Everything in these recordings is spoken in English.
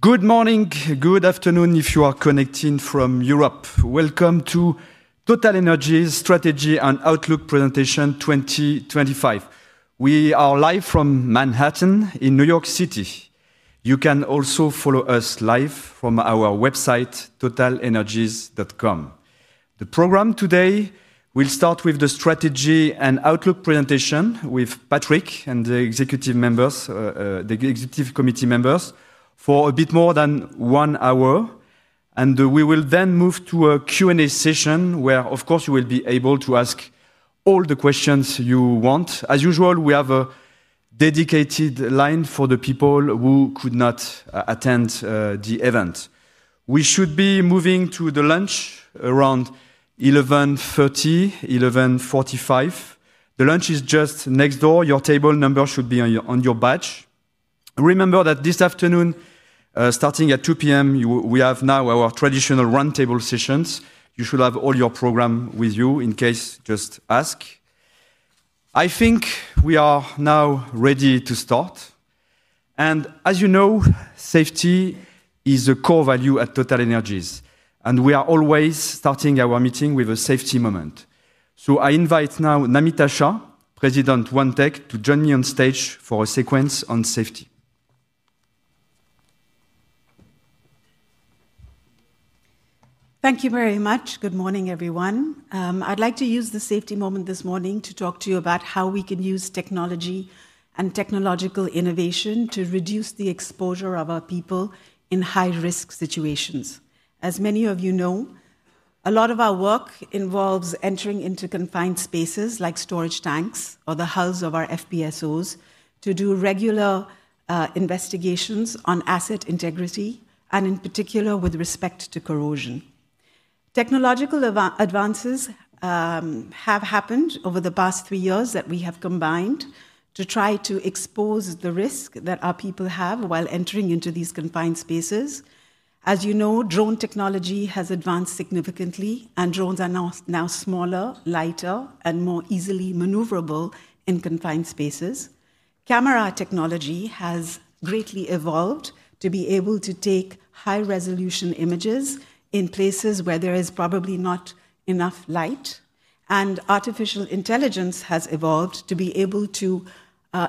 Good morning, good afternoon if you are connecting from Europe. Welcome to TotalEnergies Strategy and Outlook Presentation 2025. We are live from Manhattan in New York City. You can also follow us live from our website, totalenergies.com. The program today will start with the Strategy and Outlook Presentation with Patrick and the Executive Committee members for a bit more than one hour. We will then move to a Q&A session where, of course, you will be able to ask all the questions you want. As usual, we have a dedicated line for the people who could not attend the event. We should be moving to the lunch around 11:30, 11:45. The lunch is just next door. Your table number should be on your badge. Remember that this afternoon, starting at 2:00 P.M., we have now our traditional roundtable sessions. You should have all your programs with you. In case, just ask. I think we are now ready to start. As you know, safety is a core value at TotalEnergies. We are always starting our meeting with a safety moment. I invite now Namita Shah, President, OneTech, to join me on stage for a sequence on safety. Thank you very much. Good morning, everyone. I'd like to use the safety moment this morning to talk to you about how we can use technology and technological innovation to reduce the exposure of our people in high-risk situations. As many of you know, a lot of our work involves entering into confined spaces like storage tanks or the hulls of our FPSOs to do regular investigations on asset integrity, and in particular with respect to corrosion. Technological advances have happened over the past three years that we have combined to try to expose the risk that our people have while entering into these confined spaces. As you know, drone technology has advanced significantly, and drones are now smaller, lighter, and more easily maneuverable in confined spaces. Camera technology has greatly evolved to be able to take high-resolution images in places where there is probably not enough light. Artificial intelligence has evolved to be able to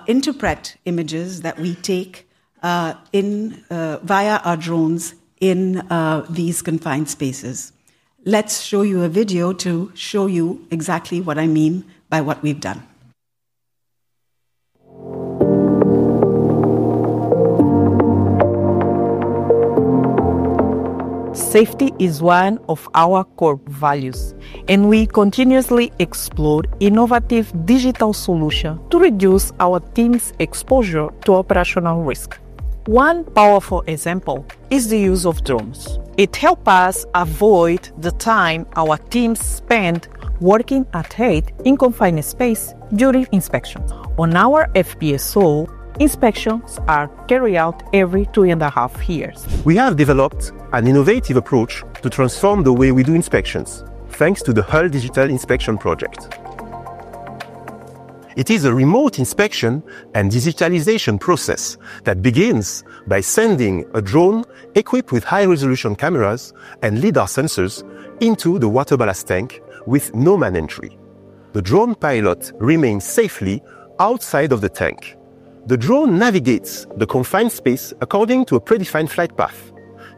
interpret images that we take via our drones in these confined spaces. Let's show you a video to show you exactly what I mean by what we've done. Safety is one of our core values, and we continuously explore innovative digital solutions to reduce our team's exposure to operational risk. One powerful example is the use of drones. It helps us avoid the time our teams spend working at home in confined spaces during inspections. On our FPSO, inspections are carried out every two and a half years. We have developed an innovative approach to transform the way we do inspections thanks to the Hull Digital Inspection Project. It is a remote inspection and digitalization process that begins by sending a drone equipped with high-resolution cameras and LIDAR sensors into the water ballast tank with no man entry. The drone pilot remains safely outside of the tank. The drone navigates the confined space according to a predefined flight path,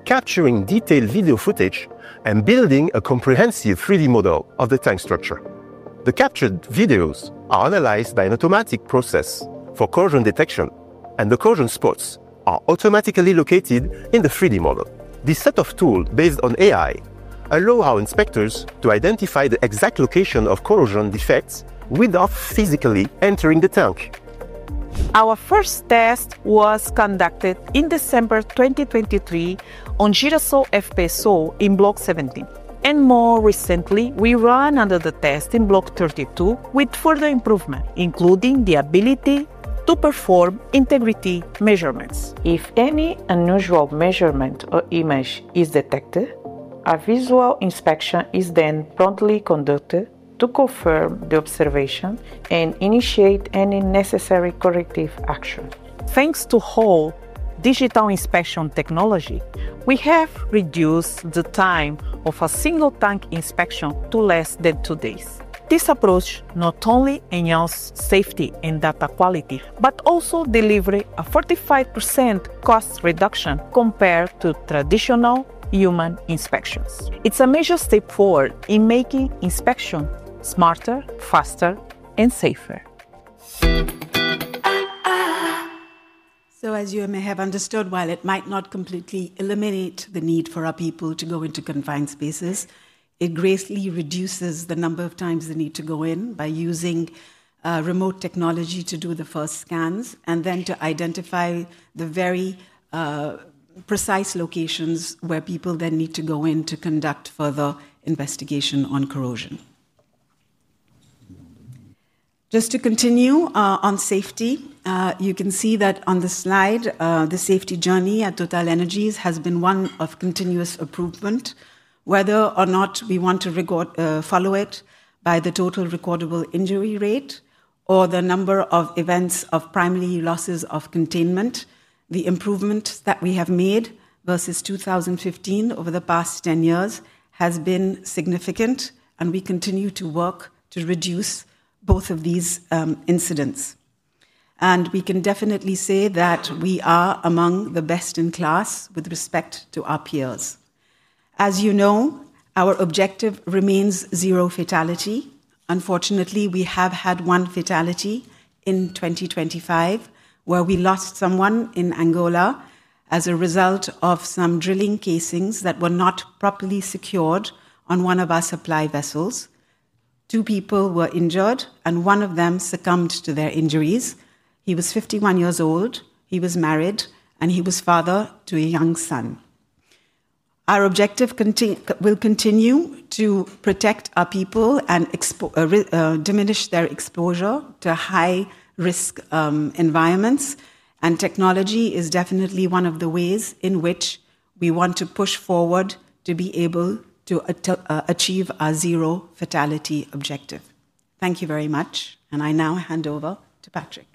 capturing detailed video footage and building a comprehensive 3D model of the tank structure. The captured videos are analyzed by an automatic process for corrosion detection, and the corrosion spots are automatically located in the 3D model. This set of tools based on AI allows our inspectors to identify the exact location of corrosion defects without physically entering the tank. Our first test was conducted in December 2023 on Jérôme's FPSO in Block 17. More recently, we ran another test in Block 32 with further improvement, including the ability to perform integrity measurements. If any unusual measurement or image is detected, a visual inspection is then promptly conducted to confirm the observation and initiate any necessary corrective action. Thanks to Hull digital inspection technology, we have reduced the time of a single tank inspection to less than two days. This approach not only enhances safety and data quality, but also delivers a 45% cost reduction compared to traditional human inspections. It's a major step forward in making inspections smarter, faster, and safer. As you may have understood, while it might not completely eliminate the need for our people to go into confined spaces, it greatly reduces the number of times they need to go in by using remote technology to do the first scans and then to identify the very precise locations where people then need to go in to conduct further investigation on corrosion. Just to continue on safety, you can see that on the slide, the safety journey at TotalEnergies has been one of continuous improvement. Whether we want to follow it by the total recordable injury rate or the number of events of primary losses of containment, the improvement that we have made versus 2015 over the past 10 years has been significant, and we continue to work to reduce both of these incidents. We can definitely say that we are among the best in class with respect to our peers. As you know, our objective remains zero fatality. Unfortunately, we have had one fatality in 2025 where we lost someone in Angola as a result of some drilling casings that were not properly secured on one of our supply vessels. Two people were injured, and one of them succumbed to their injuries. He was 51 years old, he was married, and he was father to a young son. Our objective will continue to protect our people and diminish their exposure to high-risk environments, and technology is definitely one of the ways in which we want to push forward to be able to achieve our zero fatality objective. Thank you very much, and I now hand over to Patrick.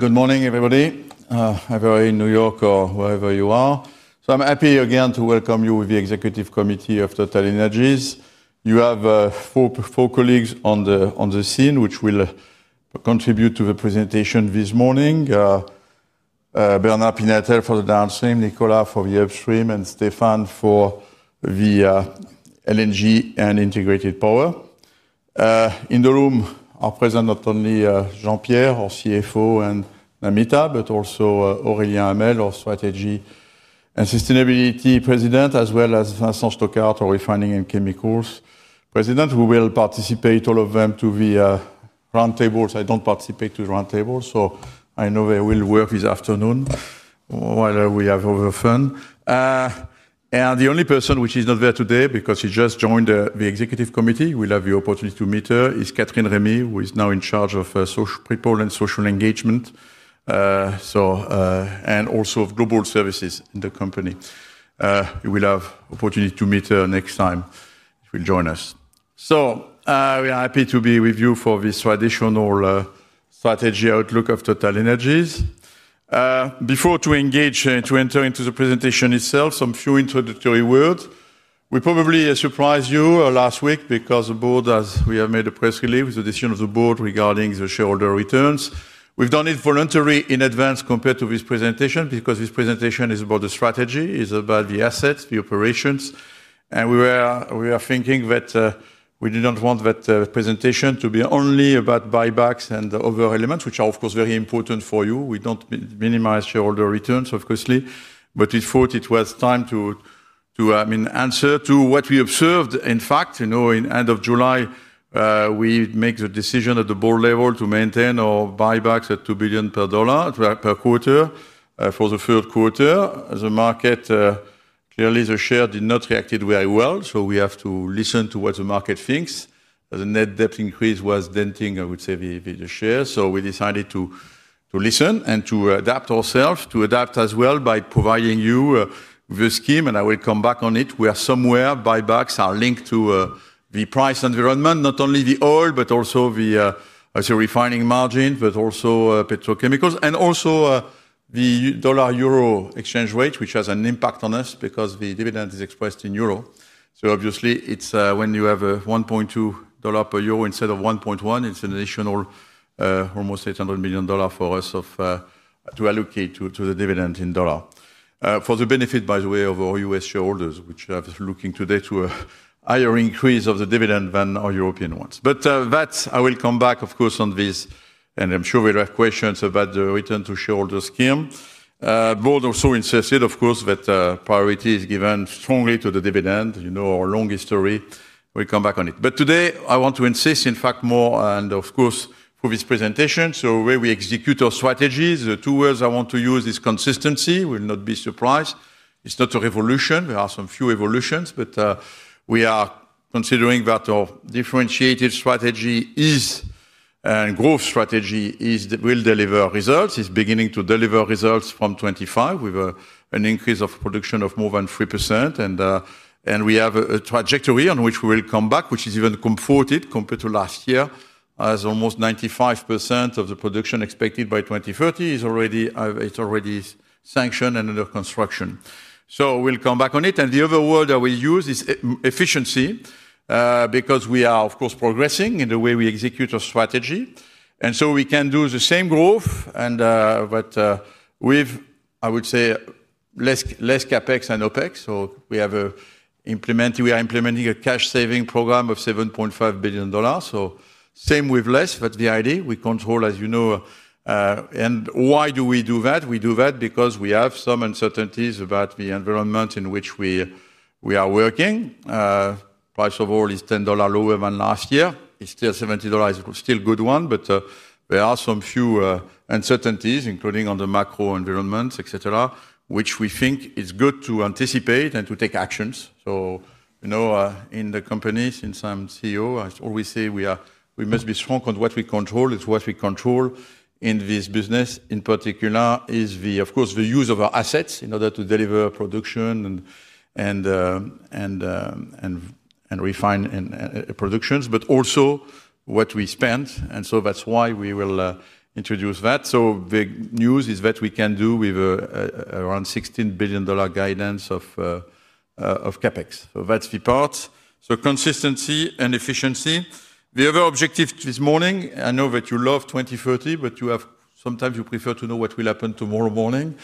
Good morning, everybody. However, in New York or wherever you are. I'm happy again to welcome you to the Executive Committee of TotalEnergies. You have four colleagues on the scene, which will contribute to the presentation this morning: Bernard Pinatel for the downstream, Nicolas for the upstream, and Stéphane for the LNG and integrated power. In the room are present not only Jean-Pierre, our CFO, and Namita, but also Aurelien Hamelle, our Strategy and Sustainability President, as well as Vincent Stoquart, our Refining and Chemicals President, who will participate, all of them, to the roundtables. I don't participate in the roundtables, so I know they will work this afternoon while we have our fun. The only person who is not there today because she just joined the Executive Committee, we'll have the opportunity to meet her, is Catherine Remy, who is now in charge of people and social engagement, and also of global services in the company. We'll have the opportunity to meet her next time she will join us. We are happy to be with you for this traditional Strategy Outlook of TotalEnergies. Before we engage and enter into the presentation itself, some few introductory words. We probably surprised you last week because the board, as we have made a press release with the decision of the board regarding the shareholder returns. We've done it voluntarily in advance compared to this presentation because this presentation is about the strategy, is about the assets, the operations, and we were thinking that we did not want that presentation to be only about buybacks and other elements, which are, of course, very important for you. We don't minimize shareholder returns, obviously, but we thought it was time to answer to what we observed. In fact, you know, in the end of July, we made the decision at the board level to maintain our buybacks at $2 billion per quarter for the third quarter. The market, the early shares did not react very well, so we have to listen to what the market thinks. The net debt increase was denting, I would say, the shares, so we decided to listen and to adapt ourselves, to adapt as well by providing you with a scheme, and I will come back on it, where somewhere buybacks are linked to the price environment, not only the oil, but also the refining margins, but also petrochemicals, and also the dollar euro exchange rate, which has an impact on us because the dividend is expressed in euro. Obviously, when you have a $1.2 per euro instead of $1.1, it's an additional almost $800 million for us to allocate to the dividend in dollar. For the benefit, by the way, of our U.S. shareholders, which are looking today to a higher increase of the dividend than our European ones. I will come back, of course, on this, and I'm sure we'll have questions about the return to shareholder scheme. The board also insisted, of course, that priority is given strongly to the dividend. You know our long history. We'll come back on it. Today, I want to insist, in fact, more and of course, for this presentation. The way we execute our strategies, the two words I want to use are consistency. We'll not be surprised. It's not a revolution. There are some few evolutions, but we are considering that our differentiated strategy and growth strategy will deliver results. It's beginning to deliver results from 2025 with an increase of production of more than 3%. We have a trajectory on which we will come back, which is even comforted compared to last year, as almost 95% of the production expected by 2030 is already sanctioned and under construction. We'll come back on it. The other word I will use is efficiency because we are, of course, progressing in the way we execute our strategy. We can do the same growth, but with, I would say, less CapEx and OpEx. We are implementing a cash-saving program of $7.5 billion. Same with less, but the idea we control, as you know. Why do we do that? We do that because we have some uncertainties about the environment in which we are working. The price of oil is $10 lower than last year. It's still $70. It's still a good one, but there are some few uncertainties, including on the macro environment, etc., which we think is good to anticipate and to take actions. In the company, since I'm CEO, I always say we must be strong on what we control. It's what we control in this business. In particular, it's the, of course, the use of our assets in order to deliver production and refine productions, but also what we spend. That's why we will introduce that. Big news is that we can do with around $16 billion guidance of CapEx. That's the part. Consistency and efficiency. The other objective this morning, I know that you love 2030, but sometimes you prefer to know what will happen tomorrow morning.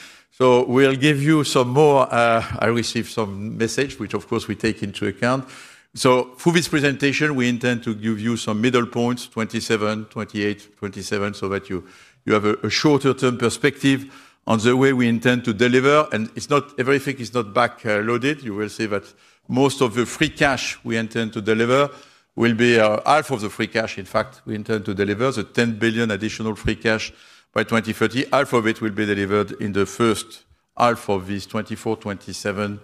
We'll give you some more. I received some messages, which, of course, we take into account. For this presentation, we intend to give you some middle points, 2027, 2028, 2027, so that you have a shorter-term perspective on the way we intend to deliver. Everything is not back-loaded. You will see that most of the free cash we intend to deliver will be half of the free cash. In fact, we intend to deliver the $10 billion additional free cash by 2030. Half of it will be delivered in the first half of this 2024-2027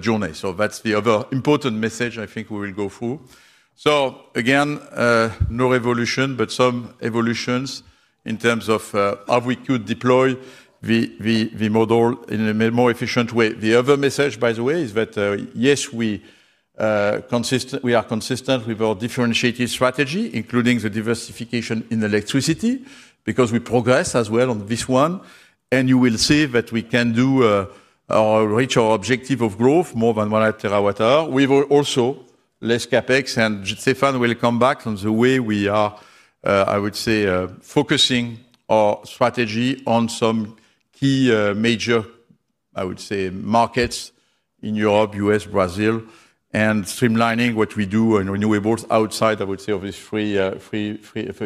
journey. That is the other important message I think we will go through. No revolution, but some evolutions in terms of how we could deploy the model in a more efficient way. The other message, by the way, is that yes, we are consistent with our differentiated strategy, including the diversification in electricity because we progress as well on this one. You will see that we can reach our objective of growth, more than 1 tWh. We've also less CAPEX. Stéphane will come back on the way we are, I would say, focusing our strategy on some key major, I would say, markets in Europe, U.S., Brazil, and streamlining what we do in renewables outside, I would say, of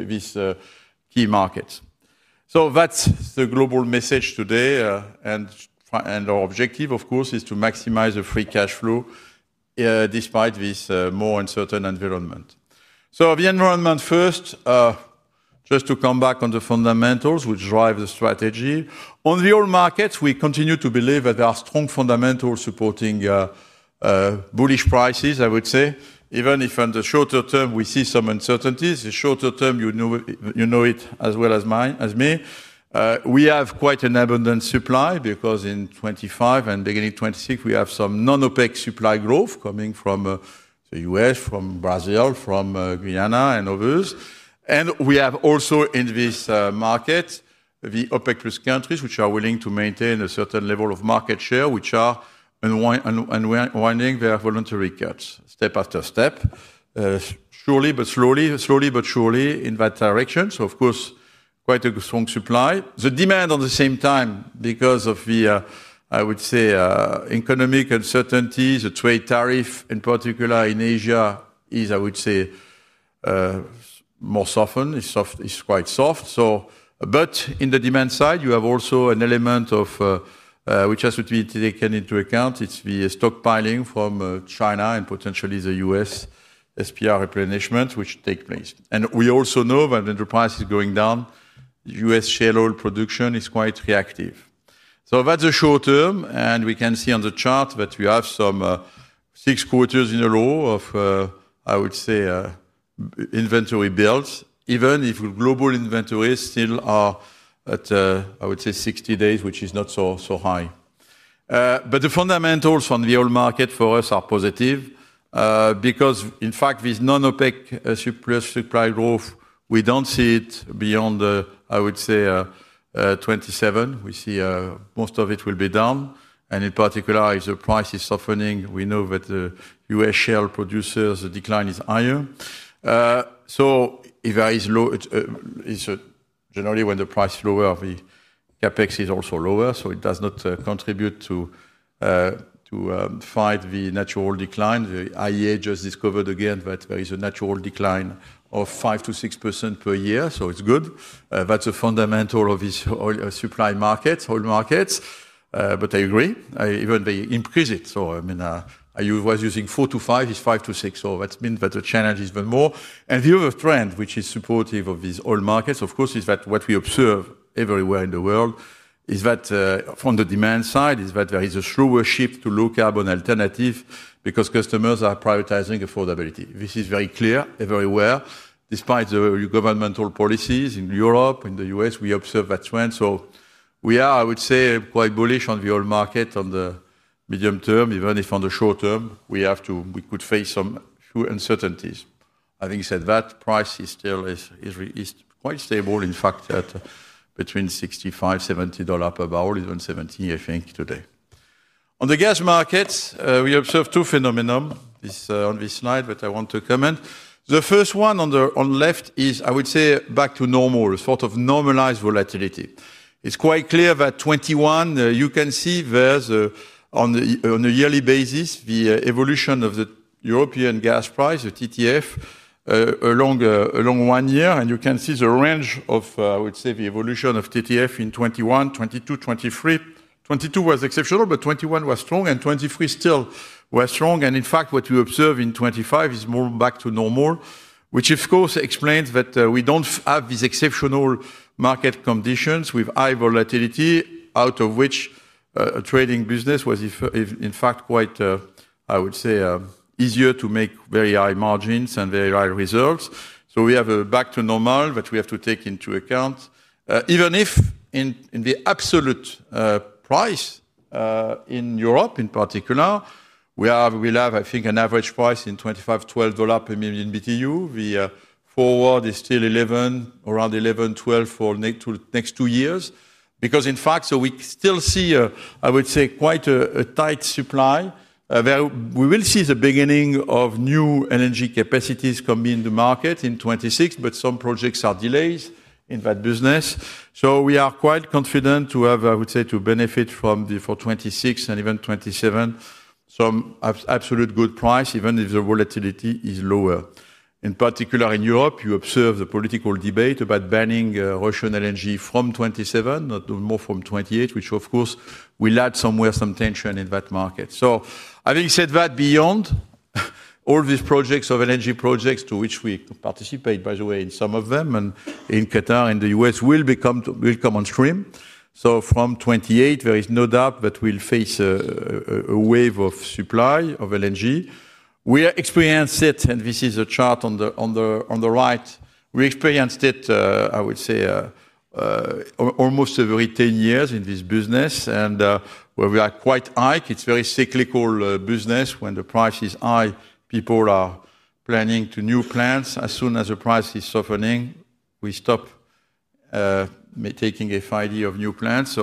these key markets. That is the global message today. Our objective, of course, is to maximize the free cash flow despite this more uncertain environment. The environment first, just to come back on the fundamentals, which drive the strategy. On the oil markets, we continue to believe that there are strong fundamentals supporting bullish prices, I would say. Even if on the shorter term, we see some uncertainties. The shorter term, you know it as well as me. We have quite an abundant supply because in 2025 and beginning 2026, we have some non-OPEC supply growth coming from the U.S., from Brazil, from Guyana, and others. We have also in these markets, the OPEC+ countries, which are willing to maintain a certain level of market share, which are unwinding their voluntary caps step after step, slowly but surely in that direction. Quite a strong supply. The demand at the same time, because of the, I would say, economic uncertainties, the trade tariff, in particular in Asia, is, I would say, more softened. It's quite soft. In the demand side, you have also an element which has to be taken into account. It's the stockpiling from China and potentially the U.S. SPR replenishment, which takes place. We also know that the enterprise is going down. U.S. shale oil production is quite reactive. That's the short term. We can see on the chart that we have some six quarters in a row of, I would say, inventory builds, even if global inventories still are at, I would say, 60 days, which is not so high. The fundamentals on the oil market for us are positive because, in fact, with non-OPEC surplus supply growth, we don't see it beyond, I would say, 2027. We see most of it will be down. In particular, if the price is softening, we know that the U.S. shale producers' decline is higher. If there is low, it's generally when the price is lower, the CapEx is also lower. It does not contribute to fight the natural decline. The IEA just discovered again that there is a natural decline of 5%-6% per year. That's a fundamental of these oil supply markets, oil markets. I agree, even they increase it. I was using 4%-5%. It's 5%-6%. That means that the challenge is even more. The other trend, which is supportive of these oil markets, of course, is that what we observe everywhere in the world is that from the demand side, there is a slower shift to low-carbon alternatives because customers are prioritizing affordability. This is very clear everywhere. Despite the governmental policies in Europe, in the U.S., we observe that trend. We are, I would say, quite bullish on the oil market on the medium term, even if on the short term, we could face some uncertainties. Having said that, price is still quite stable, in fact, at between $65, $70 pbbl, even $70, I think, today. On the gas markets, we observe two phenomenons on this slide that I want to comment. The first one on the left is, I would say, back to normal, a sort of normalized volatility. It's quite clear that 2021, you can see there's on a yearly basis, the evolution of the European gas price, the TTF, along one year. You can see the range of, I would say, the evolution of TTF in 2021, 2022, 2023. 2022 was exceptional, but 2021 was strong, and 2023 still was strong. In fact, what you observe in 2025 is more back to normal, which, of course, explains that we don't have these exceptional market conditions with high volatility, out of which a trading business was, in fact, quite, I would say, easier to make very high margins and very high results. We have a back to normal that we have to take into account. Even if in the absolute price in Europe, in particular, we have, I think, an average price in 2025, $12 per million BTU. The forward is still around $11, $12 for the next two years because, in fact, we still see, I would say, quite a tight supply. We will see the beginning of new energy capacities coming in the market in 2026, but some projects are delayed in that business. We are quite confident to have, I would say, to benefit from the for 2026 and even 2027, some absolute good price, even if the volatility is lower. In particular, in Europe, you observe the political debate about banning Russian LNG from 2027, not more from 2028, which, of course, will add somewhere some tension in that market. Having said that, beyond all these projects of LNG projects, to which we participate, by the way, in some of them, and in Qatar and the U.S. will come on stream. From 2028, there is no doubt that we'll face a wave of supply of LNG. We experienced it, and this is a chart on the right. We experienced it, I would say, almost every 10 years in this business, and we are quite high. It's a very cyclical business. When the price is high, people are planning new plans. As soon as the price is softening, we stop taking a FID of new plans.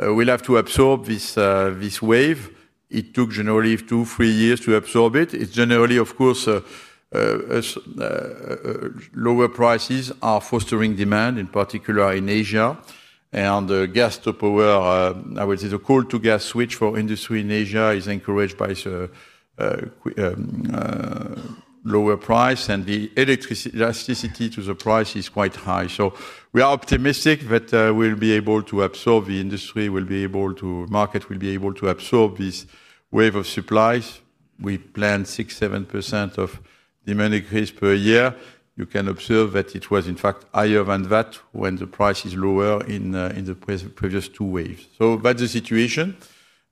We'll have to absorb this wave. It took generally two, three years to absorb it. It's generally, of course, lower prices are fostering demand, in particular in Asia. The gas to power, I would say, the coal-to-gas switch for industry in Asia is encouraged by a lower price, and the elasticity to the price is quite high. We are optimistic that we'll be able to absorb the industry, market will be able to absorb this wave of supplies. We plan 6%, 7% of demand increase per year. You can observe that it was, in fact, higher than that when the price is lower in the previous two waves. That's the situation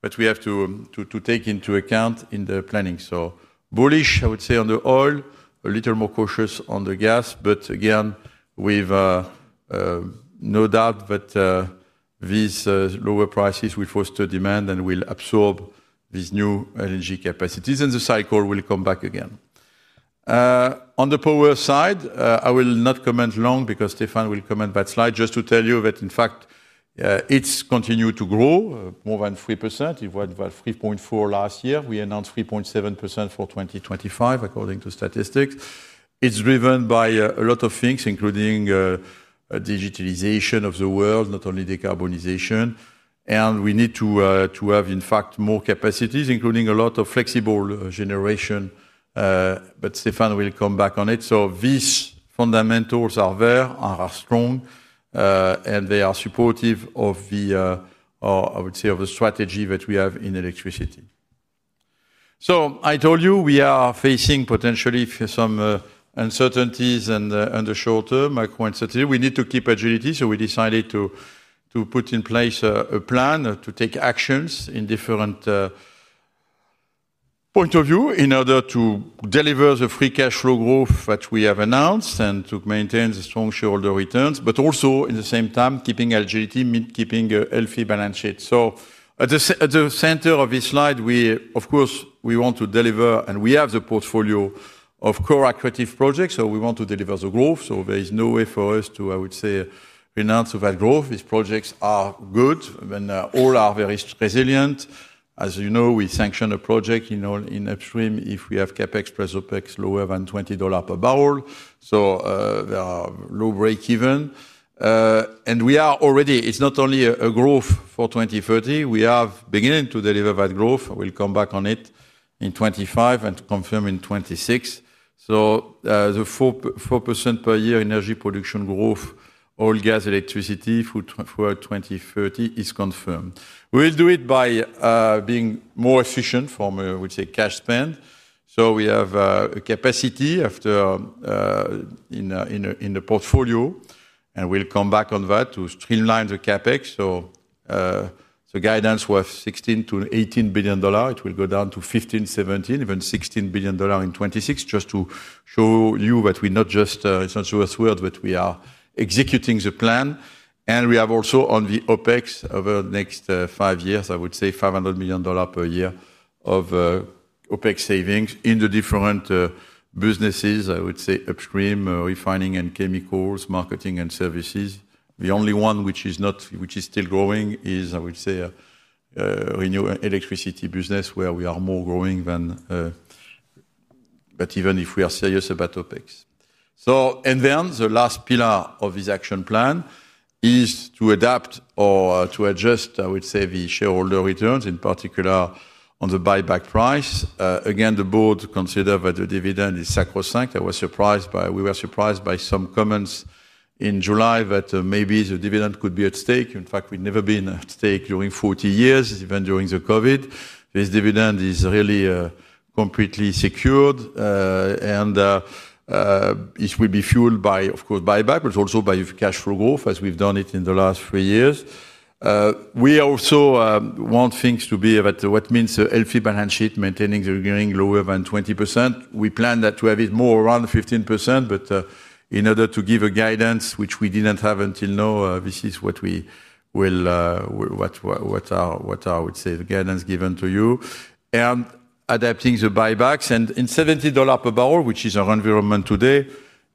that we have to take into account in the planning. Bullish, I would say, on the oil, a little more cautious on the gas. Again, we have no doubt that these lower prices will foster demand and will absorb these new energy capacities. The cycle will come back again. On the power side, I will not comment long because Stéphane will comment that slide, just to tell you that, in fact, it's continued to grow more than 3%. It was 3.4% last year. We announced 3.7% for 2025, according to statistics. It's driven by a lot of things, including digitalization of the world, not only decarbonization. We need to have, in fact, more capacities, including a lot of flexible generation. Stéphane will come back on it. These fundamentals are there, are strong, and they are supportive of the, I would say, of the strategy that we have in electricity. I told you we are facing potentially some uncertainties in the short term. We need to keep agility. We decided to put in place a plan to take actions in different points of view in order to deliver the free cash flow growth that we have announced and to maintain the strong shareholder returns, but also at the same time keeping agility, keeping a healthy balance sheet. At the center of this slide, we, of course, want to deliver, and we have the portfolio of core accuracy projects. We want to deliver the growth. There is no way for us to, I would say, renounce that growth. These projects are good. I mean, all are very resilient. As you know, we sanction a project in upstream if we have CapEx plus OpEx lower than $20 pbbl. There are low break-even. We are already, it's not only a growth for 2030. We are beginning to deliver that growth. We'll come back on it in 2025 and confirm in 2026. The 4% per year energy production growth, oil, gas, electricity for 2030 is confirmed. We'll do it by being more efficient from, I would say, cash spend. We have a capacity after in the portfolio, and we'll come back on that to streamline the CapEx. The guidance was $16 billion-$18 billion. It will go down to $15 billion, $17 billion, even $16 billion in 2026, just to show you that we're not just, it's not just a word, but we are executing the plan. We have also on the OpEx over the next five years, I would say, $500 million per year of OpEx savings in the different businesses, I would say, upstream, refining and chemicals, marketing and services. The only one which is still growing is, I would say, the electricity business where we are more growing than even if we are serious about OpEx. The last pillar of this action plan is to adapt or to adjust, I would say, the shareholder returns, in particular on the buyback price. Again, the board considered that the dividend is sacrosanct. I was surprised by, we were surprised by some comments in July that maybe the dividend could be at stake. In fact, we've never been at stake during 40 years, even during the COVID. This dividend is really completely secured. It will be fueled by, of course, buyback, but also by cash flow growth, as we've done it in the last three years. We also want things to be what means the healthy balance sheet, maintaining the gearing lower than 20%. We plan that to have it more around 15%, but in order to give a guidance, which we didn't have until now, this is what we will, what I would say, the guidance given to you, and adapting the buybacks. In $70 pbbl, which is our environment today,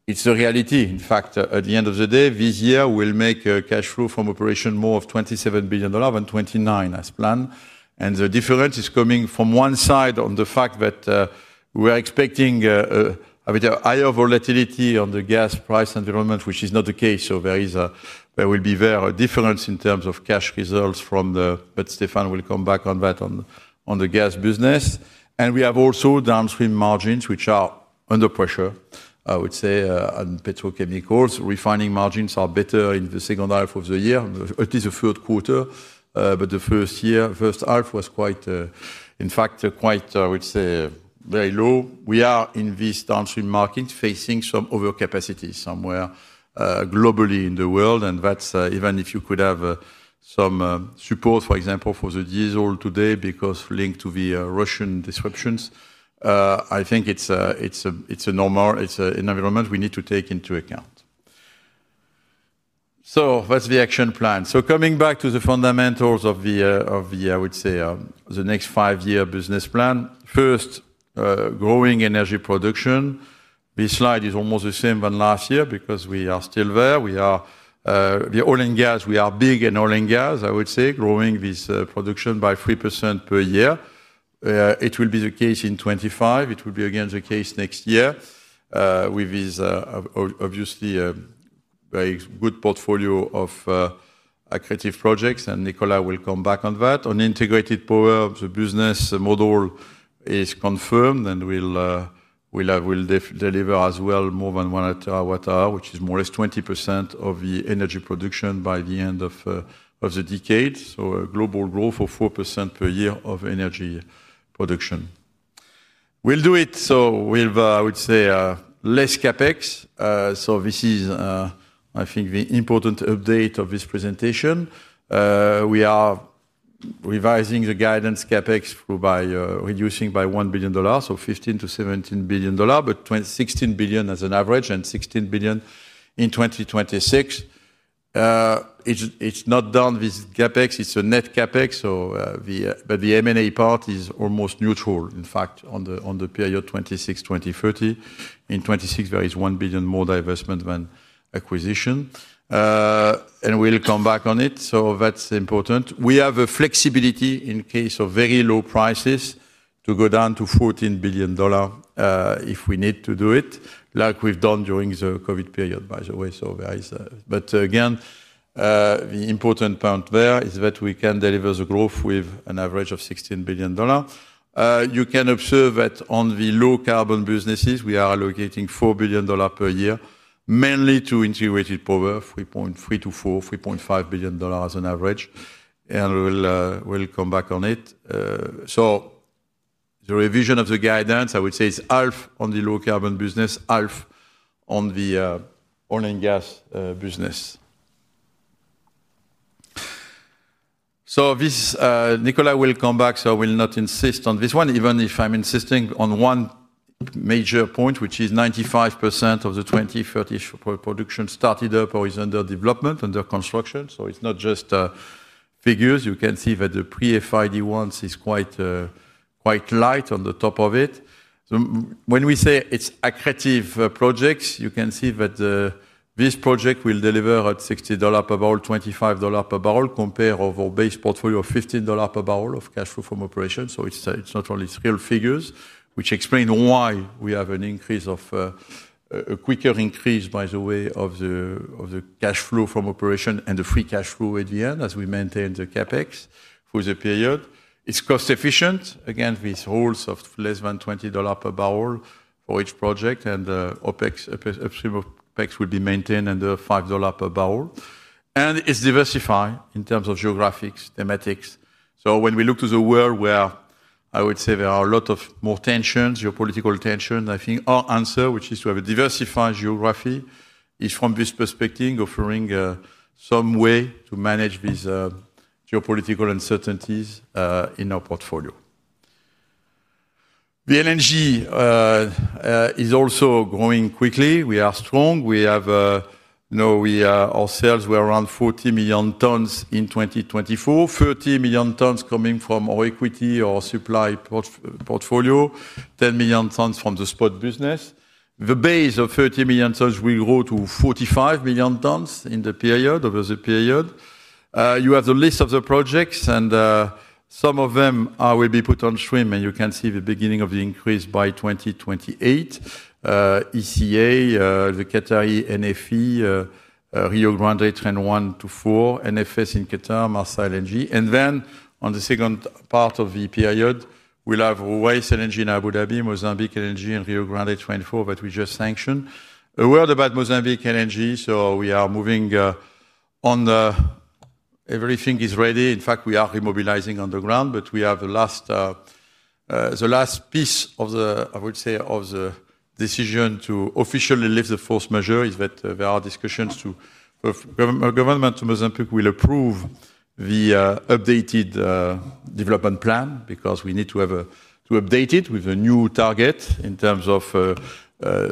it's a reality. In fact, at the end of the day, this year we'll make cash flow from operations more of $27 billion than $29 billion as planned. The difference is coming from one side on the fact that we're expecting a bit higher volatility on the gas price environment, which is not the case. There will be a difference in terms of cash results from the, but Stéphane will come back on that on the gas business. We have also downstream margins, which are under pressure, I would say, on petrochemicals. Refining margins are better in the second half of the year, at least the third quarter, but the first half was quite, in fact, quite, I would say, very low. We are in these downstream markets facing some overcapacity somewhere globally in the world. That's even if you could have some support, for example, for the diesel today because linked to the Russian disruptions, I think it's a normal, it's an environment we need to take into account. That's the action plan. Coming back to the fundamentals of the, I would say, the next five-year business plan. First, growing energy production. This slide is almost the same as last year because we are still there. We are the oil and gas. We are big in oil and gas, I would say, growing this production by 3% per year. It will be the case in 2025. It will be again the case next year with this, obviously, a very good portfolio of accuracy projects. Nicolas will come back on that. On integrated power, the business model is confirmed and will deliver as well more than 1 tWh, which is more or less 20% of the energy production by the end of the decade. A global growth of 4% per year of energy production. We'll do it. We've, I would say, less CAPEX. This is, I think, the important update of this presentation. We are revising the guidance CAPEX by reducing by $1 billion, so $15 to $17 billion, but $16 billion as an average and $16 billion in 2026. It's not down this CAPEX. It's a net CAPEX. The M&A part is almost neutral, in fact, on the period 2026-2030. In 2026, there is $1 billion more divestment than acquisition. We'll come back on it. That's important. We have a flexibility in case of very low prices to go down to $14 billion if we need to do it, like we've done during the COVID period, by the way. Again, the important point there is that we can deliver the growth with an average of $16 billion. You can observe that on the low-carbon businesses, we are allocating $4 billion per year, mainly to integrated power, $3.3 billion- $4.5 billion as an average. We'll come back on it. The revision of the guidance, I would say, is half on the low-carbon business, half on the oil and gas business. Nicolas will come back, so I will not insist on this one, even if I'm insisting on one major point, which is 95% of the 2030 production started up or is under development, under construction. It's not just figures. You can see that the pre-FID ones are quite light on the top of it. When we say it's accuracy projects, you can see that this project will deliver at $60 pbbl, $25 pbbl, compared with our base portfolio of $15 pbbl of cash flow from operations. It's not only real figures, which explain why we have an increase of a quicker increase, by the way, of the cash flow from operation and the free cash flow at the end, as we maintain the CAPEX for the period. It's cost-efficient. Again, these holes of less than $20 pbbl for each project, and upstream OPEX would be maintained under $5 pbbl. It's diversified in terms of geographics, thematics. When we look to the world, where I would say there are a lot of more tensions, geopolitical tensions, I think our answer, which is to have a diversified geography, is from this perspective, offering some way to manage these geopolitical uncertainties in our portfolio. The LNG is also growing quickly. We are strong. We have, you know, ourselves, we're around 40 million tons in 2024, 30 million tons coming from our equity or supply portfolio, 10 million tons from the spot business. The base of 30 million tons will grow to 45 million tons in the period over the period. You have the list of the projects, and some of them will be put on stream. You can see the beginning of the increase by 2028. ECA, the Qatari NFE, Rio Grande Train 1 to 4, NFS in Qatar, Mozambique LNG. On the second part of the period, we'll have Ruwa's LNG in Abu Dhabi, Mozambique LNG, and Rio Grande Train 4 that we just sanctioned. A word about Mozambique LNG. We are moving on. Everything is ready. In fact, we are remobilizing on the ground, but we have the last piece of the, I would say, of the decision to officially lift the force majeure is that there are discussions of government to Mozambique will approve the updated development plan because we need to update it with a new target in terms of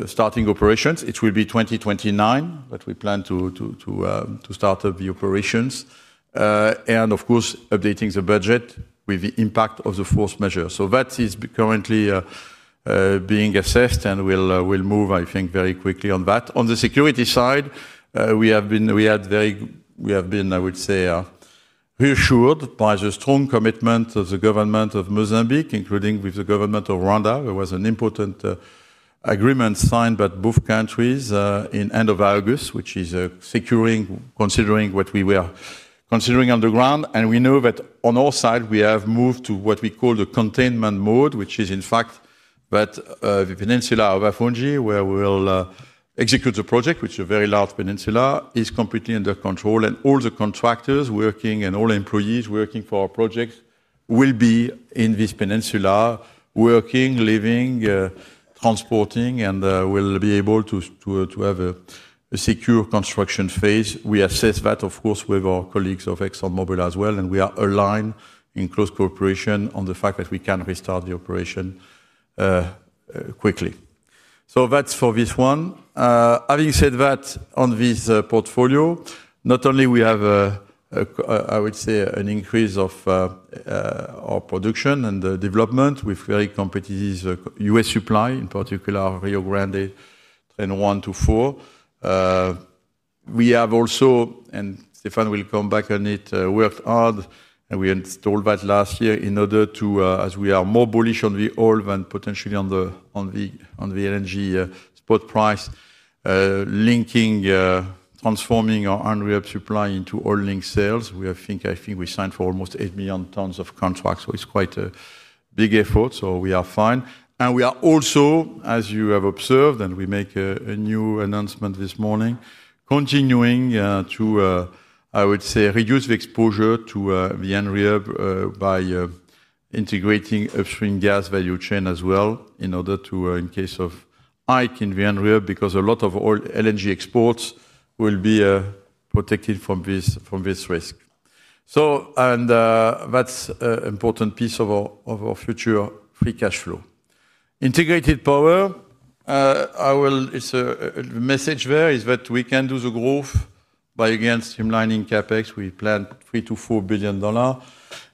starting operations. It will be 2029 that we plan to start up the operations. Of course, updating the budget with the impact of the force majeure. That is currently being assessed, and we'll move, I think, very quickly on that. On the security side, we have been, I would say, reassured by the strong commitment of the government of Mozambique, including with the government of Rwanda. It was an important agreement signed by both countries in the end of August, which is considering what we were considering on the ground. We know that on our side, we have moved to what we call the containment mode, which is, in fact, that the peninsula of Afungi, where we'll execute the project, which is a very large peninsula, is completely under control. All the contractors working and all employees working for our projects will be in this peninsula, working, living, transporting, and will be able to have a secure construction phase. We assess that, of course, with our colleagues of ExxonMobil as well, and we are aligned in close cooperation on the fact that we can restart the operation quickly. That's for this one. Having said that, on this portfolio, not only we have, I would say, an increase of our production and the development with very competitive U.S. supply, in particular Rio Grande and 1 to 4. We have also, and Stéphane will come back on it, worked hard, and we installed that last year in order to, as we are more bullish on the oil and potentially on the LNG spot price, linking, transforming our unreal supply into oil link sales. I think we signed for almost 8 million tons of contracts. It's quite a big effort. We are fine. We are also, as you have observed, and we made a new announcement this morning, continuing to, I would say, reduce the exposure to the unreal by integrating upstream gas value chain as well in order to, in case of hike in the unreal, because a lot of oil LNG exports will be protected from this risk. That's an important piece of our future free cash flow. Integrated power, our message there is that we can do the growth by, again, streamlining CAPEX. We plan $3 billion-$4 billion.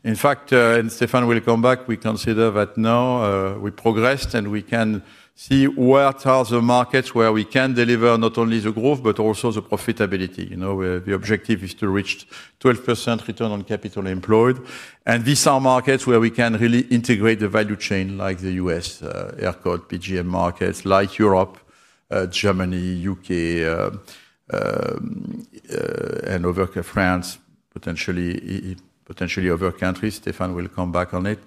In fact, and Stéphane will come back, we consider that now we progressed and we can see what are the markets where we can deliver not only the growth, but also the profitability. You know, the objective is to reach 12% return on capital employed. These are markets where we can really integrate the value chain, like the U.S., Aircode, PGM markets, like Europe, Germany, U.K., and over France, potentially other countries. Stéphane will come back on it.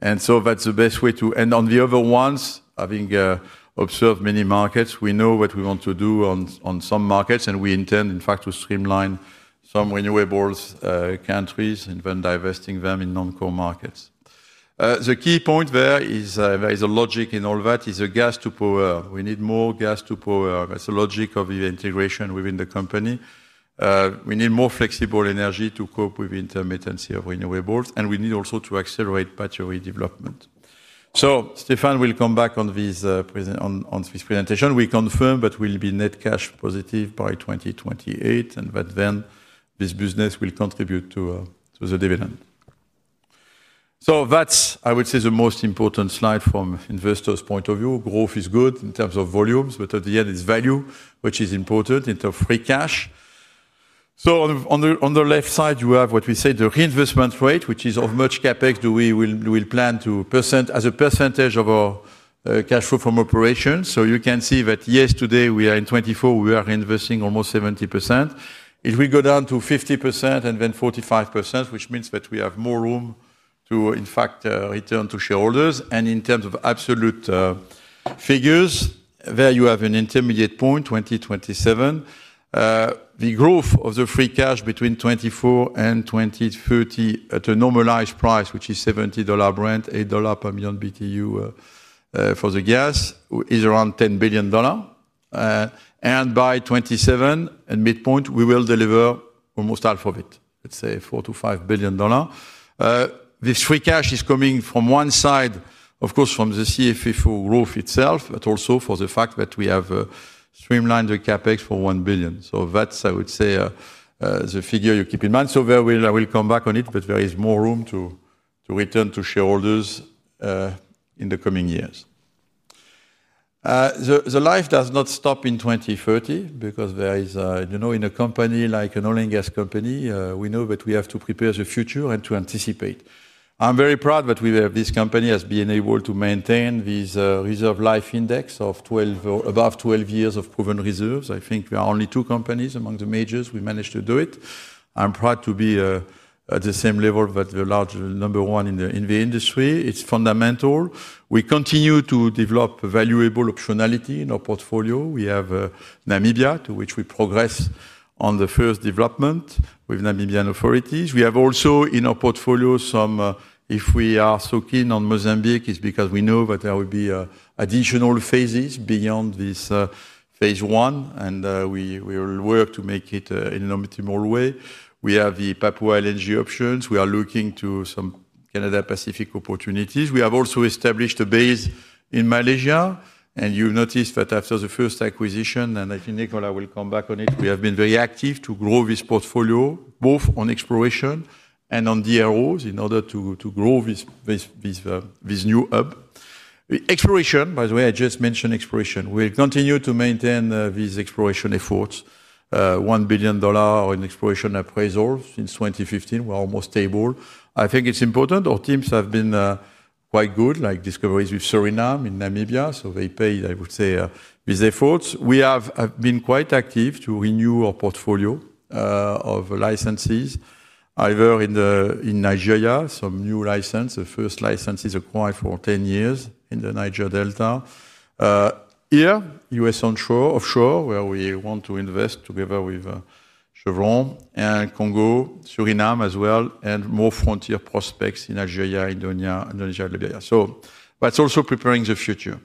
That's the best way to end on the other ones. Having observed many markets, we know what we want to do on some markets, and we intend, in fact, to streamline some renewables countries, and then divesting them in non-core markets. The key point there is there is a logic in all that is the gas to power. We need more gas to power. That's the logic of the integration within the company. We need more flexible energy to cope with the intermittency of renewables, and we need also to accelerate battery development. Stéphane will come back on this presentation. We confirm that we'll be net cash positive by 2028, and that then this business will contribute to the dividend. That's, I would say, the most important slide from an investor's point of view. Growth is good in terms of volumes, but at the end, it's value, which is important, in terms of free cash. On the left side, you have what we say, the reinvestment rate, which is how much CAPEX do we plan to present as a percentage of our cash flow from operations. You can see that, yes, today we are in 2024, we are reinvesting almost 70%. If we go down to 50% and then 45%, which means that we have more room to, in fact, return to shareholders. In terms of absolute figures, there you have an intermediate point, 2027. The growth of the free cash between 2024 and 2030 at a normalized price, which is $70 Brent, $8 per million BTU for the gas, is around $10 billion. By 2027, at midpoint, we will deliver almost half of it, let's say, $4 billion-$5 billion. This free cash is coming from one side, of course, from the CFE for growth itself, but also for the fact that we have streamlined the CAPEX for $1 billion. That's, I would say, the figure you keep in mind. I will come back on it, but there is more room to return to shareholders in the coming years. Life does not stop in 2030 because there is, you know, in a company like an oil and gas company, we know that we have to prepare the future and to anticipate. I'm very proud that we have this company that's been able to maintain this reserve life index of above 12 years of proven reserves. I think we are only two companies among the majors who managed to do it. I'm proud to be at the same level as the large number one in the industry. It's fundamental. We continue to develop valuable optionality in our portfolio. We have Namibia, to which we progress on the first development with Namibian authorities. We have also in our portfolio some, if we are so keen on Mozambique, it's because we know that there will be additional phases beyond this phase I, and we will work to make it in an optimal way. We have the Papua LNG options. We are looking to some Canada Pacific opportunities. We have also established a base in Malaysia, and you've noticed that after the first acquisition, and I think Nicolas will come back on it, we have been very active to grow this portfolio, both on exploration and on DROs, in order to grow this new hub. Exploration, by the way, I just mentioned exploration. We'll continue to maintain these exploration efforts. $1 billion in exploration appraisals since 2015. We're almost stable. I think it's important. Our teams have been quite good, like discoveries with Surinam in Namibia. They paid, I would say, these efforts. We have been quite active to renew our portfolio of licenses, either in Nigeria, some new license, the first licenses acquired for 10 years in the Niger Delta. Here, U.S. offshore, where we want to invest together with Chevron and Congo, Surinam as well, and more frontier prospects in Nigeria, Indonesia, Liberia. That's also preparing the future.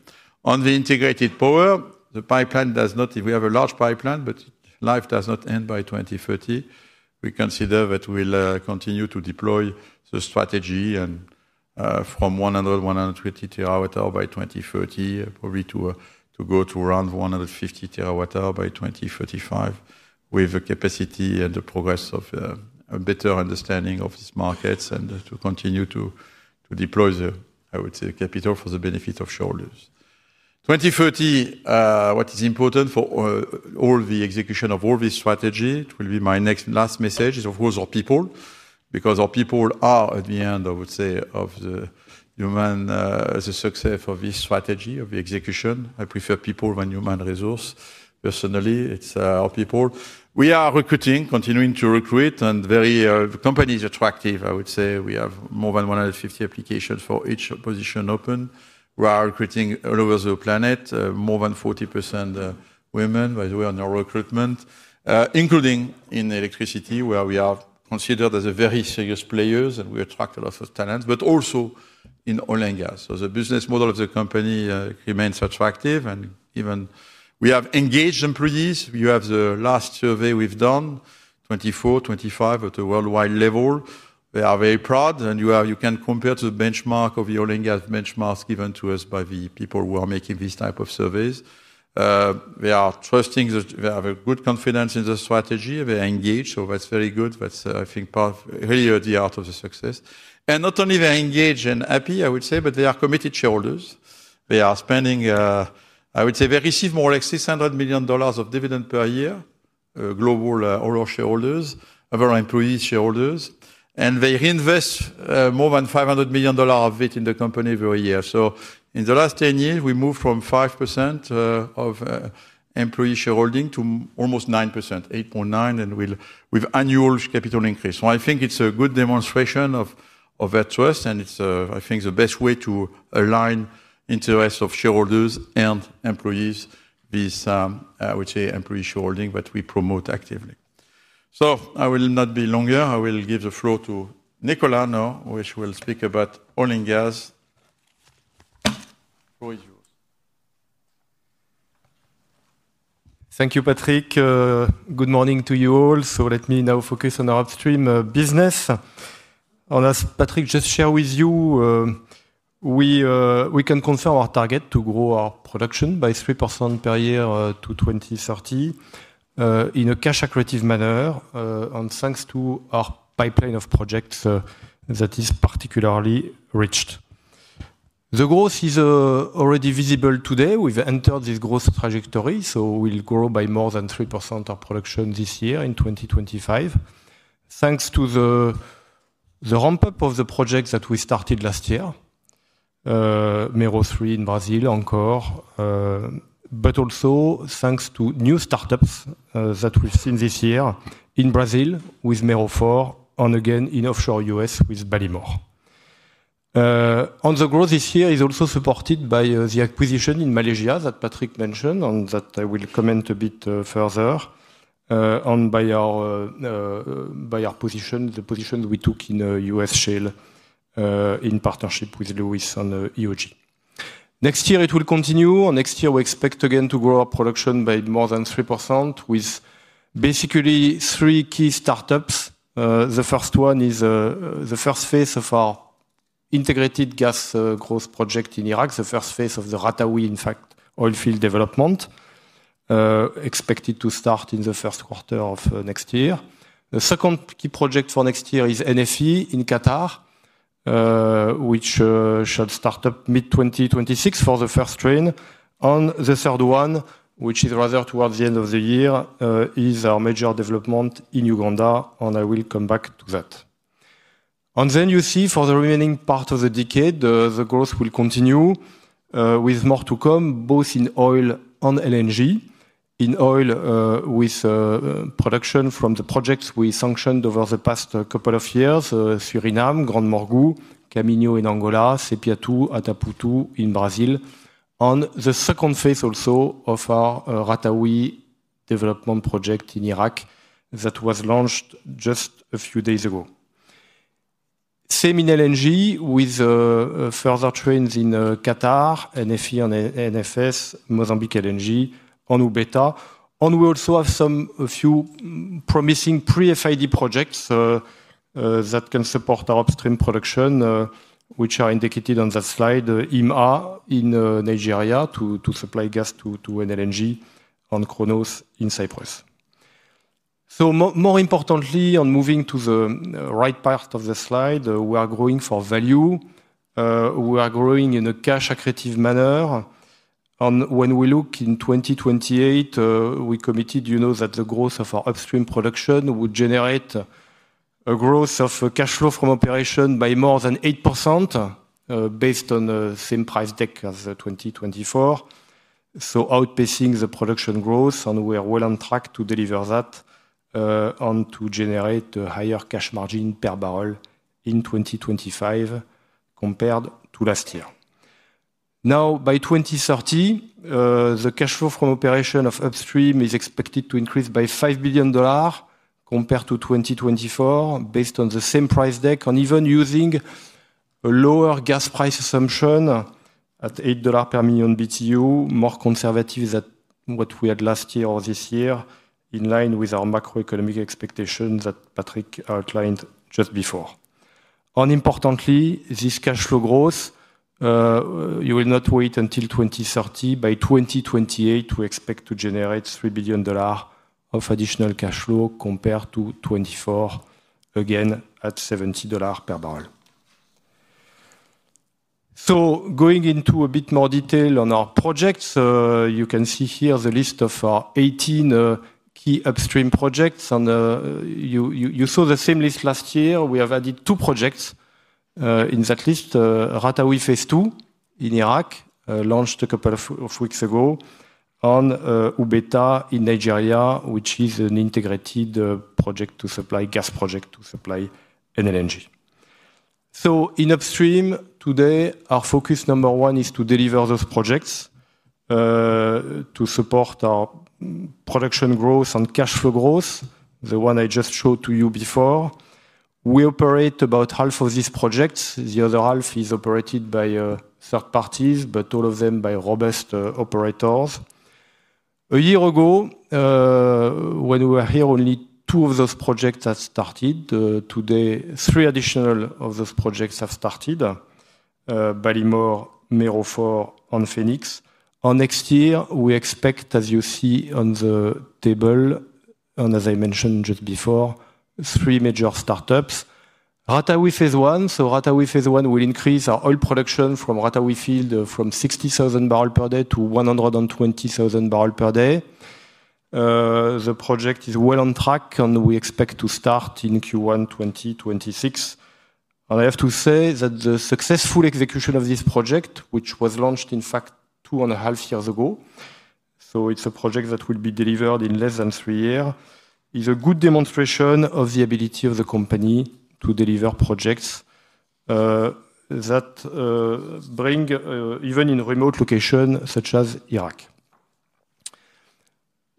On the integrated power, the pipeline does not, if we have a large pipeline, but life does not end by 2030. We consider that we'll continue to deploy the strategy from 100 tWh, 120 tWh by 2030, probably to go to around 150 tWh by 2035 with the capacity and the progress of a better understanding of these markets and to continue to deploy the, I would say, the capital for the benefit of shareholders. 2030, what is important for all the execution of all this strategy, it will be my next last message, is of course our people, because our people are at the end, I would say, of the human success of this strategy, of the execution. I prefer people than human resource. Personally, it's our people. We are recruiting, continuing to recruit, and the company is attractive, I would say. We have more than 150 applications for each position open. We are recruiting all over the planet, more than 40% women, by the way, on our recruitment, including in electricity, where we are considered as a very serious player and we attract a lot of talents, but also in oil and gas. The business model of the company remains attractive. Even we have engaged employees. You have the last survey we've done, 2024, 2025, at the worldwide level. We are very proud. You can compare to the benchmark of the oil and gas benchmarks given to us by the people who are making these types of surveys. They are trusting that they have a good confidence in the strategy. They are engaged. That's very good. That's, I think, part of really the art of the success. Not only they are engaged and happy, I would say, but they are committed shareholders. They are spending, I would say, they receive more like $600 million of dividend per year, global owner shareholders, our employees' shareholders. They reinvest more than $500 million of it in the company every year. In the last 10 years, we moved from 5% of employee shareholding to almost 9%, 8.9%, and with annual capital increase. I think it's a good demonstration of that trust. It's, I think, the best way to align interests of shareholders and employees, this, I would say, employee shareholding that we promote actively. I will not be longer. I will give the floor to Nicolas, which will speak about oil and gas. Thank you, Patrick. Good morning to you all. Let me now focus on our upstream business. On us, Patrick, just share with you, we can consider our target to grow our production by 3% per year to 2030 in a cash-accuracy manner, and thanks to our pipeline of projects that is particularly rich. The growth is already visible today. We've entered this growth trajectory. We'll grow by more than 3% of production this year in 2025, thanks to the ramp-up of the projects that we started last year, MERO3 in Brazil, Ankor, but also thanks to new startups that we've seen this year in Brazil with MERO4, and again in offshore U.S. with Ballymore. The growth this year is also supported by the acquisition in Malaysia that Patrick mentioned, and that I will comment a bit further on by our position, the position we took in the U.S. shale in partnership with Lewis and EOG. Next year, it will continue. Next year, we expect again to grow our production by more than 3% with basically three key startups. The first one is the first phase of our integrated gas growth project in Iraq, the first phase of the Ratawi, in fact, oil field development, expected to start in the first quarter of next year. The second key project for next year is NFE in Qatar, which should start up mid-2026 for the first train. The third one, which is rather towards the end of the year, is our major development in Uganda. I will come back to that. For the remaining part of the decade, the growth will continue with more to come, both in oil and LNG. In oil, with production from the projects we sanctioned over the past couple of years, Suriname, Grand Mouguerre, Cameia in Angola, Sepia Atapu in Brazil, and the second phase also of our Ratawi development project in Iraq that was launched just a few days ago. Semeini LNG with further trains in Qatar, NFE and NFS, Mozambique LNG, and Ubeta. We also have a few promising pre-FID projects that can support our upstream production, which are indicated on the slide, IMA in Nigeria to supply gas to NLNG and Kronos in Cyprus. More importantly, and moving to the right part of the slide, we are growing for value. We are growing in a cash-accuracy manner. When we look in 2028, we committed, you know, that the growth of our upstream production would generate a growth of cash flow from operation by more than 8% based on the same price deck as 2024. This is outpacing the production growth, and we are well on track to deliver that and to generate a higher cash margin per barrel in 2025 compared to last year. By 2030, the cash flow from operation of upstream is expected to increase by $5 billion compared to 2024 based on the same price deck. Even using a lower gas price assumption at $8 per million BTU, more conservative than what we had last year or this year, in line with our macroeconomic expectations that Patrick outlined just before, this cash flow growth, you will not wait until 2030. By 2028, we expect to generate $3 billion of additional cash flow compared to 2024, again at $70 pbbl. Going into a bit more detail on our projects, you can see here the list of our 18 key upstream projects. You saw the same list last year. We have added two projects in that list: Ratawi phase II in Iraq, launched a couple of weeks ago, and Ubeta in Nigeria, which is an integrated project to supply gas to NLNG. In upstream today, our focus number one is to deliver those projects to support our production growth and cash flow growth, the one I just showed to you before. We operate about half of these projects. The other half is operated by third parties, but all of them by robust operators. A year ago, when we were here, only two of those projects had started. Today, three additional of those projects have started: Balimor, MERO4, and Phoenix. Next year, we expect, as you see on the table and as I mentioned just before, three major startups: Ratawi phase I. Ratawi phase I will increase our oil production from Ratawi field from 60,000 bpd to 120,000 bpd. The project is well on track, and we expect to start in Q1 2026. I have to say that the successful execution of this project, which was launched, in fact, two and a half years ago, so it's a project that will be delivered in less than three years, is a good demonstration of the ability of the company to deliver projects even in remote locations such as Iraq.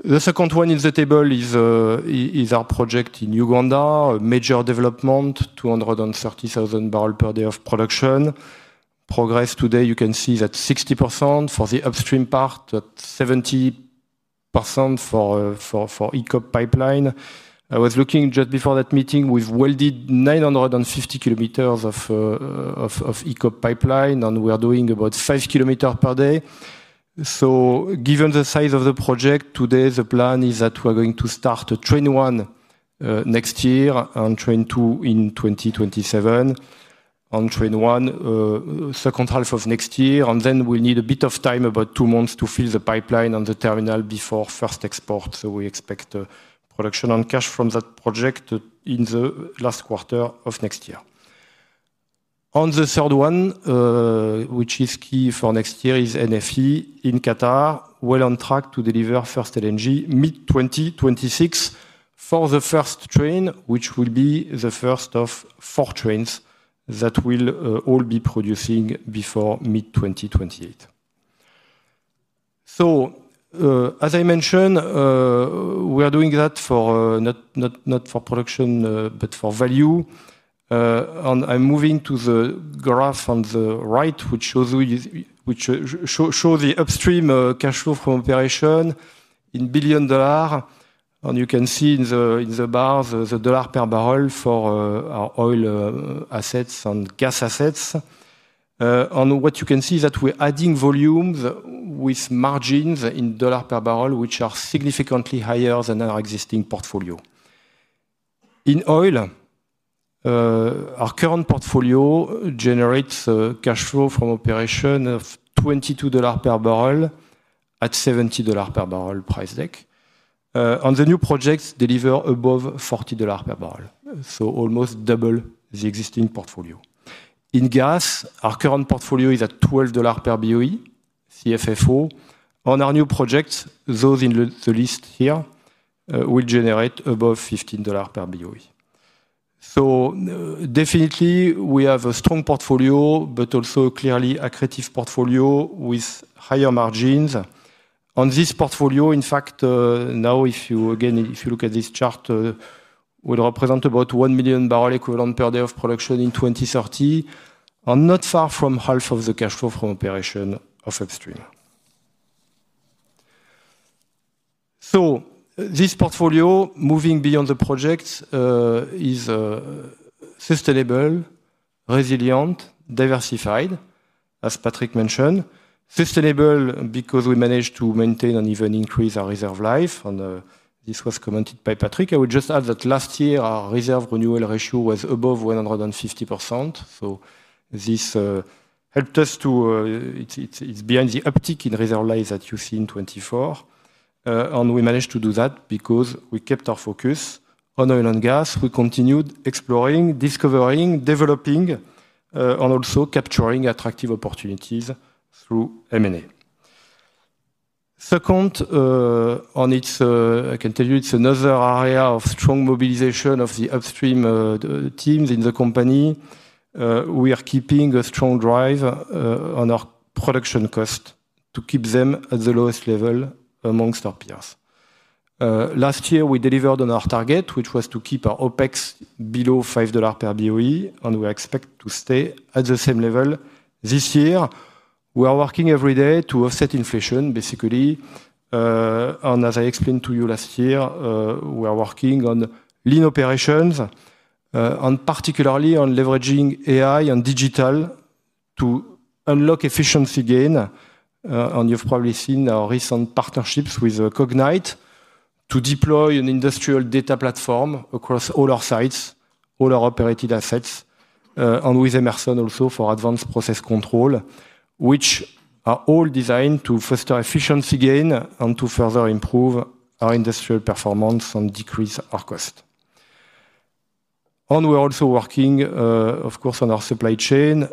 The second one in the table is our project in Uganda, a major development, 230,000 bpd of production. Progress today, you can see that 60% for the upstream part, 70% for ECOP pipeline. I was looking just before that meeting with welded 950 kilometers of ECOP pipeline, and we are doing about 5 kilometers per day. Given the size of the project, today the plan is that we're going to start train one next year and train two in 2027. Train one, second half of next year. We'll need a bit of time, about two months, to fill the pipeline and the terminal before first export. We expect production and cash from that project in the last quarter of next year. The third one, which is key for next year, is NFE in Qatar, well on track to deliver first LNG mid-2026 for the first train, which will be the first of four trains that will all be producing before mid-2028. As I mentioned, we are doing that not for production, but for value. I'm moving to the graph on the right, which shows the upstream cash flow from operation in billion dollars. You can see in the bars the dollar pbbl for our oil assets and gas assets. What you can see is that we're adding volumes with margins in dollar per barrel, which are significantly higher than our existing portfolio. In oil, our current portfolio generates cash flow from operation of $22 pbbl at $70 pbbl price deck, and the new projects deliver above $40 pbbl, so almost double the existing portfolio. In gas, our current portfolio is at $12 per BOE CFFO, and our new projects, those in the list here, will generate above $15 per BOE. We have a strong portfolio, but also a clearly accuracy portfolio with higher margins. This portfolio, in fact, now, if you look at this chart, will represent about 1 million barrel equivalent per day of production in 2030, and not far from half of the cash flow from operation of upstream. This portfolio, moving beyond the projects, is sustainable, resilient, diversified, as Patrick mentioned. Sustainable because we managed to maintain and even increase our reserve life. This was commented by Patrick. I would just add that last year, our reserve renewal ratio was above 150%. This helped us to, it's behind the uptick in reserve life that you see in 2024. We managed to do that because we kept our focus on oil and gas. We continued exploring, discovering, developing, and also capturing attractive opportunities through M&A. Second, I can tell you, it's another area of strong mobilization of the upstream teams in the company. We are keeping a strong drive on our production cost to keep them at the lowest level amongst our peers. Last year, we delivered on our target, which was to keep our OPEX below $5 per BOE, and we expect to stay at the same level. This year, we are working every day to offset inflation, basically. As I explained to you last year, we are working on lean operations, and particularly on leveraging AI and digital to unlock efficiency gain. You have probably seen our recent partnerships with Cognite to deploy an industrial data platform across all our sites, all our operated assets, and with Emerson also for advanced process control, which are all designed to foster efficiency gain and to further improve our industrial performance and decrease our cost. We are also working, of course, on our supply chain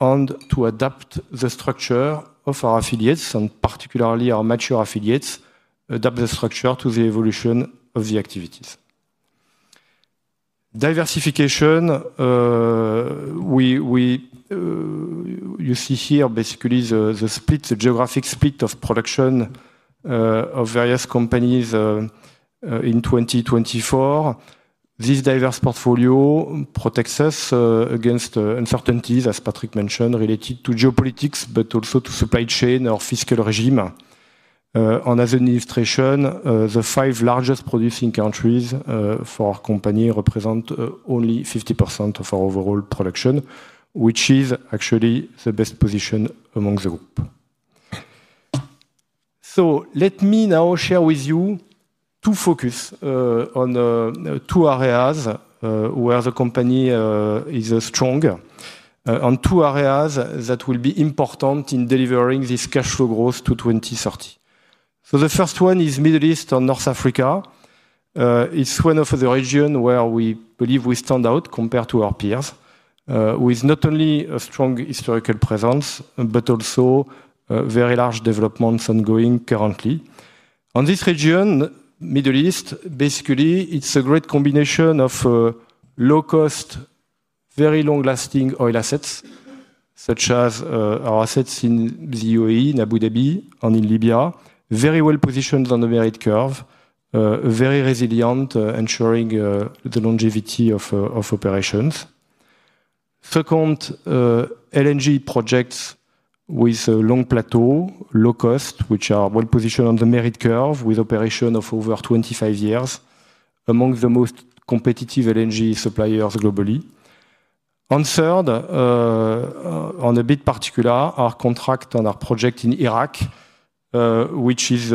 and to adapt the structure of our affiliates, and particularly our mature affiliates, to adapt the structure to the evolution of the activities. Diversification, you see here, basically, the geographic split of production of various companies in 2024. This diverse portfolio protects us against uncertainties, as Patrick mentioned, related to geopolitics, but also to supply chain or fiscal regime. As an illustration, the five largest producing countries for our company represent only 50% of our overall production, which is actually the best position among the group. Let me now share with you two focus on two areas where the company is strong, and two areas that will be important in delivering this cash flow growth to 2030. The first one is Middle East and North Africa. It is one of the regions where we believe we stand out compared to our peers, with not only a strong historical presence, but also very large developments ongoing currently. This region, Middle East, basically, is a great combination of low-cost, very long-lasting oil assets, such as our assets in the UAE, in Abu Dhabi, and in Libya, very well positioned on the merit curve, very resilient, ensuring the longevity of operations. Second, LNG projects with a long plateau, low cost, which are well positioned on the merit curve with operation of over 25 years, among the most competitive LNG suppliers globally. Third, and a bit particular, our contract and our project in Iraq, which is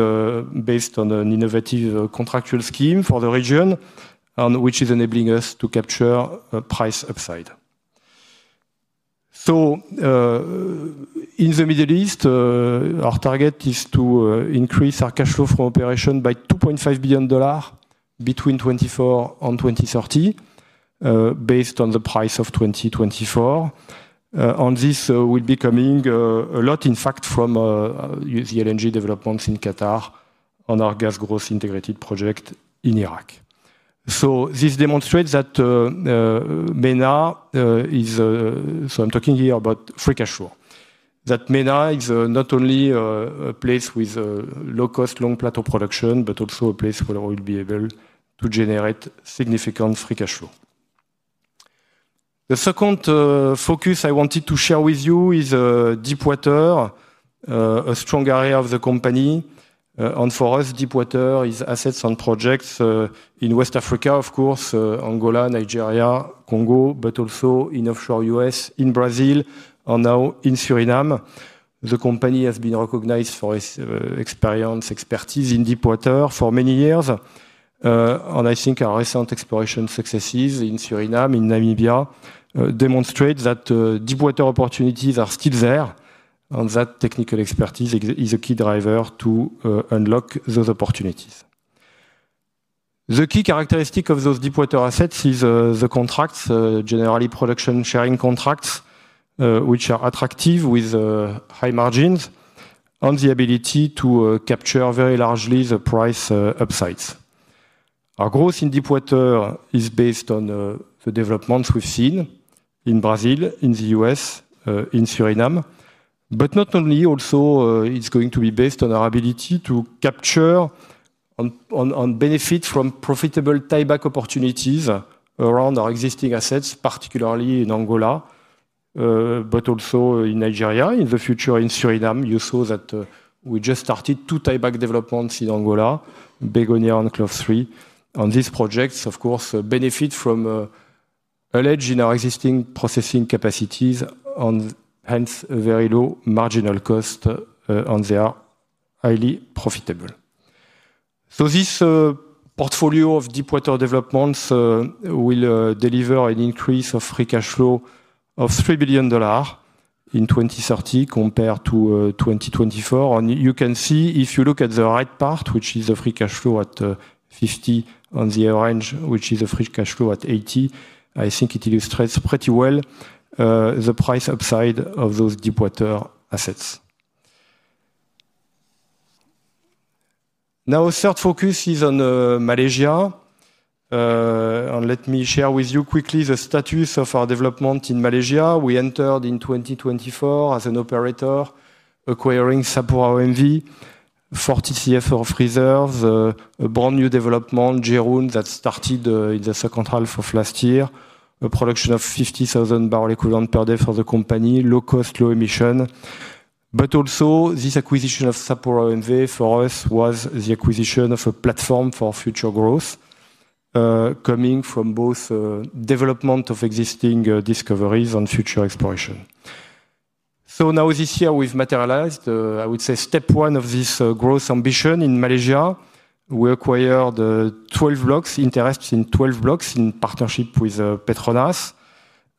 based on an innovative contractual scheme for the region, and which is enabling us to capture a price upside. In the Middle East, our target is to increase our cash flow from operation by $2.5 billion between 2024 and 2030, based on the price of 2024. This will be coming a lot, in fact, from the LNG developments in Qatar and our gas growth integrated project in Iraq. This demonstrates that MENA is, so I am talking here about free cash flow, that MENA is not only a place with low-cost, long plateau production, but also a place where we will be able to generate significant free cash flow. The second focus I wanted to share with you is deep water, a strong area of the company. For us, deep water is assets and projects in West Africa, of course, Angola, Nigeria, Congo, but also in offshore U.S., in Brazil, and now in Suriname. The company has been recognized for its experience, expertise in deep water for many years. I think our recent exploration successes in Suriname, in Namibia, demonstrate that deep water opportunities are still there, and that technical expertise is a key driver to unlock those opportunities. The key characteristic of those deep water assets is the contracts, generally production sharing contracts, which are attractive with high margins and the ability to capture very largely the price upsides. Our growth in deep water is based on the developments we've seen in Brazil, in the U.S., in Suriname, but not only. Also, it is going to be based on our ability to capture and benefit from profitable tieback opportunities around our existing assets, particularly in Angola, but also in Nigeria. In the future, in Suriname, you saw that we just started two tieback developments in Angola, Begonia and Clove Street. These projects, of course, benefit from a ledge in our existing processing capacities, and hence a very low marginal cost and they are highly profitable. This portfolio of deep water developments will deliver an increase of free cash flow of $3 billion in 2030 compared to 2024. You can see, if you look at the right part, which is the free cash flow at $50 and the orange, which is the free cash flow at $80, I think it illustrates pretty well the price upside of those deep water assets. Now, a third focus is on Malaysia. Let me share with you quickly the status of our development in Malaysia. We entered in 2024 as an operator acquiring SapuraOMV, 40 CFOs of reserves, a brand new development, Jerun, that started in the second half of last year, a production of 50,000 bbl equivalent per day for the company, low cost, low emission. Also, this acquisition of SapuraOMV for us was the acquisition of a platform for future growth, coming from both development of existing discoveries and future exploration. Now, this year we've materialized, I would say, step one of this growth ambition in Malaysia. We acquired 12 blocks, interests in 12 blocks in partnership with Petronas.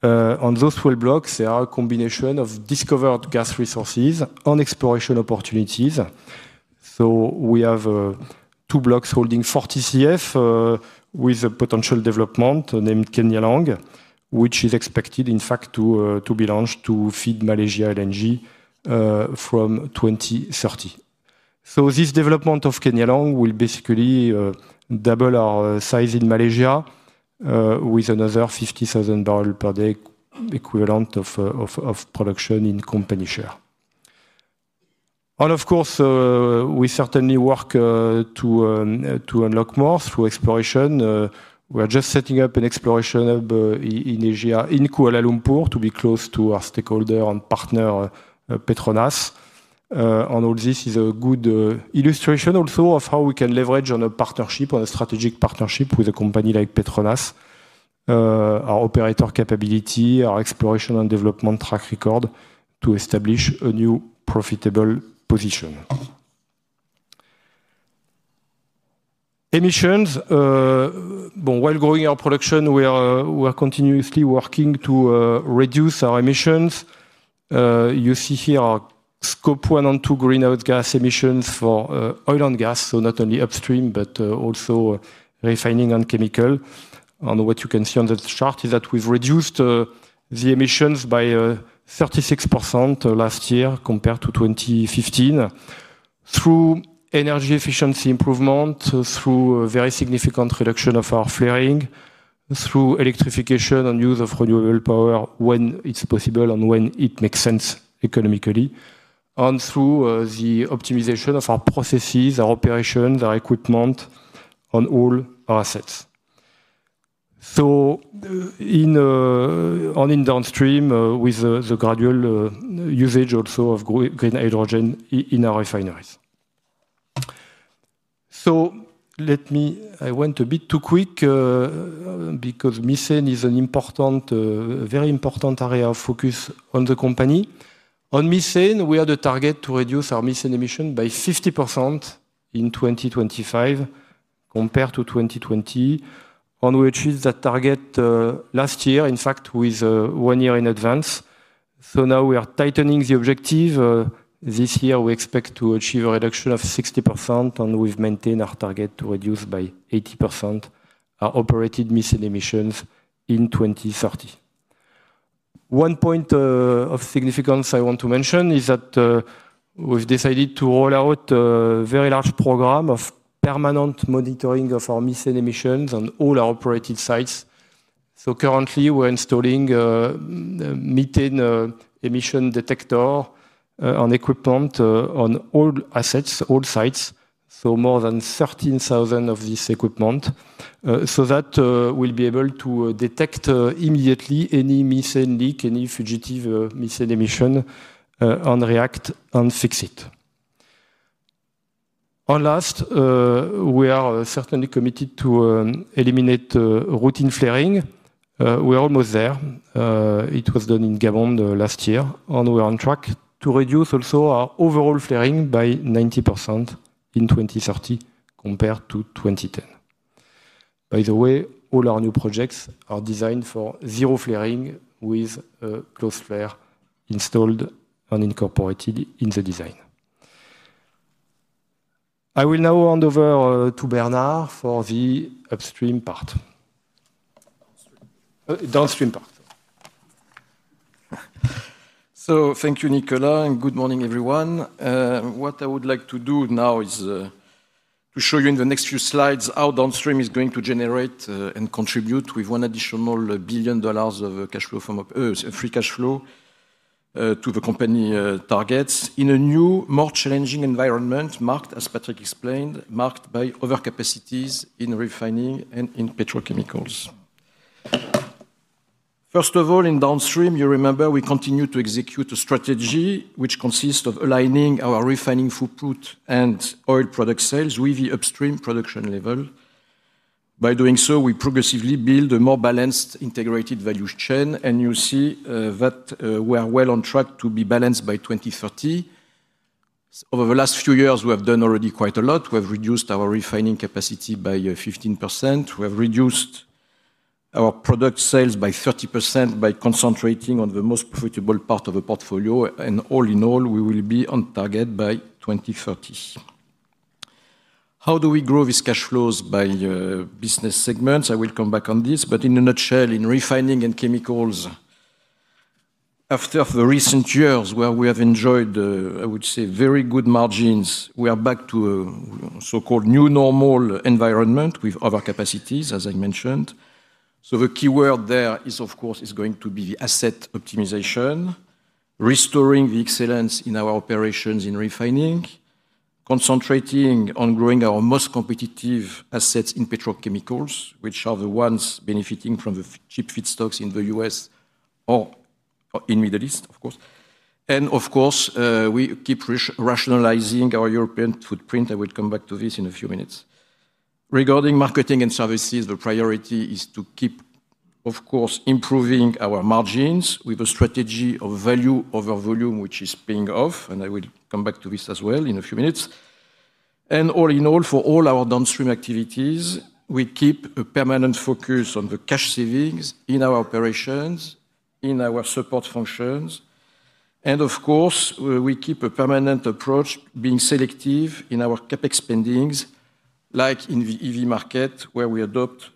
Those 12 blocks, they are a combination of discovered gas resources and exploration opportunities. We have two blocks holding 40 CF with a potential development named Kenyalang, which is expected, in fact, to be launched to feed Malaysia LNG from 2030. This development of Kenyalang will basically double our size in Malaysia with another 50,000 bpd equivalent of production in company share. Of course, we certainly work to unlock more through exploration. We are just setting up an exploration hub in Kuala Lumpur to be close to our stakeholder and partner, Petronas. All this is a good illustration also of how we can leverage on a partnership, on a strategic partnership with a company like Petronas, our operator capability, our exploration and development track record, to establish a new profitable position. Emissions. While growing our production, we are continuously working to reduce our emissions. You see here our scope 1 and 2 greenhouse gas emissions for oil and gas, not only upstream, but also refining and chemical. What you can see on the chart is that we've reduced the emissions by 36% last year compared to 2015, through energy efficiency improvement, through a very significant reduction of our flaring, through electrification and use of renewable power when it's possible and when it makes sense economically, and through the optimization of our processes, our operations, our equipment, and all our assets. In downstream, with the gradual usage also of green hydrogen in our refineries. Let me, I went a bit too quick because methane is an important, very important area of focus in the company. On methane, we have the target to reduce our methane emission by 50% in 2025 compared to 2020, and we achieved that target last year, in fact, with one year in advance. Now we are tightening the objective. This year, we expect to achieve a reduction of 60%, and we've maintained our target to reduce by 80% our operated methane emissions in 2030. One point of significance I want to mention is that we've decided to roll out a very large program of permanent monitoring of our methane emissions on all our operated sites. Currently, we're installing a methane emission detector and equipment on all assets, all sites, more than 13,000 of this equipment, so that we'll be able to detect immediately any methane leak, any fugitive methane emission, and react and fix it. Last, we are certainly committed to eliminate routine flaring. We're almost there. It was done in Gabon last year, and we're on track to reduce also our overall flaring by 90% in 2030 compared to 2010. By the way, all our new projects are designed for zero flaring with a closed flare installed and incorporated in the design. I will now hand over to Bernard for the upstream part, downstream part. Thank you, Nicolas, and good morning, everyone. What I would like to do now is to show you in the next few slides how downstream is going to generate and contribute with one additional billion dollars of cash flow from free cash flow to the company targets in a new, more challenging environment marked, as Patrick explained, marked by overcapacities in refining and in petrochemicals. First of all, in downstream, you remember we continue to execute a strategy which consists of aligning our refining footprint and oil product sales with the upstream production level. By doing so, we progressively build a more balanced integrated value chain, and you see that we are well on track to be balanced by 2030. Over the last few years, we have done already quite a lot. We have reduced our refining capacity by 15%. We have reduced our product sales by 30% by concentrating on the most profitable part of the portfolio, and all in all, we will be on target by 2030. How do we grow these cash flows by business segments? I will come back on this, but in a nutshell, in refining and chemicals, after the recent years where we have enjoyed, I would say, very good margins, we are back to a so-called new normal environment with overcapacities, as I mentioned. The keyword there is, of course, going to be the asset optimization, restoring the excellence in our operations in refining, concentrating on growing our most competitive assets in petrochemicals, which are the ones benefiting from the cheap feedstocks in the U.S. or in the Middle East, of course. Of course, we keep rationalizing our European footprint. I will come back to this in a few minutes. Regarding marketing and services, the priority is to keep, of course, improving our margins with a strategy of value over volume, which is paying off, and I will come back to this as well in a few minutes. All in all, for all our downstream activities, we keep a permanent focus on the cash savings in our operations, in our support functions, and of course, we keep a permanent approach being selective in our CAPEX spendings, like in the EV market, where we adapt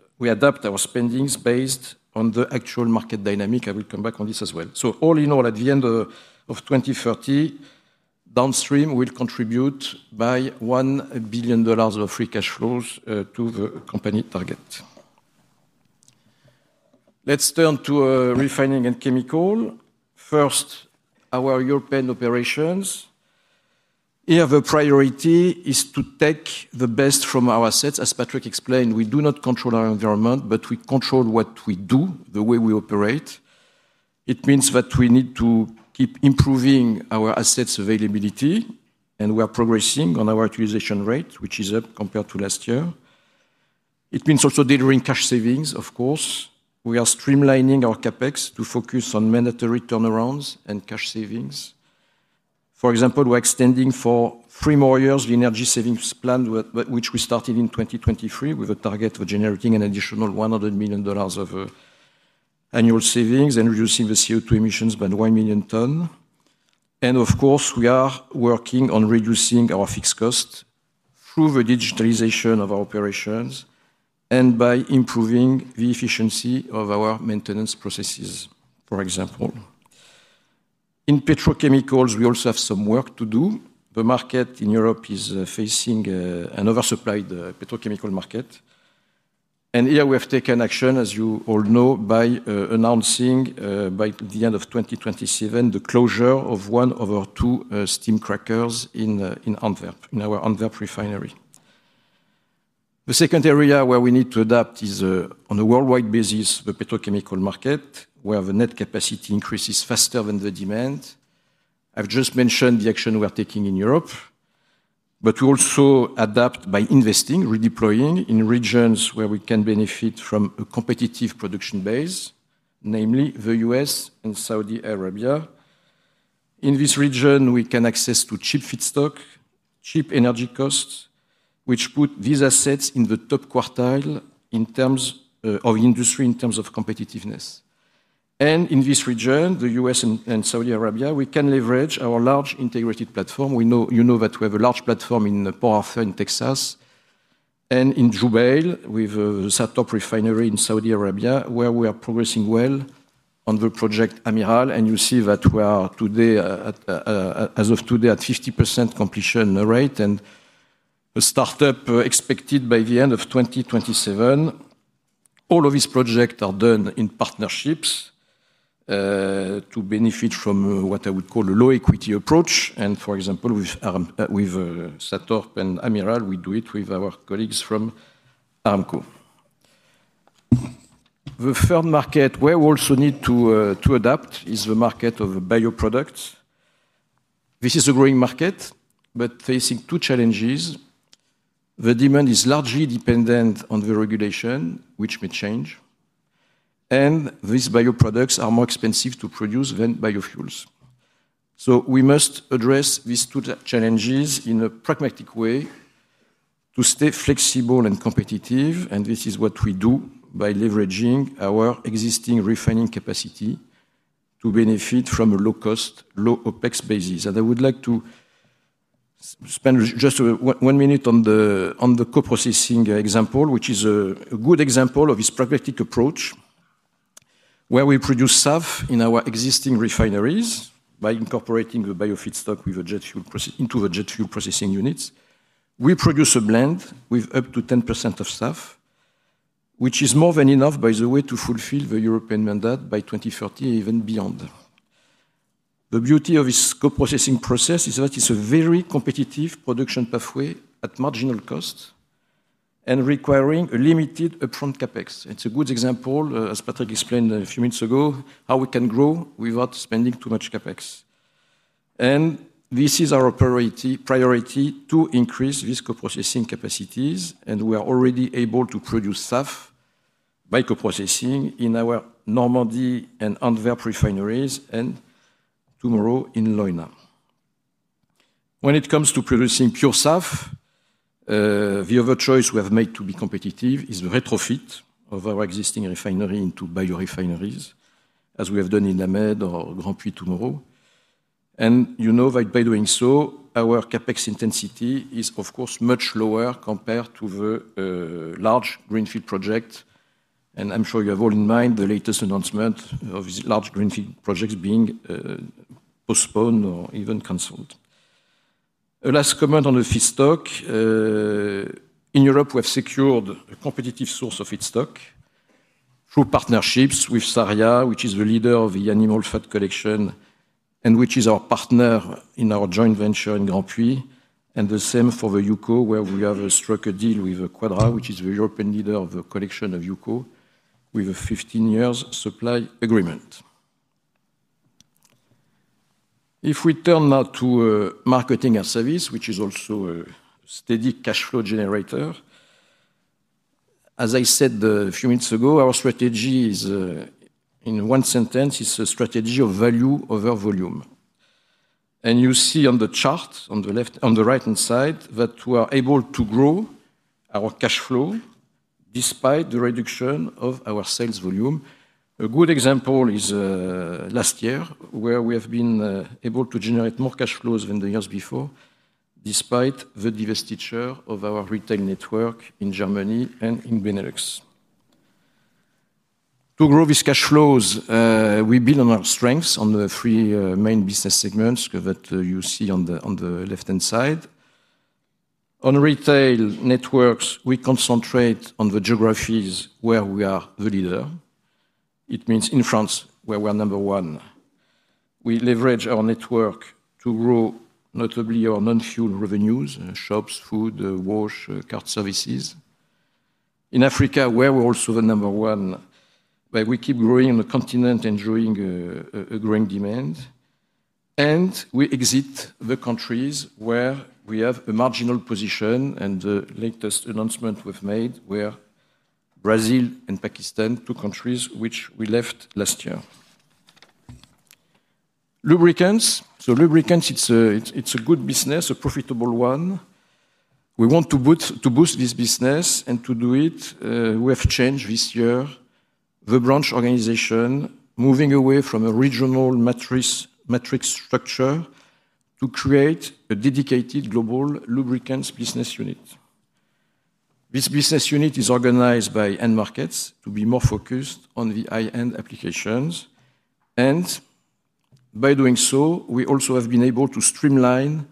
our spendings based on the actual market dynamic. I will come back on this as well. All. In all, at the end of 2030, downstream will contribute by $1 billion of free cash flows to the company target. Let's turn to refining and chemical. First, our European operations. Here the priority is to take the best from our assets. As Patrick explained, we do not control our environment, but we control what we do, the way we operate. It means that we need to keep improving our assets availability, and we are progressing on our utilization rate, which is up compared to last year. It means also delivering cash savings, of course. We are streamlining our CapEx to focus on mandatory turnarounds and cash savings. For example, we're extending for three more years the energy savings plan, which we started in 2023, with a target of generating an additional $100 million of annual savings and reducing the CO2 emissions by 1 million tonnes. Of course, we are working on reducing our fixed costs through the digitalization of our operations and by improving the efficiency of our maintenance processes, for example. In petrochemicals, we also have some work to do. The market in Europe is facing an oversupplied petrochemical market. Here we have taken action, as you all know, by announcing by the end of 2027 the closure of one of our two steam crackers in Antwerp, in our Antwerp refinery. The second area where we need to adapt is, on a worldwide basis, the petrochemical market, where the net capacity increases faster than the demand. I've just mentioned the action we are taking in Europe, but we also adapt by investing, redeploying in regions where we can benefit from a competitive production base, namely the U.S. and Saudi Arabia. In this region, we can access cheap feedstock, cheap energy costs, which put these assets in the top quartile in terms of the industry, in terms of competitiveness. In this region, the U.S. and Saudi Arabia, we can leverage our large integrated platform. You know that we have a large platform in Port Arthur in Texas and in Jubail with the SATORP refinery in Saudi Arabia, where we are progressing well on the project Amiral, and you see that we are today, as of today, at 50% completion rate, with a startup expected by the end of 2027. All of these projects are done in partnerships to benefit from what I would call a low-equity approach. For example, with SATORP and Amiral, we do it with our colleagues from Aramco. The third market where we also need to adapt is the market of bioproducts. This is a growing market, but facing two challenges. The demand is largely dependent on the regulation, which may change. These bioproducts are more expensive to produce than biofuels. We must address these two challenges in a pragmatic way to stay flexible and competitive, and this is what we do by leveraging our existing refining capacity to benefit from a low-cost, low-OpEx basis. I would like to spend just one minute on the co-processing example, which is a good example of this pragmatic approach where we produce SAF in our existing refineries by incorporating the biofeedstock into the jet fuel processing units. We produce a blend with up to 10% of SAF, which is more than enough, by the way, to fulfill the European mandate by 2030 and even beyond. The beauty of this co-processing process is that it's a very competitive production pathway at marginal cost and requiring a limited upfront CapEx. It's a good example, as Patrick explained a few minutes ago, how we can grow without spending too much CapEx. This is our priority to increase these co-processing capacities, and we are already able to produce SAF by co-processing in our Normandy and Antwerp refineries and tomorrow in Loena. When it comes to producing pure SAF, the other choice we have made to be competitive is the retrofit of our existing refinery into biorefineries, as we have done in Named or Grand Prix tomorrow. You know that by doing so, our CapEx intensity is, of course, much lower compared to the large greenfield projects. I'm sure you have all in mind the latest announcement of these large greenfield projects being postponed or even canceled. A last comment on the feedstock. In Europe, we have secured a competitive source of feedstock through partnerships with Saria, which is the leader of the animal fat collection and which is our partner in our joint venture in Grand Prix, and the same for the Yuko, where we have struck a deal with Quadra, which is the European leader of the collection of Yuko, with a 15-year supply agreement. If we turn now to marketing and service, which is also a steady cash flow generator, as I said a few minutes ago, our strategy is, in one sentence, it's a strategy of value over volume. You see on the chart, on the right-hand side, that we are able to grow our cash flow despite the reduction of our sales volume. A good example is last year, where we have been able to generate more cash flows than the years before, despite the divestiture of our retail network in Germany and in Benelux. To grow these cash flows, we build on our strengths on the three main business segments that you see on the left-hand side. On retail networks, we concentrate on the geographies where we are the leader. It means in France, where we are number one. We leverage our network to grow notably our non-fuel revenues: shops, food, wash, car services. In Africa, where we're also the number one, we keep growing on the continent, enjoying a growing demand. We exit the countries where we have a marginal position, and the latest announcement we've made were Brazil and Pakistan, two countries which we left last year. Lubricants. So lubricants, it's a good business, a profitable one. We want to boost this business and to do it, we have changed this year the branch organization, moving away from a regional matrix structure to create a dedicated global lubricants business unit. This business unit is organized by end markets to be more focused on the high-end applications. By doing so, we also have been able to streamline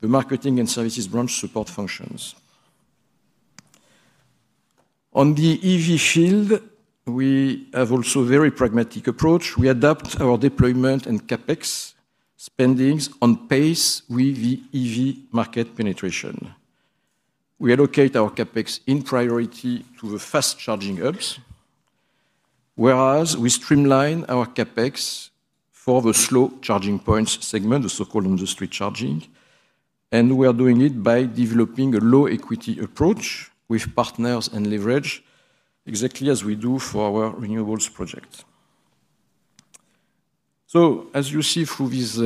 the marketing and services branch support functions. On the EV field, we have also a very pragmatic approach. We adapt our deployment and CapEx spendings on pace with the EV market penetration. We allocate our CapEx in priority to the fast charging hubs, whereas we streamline our CapEx for the slow charging points segment, the so-called industry charging. We are doing it by developing a low-equity approach with partners and leverage, exactly as we do for our renewables project. As you see through these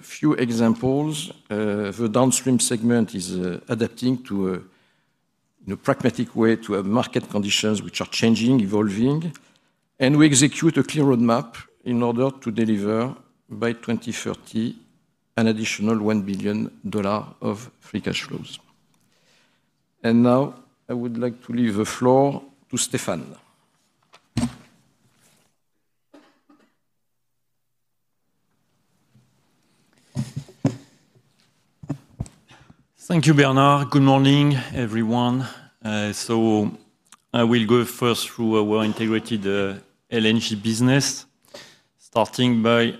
few examples, the downstream segment is adapting in a pragmatic way to market conditions which are changing, evolving. We execute a clear roadmap in order to deliver by 2030 an additional $1 billion of free cash flows. Now, I would like to leave the floor to Stéphane. Thank you, Bernard. Good morning, everyone. I will go first through our integrated LNG business, starting by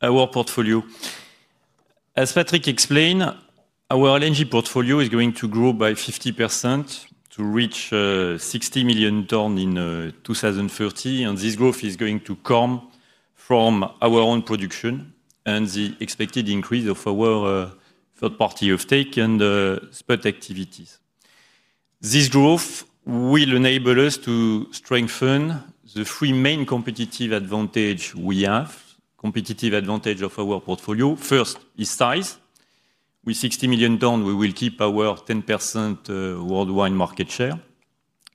our portfolio. As Patrick explained, our LNG portfolio is going to grow by 50% to reach 60 million tonnes in 2030, and this growth is going to come from our own production and the expected increase of our third-party uptake and spot activities. This growth will enable us to strengthen the three main competitive advantages we have. The competitive advantage of our portfolio, first, is size. With 60 million tonnes, we will keep our 10% worldwide market share.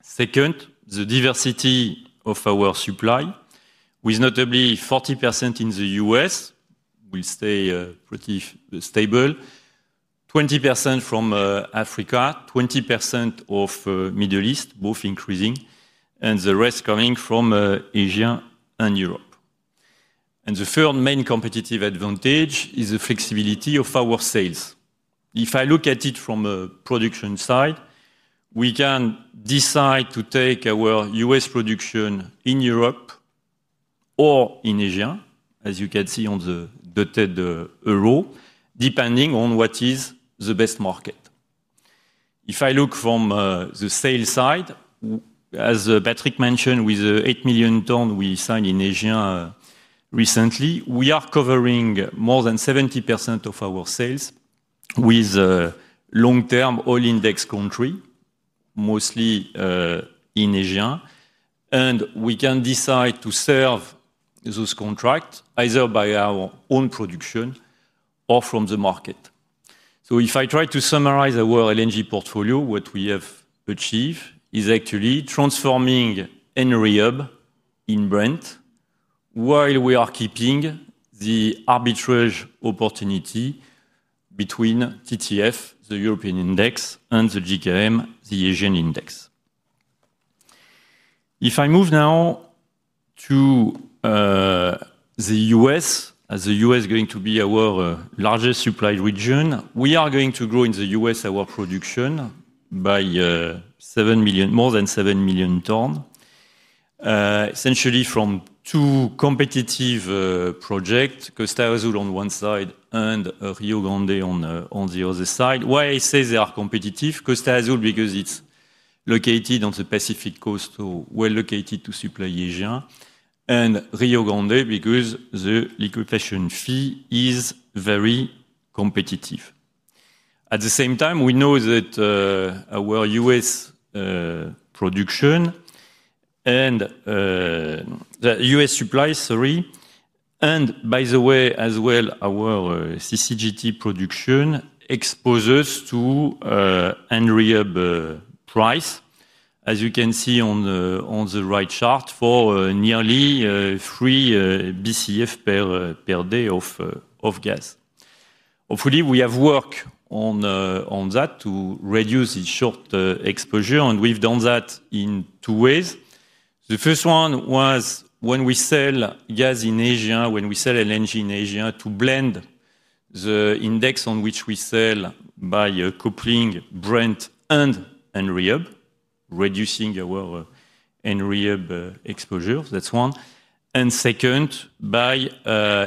Second, the diversity of our supply, with notably 40% in the U.S., will stay pretty stable, 20% from Africa, 20% from the Middle East, both increasing, and the rest coming from Asia and Europe. The third main competitive advantage is the flexibility of our sales. If I look at it from a production side, we can decide to take our U.S. production in Europe or in Asia, as you can see on the dotted arrow, depending on what is the best market. If I look from the sales side, as Patrick mentioned, with the 8 million tonnes we signed in Asia recently, we are covering more than 70% of our sales with a long-term oil index contract, mostly in Asia. We can decide to serve those contracts either by our own production or from the market. If I try to summarize our LNG portfolio, what we have achieved is actually transforming Henry Hub in Brent, while we are keeping the arbitrage opportunity between TTF, the European index, and the JKM, the Asian index. If I move now to the U.S., as the U.S. is going to be our largest supply region, we are going to grow in the U.S. our production by more than 7 million tonnes, essentially from two competitive projects, Costa Azul on one side and Rio Grande on the other side. Why I say they are competitive: Costa Azul because it's located on the Pacific coast, so well located to supply Asia, and Rio Grande because the liquefaction fee is very competitive. At the same time, we know that our U.S. production and the U.S. supply, and by the way, as well, our CCGT production exposes to Henry Hub price, as you can see on the right chart, for nearly 3 BCF per day of gas. Hopefully, we have worked on that to reduce the short exposure, and we've done that in two ways. The first one was when we sell gas in Asia, when we sell LNG in Asia, to blend the index on which we sell by coupling Brent and Henry Hub, reducing our Henry Hub exposure. That's one. Second, by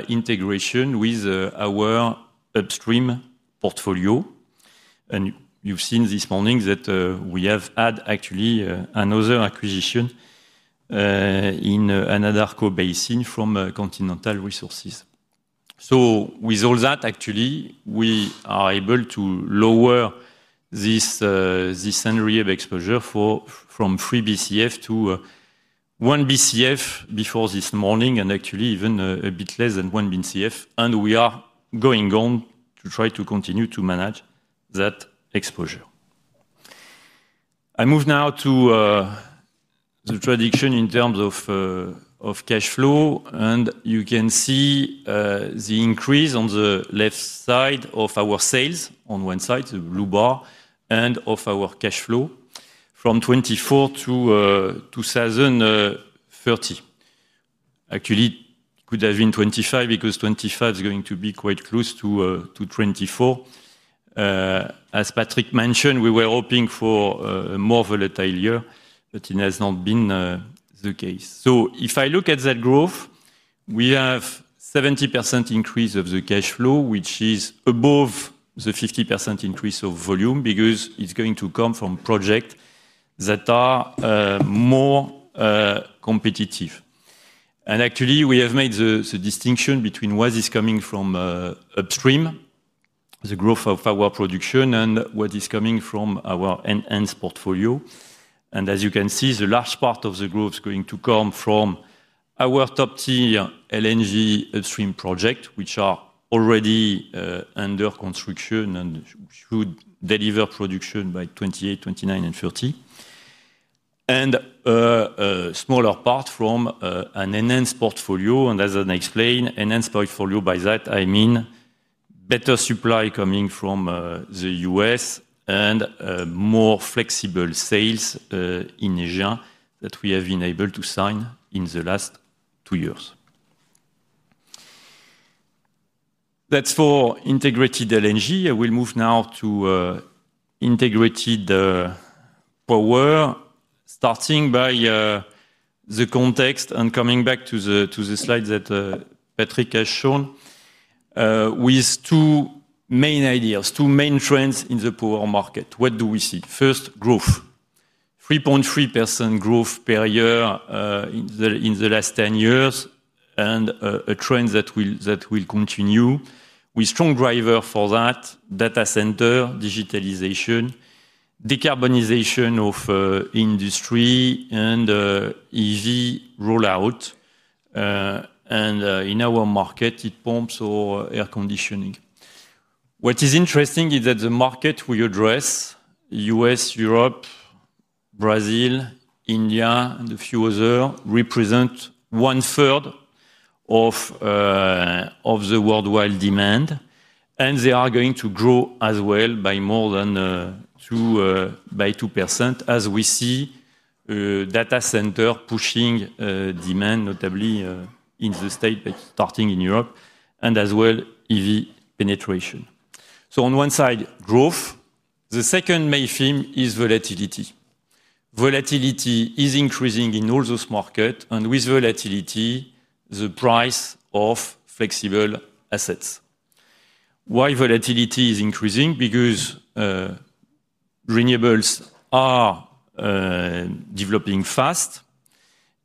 integration with our upstream portfolio. You have seen this morning that we have had actually another acquisition in Anadarko Basin from Continental Resources. With all that, we are able to lower this Enriab exposure from 3 BCF to 1 BCF before this morning, and actually even a bit less than 1 BCF. We are going on to try to continue to manage that exposure. I move now to the tradition in terms of cash flow, and you can see the increase on the left side of our sales, on one side, the blue bar, and of our cash flow from 2024 to 2030. Actually, it could have been 2025 because 2025 is going to be quite close to 2024. As Patrick mentioned, we were hoping for a more volatile year, but it has not been the case. If I look at that growth, we have a 70% increase of the cash flow, which is above the 50% increase of volume because it's going to come from projects that are more competitive. We have made the distinction between what is coming from upstream, the growth of our production, and what is coming from our end-to-end portfolio. As you can see, the large part of the growth is going to come from our top-tier LNG upstream projects, which are already under construction and should deliver production by 2028, 2029, and 2030. A smaller part from an enhanced portfolio. As I explained, enhanced portfolio by that, I mean better supply coming from the U.S. and more flexible sales in Asia that we have been able to sign in the last two years. That's for integrated LNG. I will move now to integrated power, starting by the context and coming back to the slides that Patrick has shown, with two main ideas, two main trends in the power market. What do we see? First, growth. 3.3% growth per year in the last 10 years, and a trend that will continue, with strong drivers for that: data center, digitalization, decarbonization of industry, and EV rollout. In our market, it pumps or air conditioning. What is interesting is that the market we address, U.S., Europe, Brazil, India, and a few others represent one-third of the worldwide demand. They are going to grow as well by more than 2%, as we see data center pushing demand, notably in the States, but starting in Europe, and as well EV penetration. On one side, growth. The second main theme is volatility. Volatility is increasing in all those markets, and with volatility, the price of flexible assets. Why is volatility increasing? Because renewables are developing fast,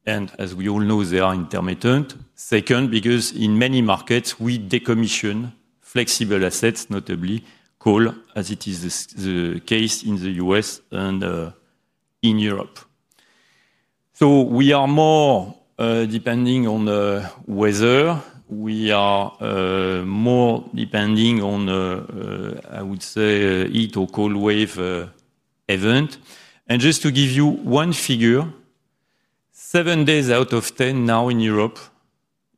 and as we all know, they are intermittent. Second, because in many markets, we decommission flexible assets, notably coal, as it is the case in the U.S. and in Europe. We are more depending on weather. We are more depending on, I would say, heat or cold wave event. Just to give you one figure, seven days out of 10 now in Europe,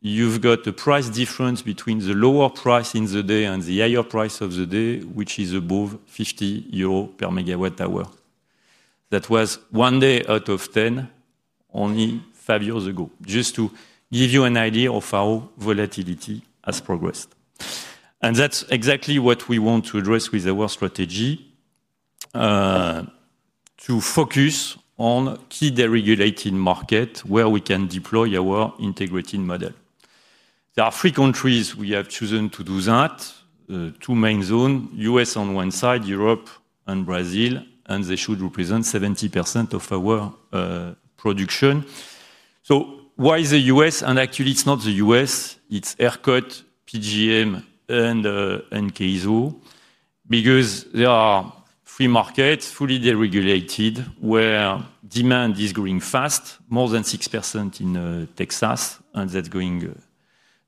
you've got a price difference between the lower price in the day and the higher price of the day, which is above 50 euro per mWh. That was one day out of 10 only five years ago, just to give you an idea of how volatility has progressed. That's exactly what we want to address with our strategy, to focus on key deregulated markets where we can deploy our integrated model. There are three countries we have chosen to do that, two main zones: U.S. on one side, Europe, and Brazil, and they should represent 70% of our production. Why is the U.S.? Actually, it's not the U.S. It's ERCOT, PJM, and CAISO because there are free markets, fully deregulated, where demand is growing fast, more than 6% in Texas, and that's going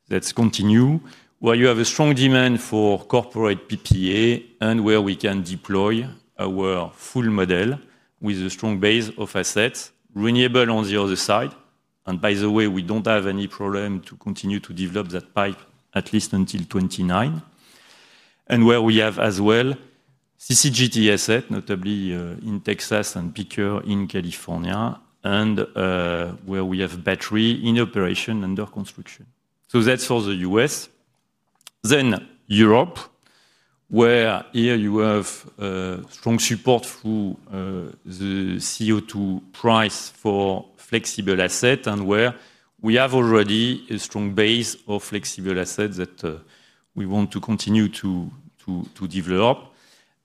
to continue, where you have a strong demand for corporate PPA and where we can deploy our full model with a strong base of assets, renewable on the other side. By the way, we don't have any problem to continue to develop that pipe at least until 2029. We have as well CCGT assets, notably in Texas and peaker in California, and we have battery in operation under construction. That's for the U.S. Europe, where here you have strong support through the CO2 price for flexible assets and where we have already a strong base of flexible assets that we want to continue to develop,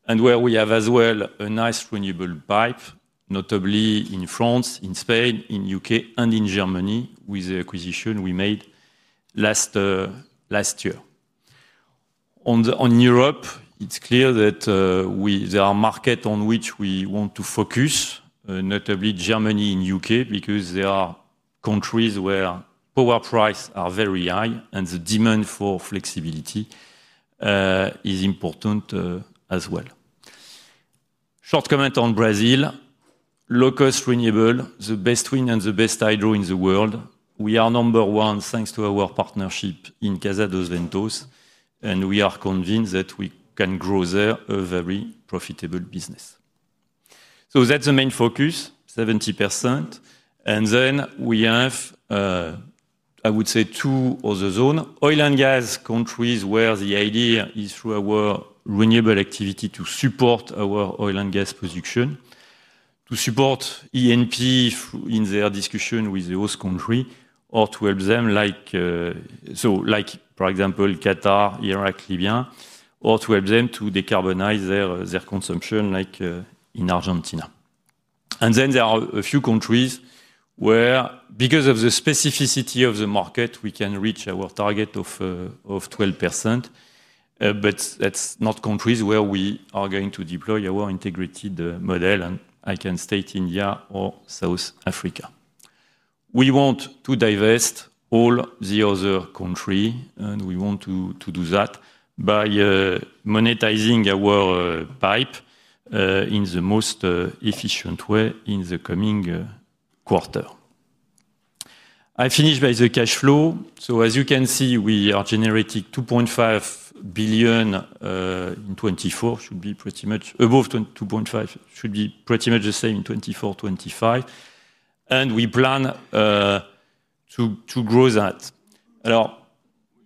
and where we have as well a nice renewable pipe, notably in France, in Spain, in the U.K., and in Germany, with the acquisition we made last year. On Europe, it's clear that there are markets on which we want to focus, notably Germany and the U.K., because there are countries where power prices are very high and the demand for flexibility is important as well. Short comment on Brazil. Low-cost renewable, the best wind and the best hydro in the world. We are number one thanks to our partnership in Casa dos Ventos, and we are convinced that we can grow there a very profitable business. That's the main focus, 70%. We have, I would say, two other zones: oil and gas countries where the idea is through our renewable activity to support our oil and gas production, to support ENP in their discussion with those countries, or to help them, like for example, Qatar, Iraq, Libya, or to help them to decarbonize their consumption, like in Argentina. There are a few countries where, because of the specificity of the market, we can reach our target of 12%. That's not countries where we are going to deploy our integrated model, and I can state India or South Africa. We want to divest all the other countries, and we want to do that by monetizing our pipe in the most efficient way in the coming quarter. I finish by the cash flow. As you can see, we are generating $2.5 billion in 2024, should be pretty much above $2.5 billion, should be pretty much the same in 2024, 2025. We plan to grow that.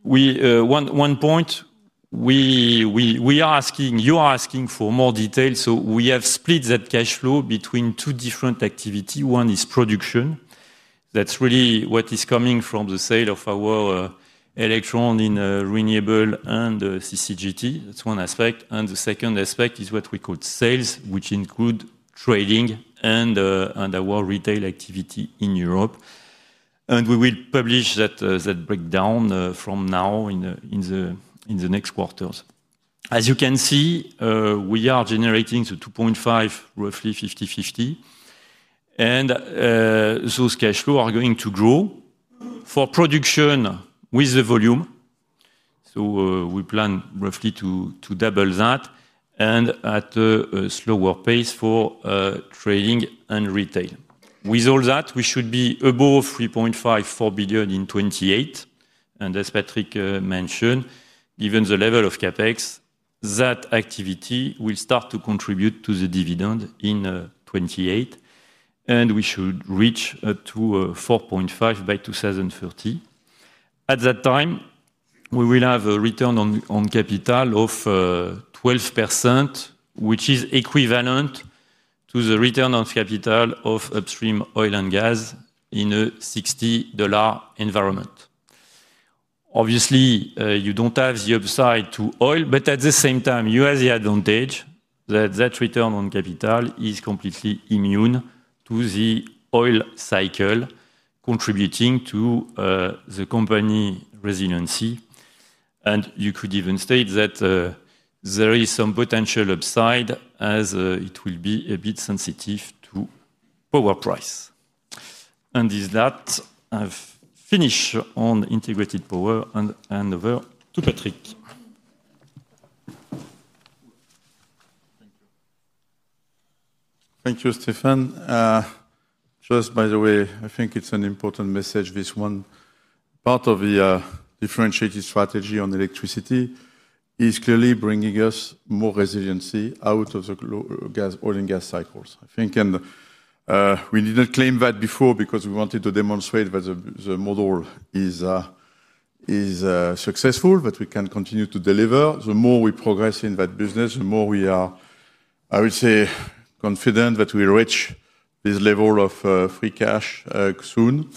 One point, you are asking for more details. We have split that cash flow between two different activities. One is production. That's really what is coming from the sale of our electron in renewable and CCGT. That's one aspect. The second aspect is what we call sales, which include trading and our retail activity in Europe. We will publish that breakdown from now in the next quarters. As you can see, we are generating the $2.5 billion, roughly 50/50. Those cash flows are going to grow for production with the volume. We plan roughly to double that and at a slower pace for trading and retail. With all that, we should be above $3.54 billion in 2028. As Patrick mentioned, given the level of CapEx, that activity will start to contribute to the dividend in 2028. We should reach up to $4.5 billion by 2030. At that time, we will have a return on capital of 12%, which is equivalent to the return on capital of upstream oil and gas in a $60 environment. Obviously, you don't have the upside to oil, but at the same time, you have the advantage that that return on capital is completely immune to the oil cycle, contributing to the company resiliency. You could even state that there is some potential upside as it will be a bit sensitive to power price. With that, I've finished on integrated power and over to Patrick. Thank you, Stéphane. By the way, I think it's an important message, this one. Part of the differentiated strategy on electricity is clearly bringing us more resiliency out of the oil and gas cycles. I think, and we didn't claim that before because we wanted to demonstrate that the model is successful, that we can continue to deliver. The more we progress in that business, the more we are, I would say, confident that we reach this level of free cash soon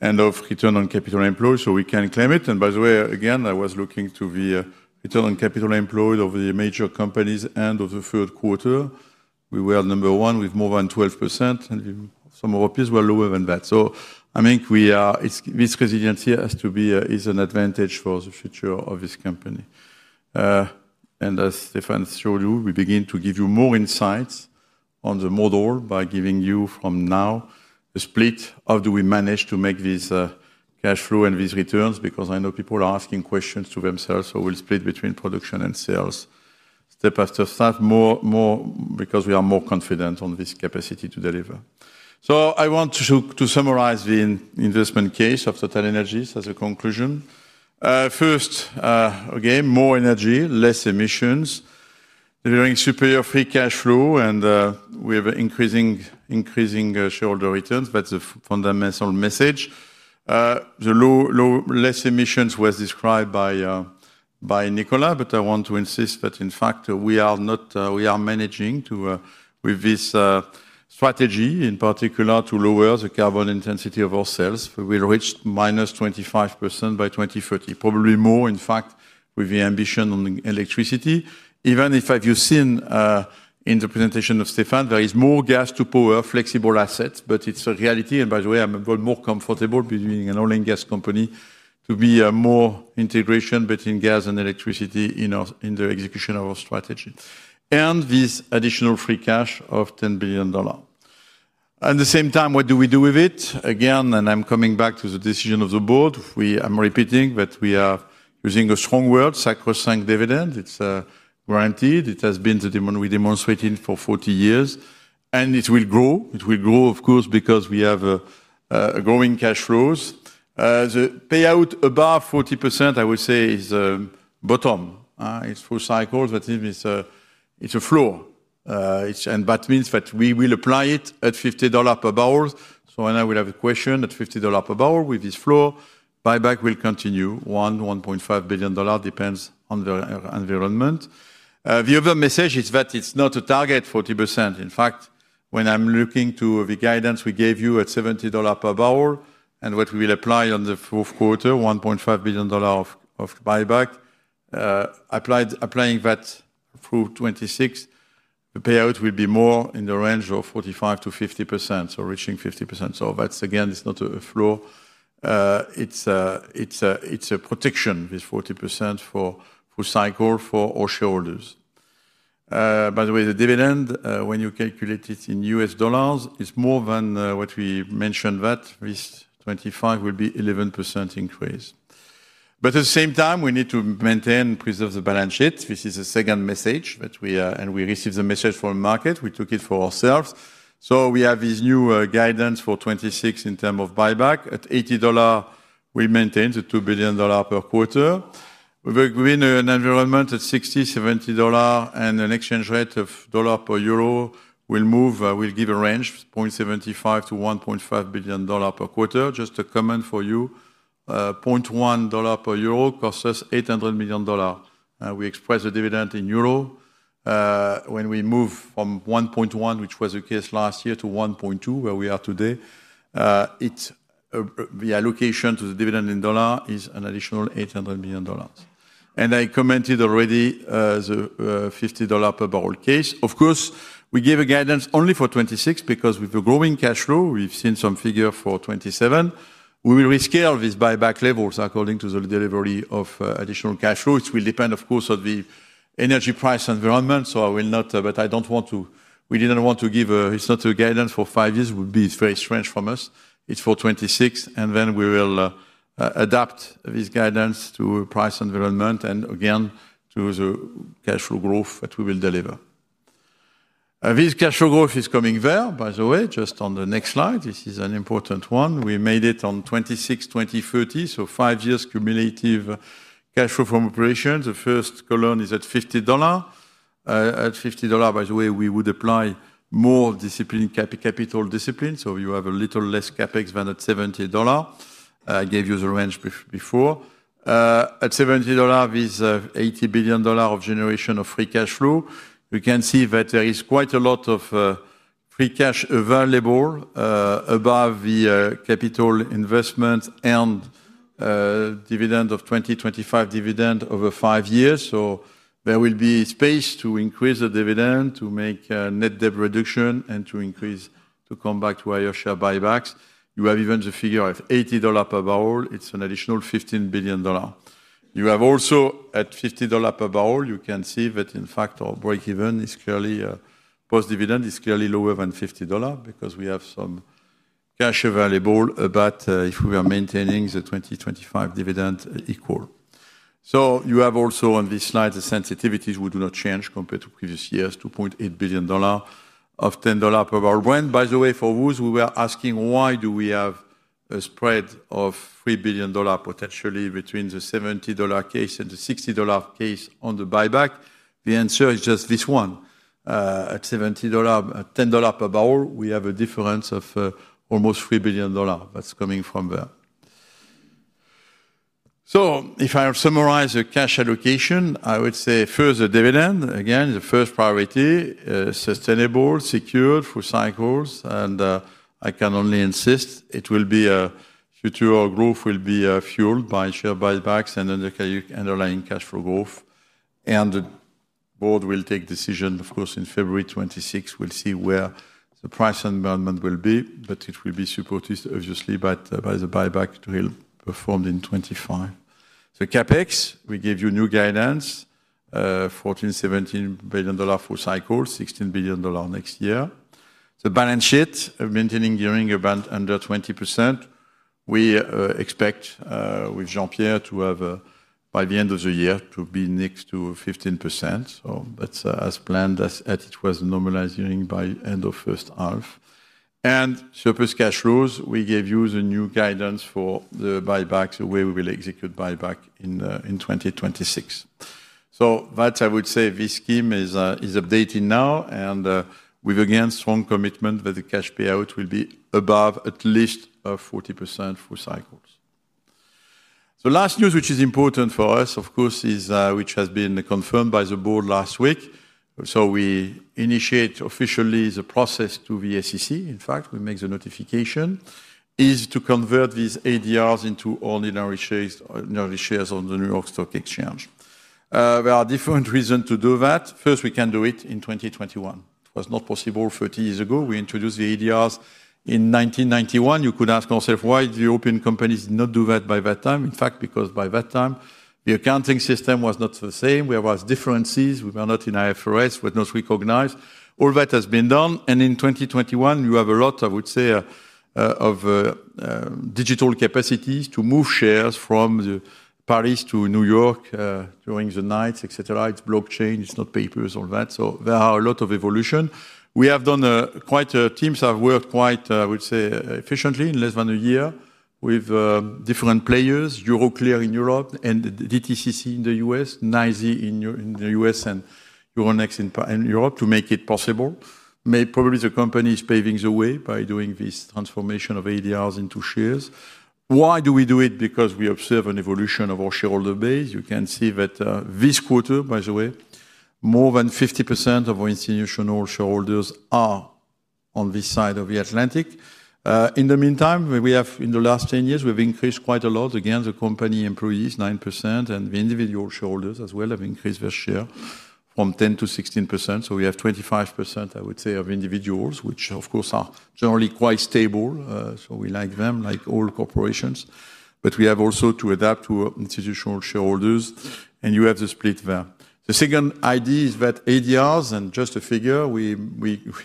and of return on capital employed, so we can claim it. By the way, again, I was looking to the return on capital employed of the major companies and of the third quarter. We were number one with more than 12%, and some of our peers were lower than that. I think this resiliency has to be an advantage for the future of this company. As Stéphane showed you, we begin to give you more insights on the model by giving you from now the split. How do we manage to make this cash flow and these returns? I know people are asking questions to themselves, so we'll split between production and sales. Step after step, more because we are more confident on this capacity to deliver. I want to summarize the investment case of TotalEnergies as a conclusion. First, again, more energy, less emissions, delivering superior free cash flow, and we have increasing shareholder returns. That's the fundamental message. The low low less emissions were described by Nicolas, but I want to insist that, in fact, we are not we are managing to, with this strategy, in particular, to lower the carbon intensity of our sales. We will reach minus 25% by 2030, probably more, in fact, with the ambition on electricity. Even if, as you've seen in the presentation of Stéphane, there is more gas to power flexible assets, but it's a reality. By the way, I'm a bit more comfortable between an oil and gas company to be more integration between gas and electricity in the execution of our strategy. This additional free cash of $10 billion. At the same time, what do we do with it? Again, I'm coming back to the decision of the board, I'm repeating that we are using a strong word, sacrosanct dividend. It's a guaranteed. It has been the one we've demonstrated for 40 years. It will grow. It will grow, of course, because we have growing cash flows. The payout above 40%, I would say, is a bottom. It's full cycles, but it's a floor. That means that we will apply it at $50 pbbl. When I will have a question at $50 pbbl with this floor, buyback will continue, $1 billion, $1.5 billion, depends on the environment. The other message is that it's not a target, 40%. In fact, when I'm looking to the guidance we gave you at $70 pbbl and what we will apply on the fourth quarter, $1.5 billion of buyback, applying that through 2026, the payout will be more in the range of 45%-50%, so reaching 50%. That's, again, it's not a floor. It's a protection, this 40% for full cycle for all shareholders. By the way, the dividend, when you calculate it in U.S. dollars, is more than what we mentioned, that this 25% will be 11% increase. At the same time, we need to maintain and preserve the balance sheet. This is the second message that we are, and we received the message from the market. We took it for ourselves. We have this new guidance for 2026 in terms of buyback. At $80, we maintain the $2 billion per quarter. We've been in an environment at $60, $70, and an exchange rate of dollar per euro will move, will give a range, $0.75 billion-$1.5 billion per quarter. Just a comment for you. $0.1 per euro costs us $800 million. We express the dividend in euros. When we move from $1.1, which was the case last year, to $1.2, where we are today, the allocation to the dividend in dollars is an additional $800 million. I commented already the $50 pbbl case. Of course, we gave a guidance only for 2026 because with the growing cash flow, we've seen some figures for 2027, we will rescale these buyback levels according to the delivery of additional cash flow. It will depend, of course, on the energy price environment. I don't want to, we didn't want to give, it's not a guidance for five years. It would be very strange from us. It's for 2026. Then we will adapt this guidance to price environment and, again, to the cash flow growth that we will deliver. This cash flow growth is coming there, by the way, just on the next slide. This is an important one. We made it on 2026, 2030, so five years cumulative cash flow from operations. The first column is at $50. At $50, by the way, we would apply more capital discipline, so you have a little less CapEx than at $70. I gave you the range before. At $70, this $80 billion of generation of free cash flow, we can see that there is quite a lot of free cash available above the capital investment earned dividend of 2025 dividend over five years. There will be space to increase the dividend, to make a net debt reduction, and to come back to higher share buybacks. You have even the figure at $80 pbbl. It's an additional $15 billion. You have also, at $50 pbbl, you can see that, in fact, our breakeven is clearly, post-dividend, is clearly lower than $50 because we have some cash available, but if we are maintaining the 2025 dividend equal. You have also, on this slide, the sensitivities would not change compared to previous years, $2.8 billion of $10 pbbl. By the way, for those who were asking why do we have a spread of $3 billion potentially between the $70 case and the $60 case on the buyback, the answer is just this one. At $70, at $10 pbbl, we have a difference of almost $3 billion. That's coming from there. If I have summarized the cash allocation, I would say first the dividend. Again, the first priority, sustainable, secured, full cycles. I can only insist it will be a future growth will be fueled by share buybacks and underlying cash flow growth. The board will take decision, of course, in February 2026. We'll see where the price environment will be, but it will be supported, obviously, by the buyback drill performed in 2025. The CapEx, we gave you new guidance, $14 billion, $17 billion full cycles, $16 billion next year. The balance sheet, maintaining during a band under 20%. We expect, with Jean-Pierre Sbraire, to have by the end of the year to be next to 15%. That's as planned as it was normalizing by the end of the first half. Surplus cash flows, we gave you the new guidance for the buybacks, the way we will execute buyback in 2026. That, I would say, this scheme is updating now. We've, again, strong commitment that the cash payout will be above at least 40% full cycles. The last news, which is important for us, of course, which has been confirmed by the board last week, we initiate officially the process to the SEC. In fact, we make the notification is to convert these ADRs into ordinary shares on the New York Stock Exchange. There are different reasons to do that. First, we can do it in 2021. It was not possible 30 years ago. We introduced the ADRs in 1991. You could ask yourself, why did the European companies not do that by that time? In fact, because by that time, the accounting system was not the same. There were differences. We were not in IFRS. It was not recognized. All that has been done. In 2021, you have a lot, I would say, of digital capacities to move shares from Paris to New York during the nights, etc. It's blockchain. It's not papers, all that. There are a lot of evolutions. We have done quite a team's work quite, I would say, efficiently in less than a year with different players, Euroclear in Europe and DTCC in the U.S., NYSE in the U.S., and Euronext in Europe to make it possible. Probably the company is paving the way by doing this transformation of ADRs into shares. Why do we do it? We observe an evolution of our shareholder base. You can see that this quarter, by the way, more than 50% of our institutional shareholders are on this side of the Atlantic. In the meantime, in the last 10 years, we've increased quite a lot. Again, the company employees, 9%, and the individual shareholders as well have increased their share from 10% to 16%. We have 25%, I would say, of individuals, which, of course, are generally quite stable. We like them, like all corporations. We have also to adapt to institutional shareholders, and you have the split there. The second idea is that ADRs, and just a figure we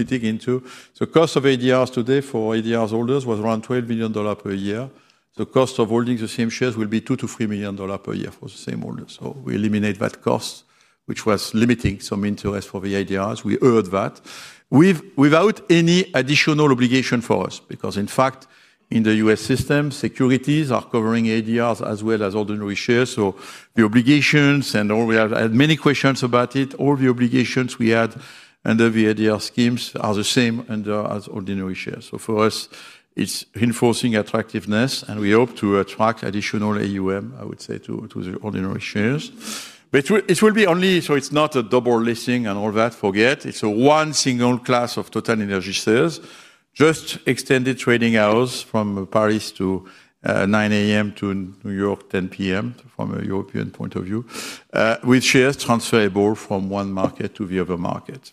dig into, the cost of ADRs today for ADR holders was around $12 million per year. The cost of holding the same shares will be $2 million-$3 million per year for the same holders. We eliminate that cost, which was limiting some interest for the ADRs. We earned that without any additional obligation for us because, in fact, in the U.S. system, securities are covering ADRs as well as ordinary shares. The obligations, and all we have, and many questions about it, all the obligations we had under the ADR schemes are the same as ordinary shares. For us, it's reinforcing attractiveness, and we hope to attract additional AUM, I would say, to the ordinary shares. It will be only, so it's not a double listing and all that, forget. It's a one single class of TotalEnergies shares, just extended trading hours from Paris, 9:00 A.M., to New York, 10:00 P.M. from a European point of view, with shares transferable from one market to the other market.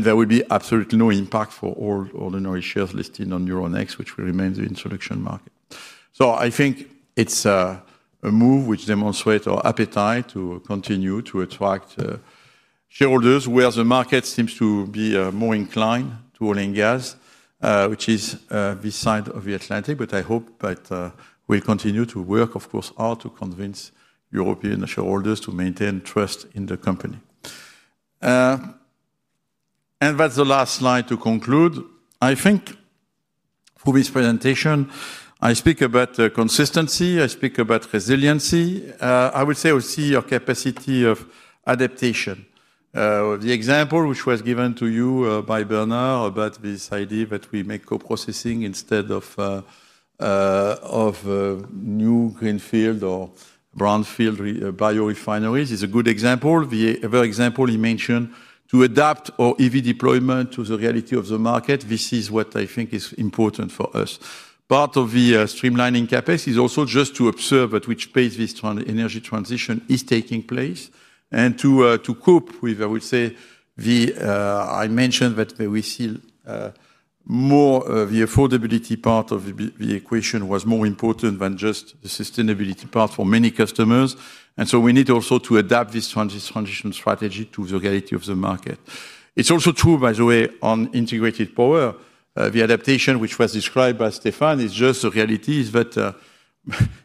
There will be absolutely no impact for all ordinary shares listed on Euronext, which remains the introduction market. I think it's a move which demonstrates our appetite to continue to attract shareholders where the market seems to be more inclined to oil and gas, which is this side of the Atlantic. I hope that we'll continue to work, of course, hard to convince European shareholders to maintain trust in the company. That's the last slide to conclude. I think through this presentation, I speak about consistency. I speak about resiliency. I would say I see your capacity of adaptation. The example which was given to you by Bernard about this idea that we make co-processing instead of new greenfield or brownfield biorefineries is a good example. The other example he mentioned, to adapt our EV deployment to the reality of the market, this is what I think is important for us. Part of the streamlining CapEx is also just to observe at which pace this energy transition is taking place and to cope with, I would say, the I mentioned that we see more the affordability part of the equation was more important than just the sustainability part for many customers. We need also to adapt this transition strategy to the reality of the market. It's also true, by the way, on integrated power. The adaptation which was described by Stéphane is just the reality is that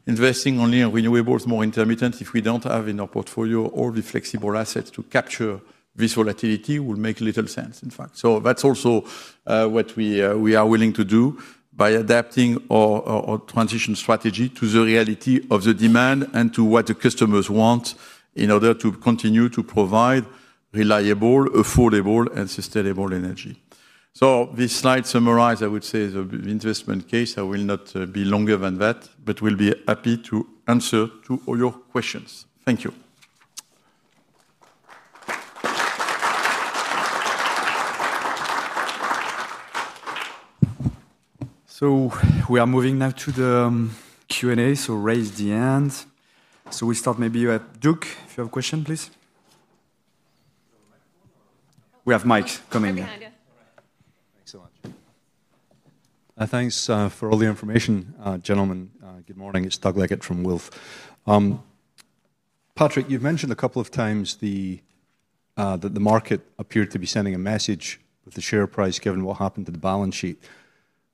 investing only in renewables is more intermittent. If we don't have in our portfolio all the flexible assets to capture this volatility, it will make little sense, in fact. That's also what we are willing to do by adapting our transition strategy to the reality of the demand and to what the customers want in order to continue to provide reliable, affordable, and sustainable energy. This slide summarizes, I would say, the investment case. I will not be longer than that, but we'll be happy to answer to all your questions. Thank you. We are moving now to the Q&A, so raise the hand. We start maybe at Doug. If you have a question, please. We have Mike coming in. Thanks so much. Thanks for all the information, gentlemen. Good morning. It's Doug Leggett from Wolfe. Patrick, you've mentioned a couple of times that the market appeared to be sending a message with the share price given what happened to the balance sheet.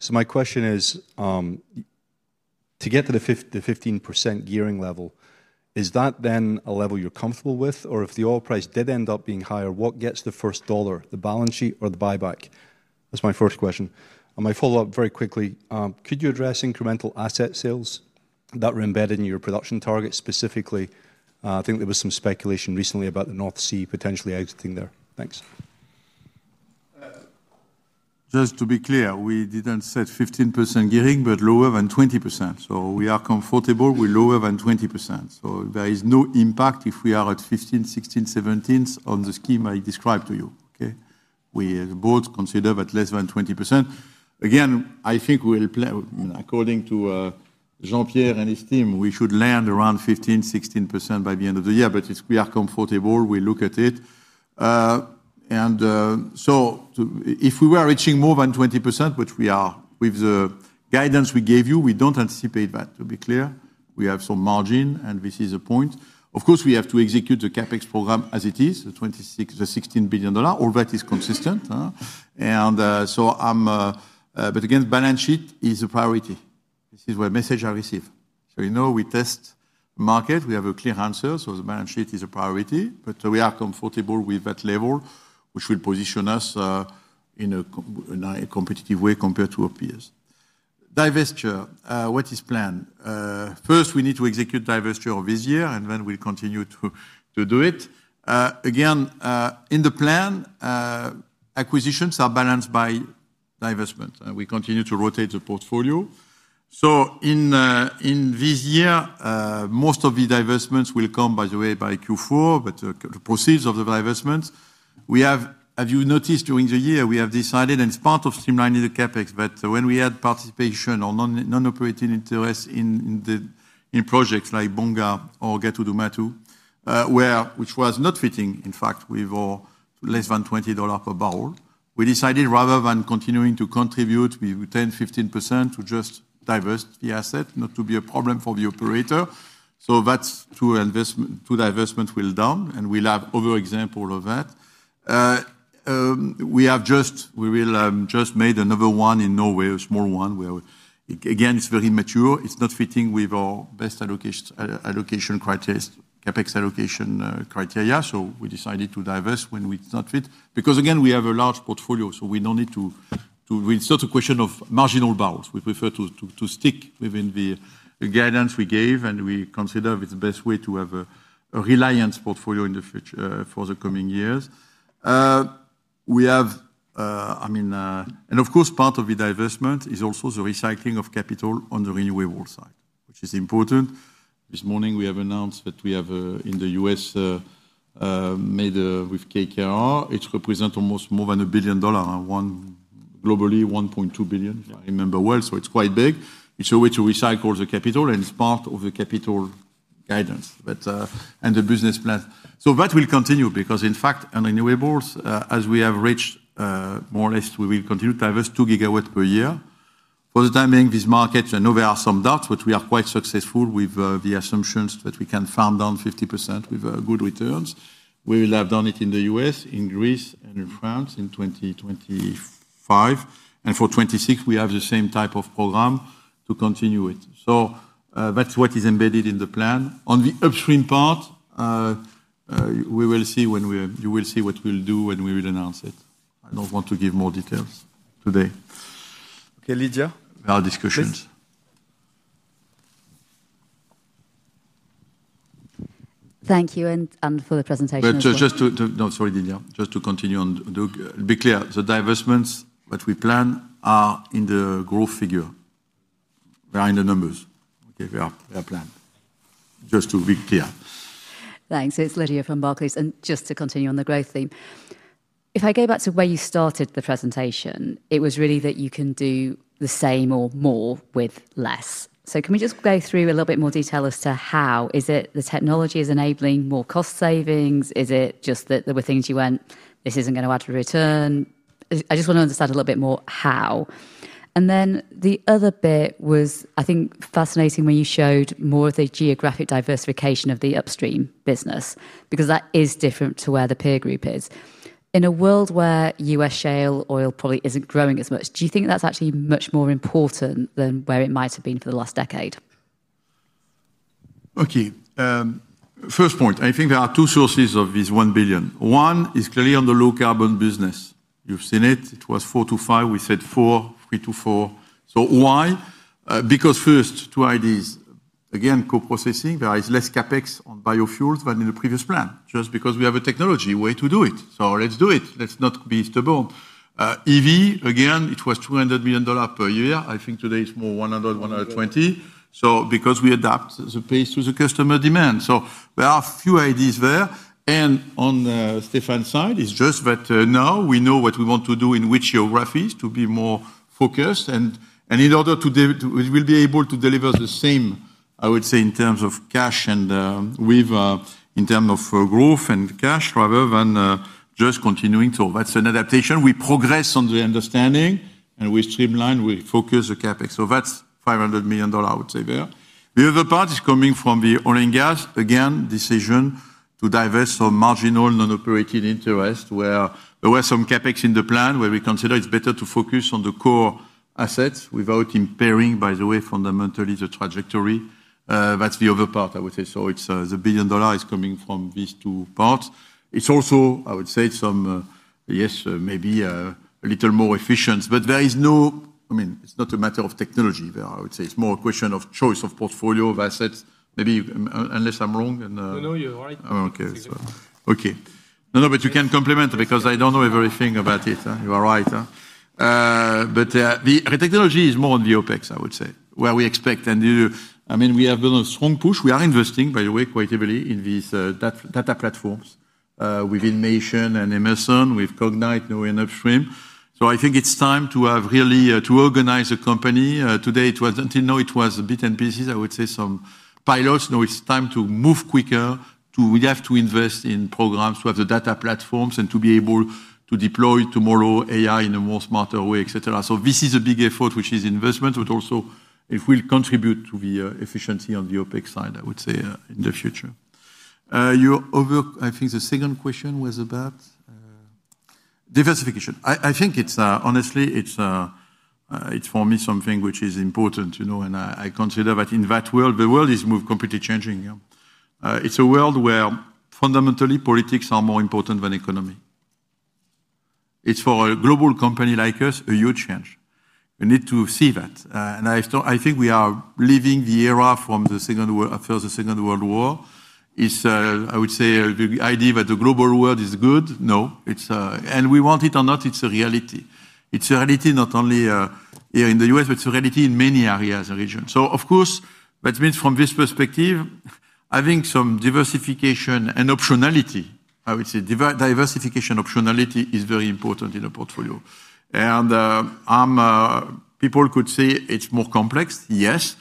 My question is, to get to the 15% gearing level, is that then a level you're comfortable with? If the oil price did end up being higher, what gets the first dollar, the balance sheet or the buyback? That's my first question. My follow-up very quickly, could you address incremental asset sales that were embedded in your production targets specifically? I think there was some speculation recently about the North Sea potentially exiting there. Thanks. Just to be clear, we didn't set 15% gearing, but lower than 20%. We are comfortable with lower than 20%. There is no impact if we are at 15%, 16%, 17% on the scheme I described to you. We both consider that less than 20%. Again, I think we'll play, according to Jean-Pierre and his team, we should land around 15%, 16% by the end of the year. We are comfortable. We look at it. If we were reaching more than 20%, which we are, with the guidance we gave you, we don't anticipate that, to be clear. We have some margin, and this is a point. Of course, we have to execute the CapEx program as it is, the $16 billion. All that is consistent. The balance sheet is a priority. This is what message I received. You know we test the market. We have a clear answer. The balance sheet is a priority. We are comfortable with that level, which will position us in a competitive way compared to our peers. Divestiture, what is planned? First, we need to execute divestiture this year, and then we'll continue to do it. In the plan, acquisitions are balanced by divestment. We continue to rotate the portfolio. In this year, most of the divestments will come, by the way, by Q4. The proceeds of the divestments, have you noticed during the year, we have decided, and it's part of streamlining the CapEx, that when we had participation or non-operating interests in projects like Bonga or Gato Dumatu, which was not fitting, in fact, with our less than $20 pbbl, we decided rather than continuing to contribute with 10%, 15% to just divest the asset, not to be a problem for the operator. That's two divestments we've done, and we'll have other examples of that. We have just made another one in Norway, a small one, where again, it's very mature. It's not fitting with our best allocation criteria, CapEx allocation criteria. We decided to divest when it's not fit because, again, we have a large portfolio. We don't need to, it's not a question of marginal barrels. We prefer to stick within the guidance we gave, and we consider it's the best way to have a reliance portfolio in the future for the coming years. Of course, part of the divestment is also the recycling of capital on the renewable side, which is important. This morning, we have announced that we have in the U.S. made with KKR. It represents almost more than $1 billion, globally $1.2 billion, if I remember well. It's quite big. It's a way to recycle the capital, and it's part of the capital guidance and the business plan. That will continue because, in fact, on renewables, as we have reached, more or less, we will continue to divest 2 GW per year. For the timing, this market, I know there are some doubts, but we are quite successful with the assumptions that we can farm down 50% with good returns. We will have done it in the U.S., in Greece, and in France in 2025. For 2026, we have the same type of program to continue it. That's what is embedded in the plan. On the upstream part, we will see when we, you will see what we'll do when we will announce it. I don't want to give more details today. Okay, Lydia. There are discussions. Thank you for the presentation. Just to continue on, to be clear, the divestments that we plan are in the growth figure. We are in the numbers. We are planned, just to be clear. Thanks. It's Lydia from Barclays. Just to continue on the growth theme, if I go back to where you started the presentation, it was really that you can do the same or more with less. Can we just go through a little bit more detail as to how? Is it the technology is enabling more cost savings? Is it just that there were things you went, this isn't going to add to return? I just want to understand a little bit more how. The other bit was, I think, fascinating when you showed more of the geographic diversification of the upstream business because that is different to where the peer group is. In a world where U.S. shale oil probably isn't growing as much, do you think that's actually much more important than where it might have been for the last decade? Okay. First point, I think there are two sources of this $1 billion. One is clearly on the low carbon business. You've seen it. It was $4 billion-$5 billion. We said $4, $3 billion-$4 billion. Why? Because first, two ideas. Again, co-processing, there is less CapEx on biofuels than in the previous plan, just because we have a technology, a way to do it. Let's do it. Let's not be stubborn. EV, again, it was $200 million per year. I think today it's more $100 million, $120 million. We adapt the pace to the customer demand. There are a few ideas there. On Stéphane's side, it's just that now we know what we want to do in which geographies to be more focused. In order to, we will be able to deliver the same, I would say, in terms of cash and in terms of growth and cash rather than just continuing. That's an adaptation. We progress on the understanding, and we streamline, we focus the CapEx. That's $500 million, I would say, there. The other part is coming from the oil and gas. Again, decision to divest from marginal non-operated interest where there was some CapEx in the plan, where we consider it's better to focus on the core assets without impairing, by the way, fundamentally the trajectory. That's the other part, I would say. The $1 billion is coming from these two parts. It's also, I would say, maybe a little more efficient. There is no, I mean, it's not a matter of technology there. I would say it's more a question of choice of portfolio of assets. Maybe, unless I'm wrong. No, you're right. Okay. No, but you can compliment because I don't know everything about it. You are right. The technology is more on the OpEx, I would say, where we expect. We have a strong push. We are investing, by the way, quite heavily in these data platforms with Innovation and Emerson, with Cognite now in upstream. I think it's time to really organize the company today. Until now, it was bits and pieces, some pilots. Now it's time to move quicker. We have to invest in programs to have the data platforms and to be able to deploy tomorrow AI in a more smarter way, etc. This is a big effort, which is investment, but also it will contribute to the efficiency on the OpEx side in the future. I think the second question was about diversification. Honestly, it's for me something which is important. I consider that in that world, the world is completely changing. It's a world where fundamentally politics are more important than economy. For a global company like us, it's a huge change. We need to see that. I think we are living the era from the First World War. The idea that the global world is good. No, it's, and we want it or not, it's a reality. It's a reality not only here in the U.S., but it's a reality in many areas and regions. Of course, that means from this perspective, having some diversification and optionality, I would say diversification optionality is very important in the portfolio. People could say it's more complex. Yes.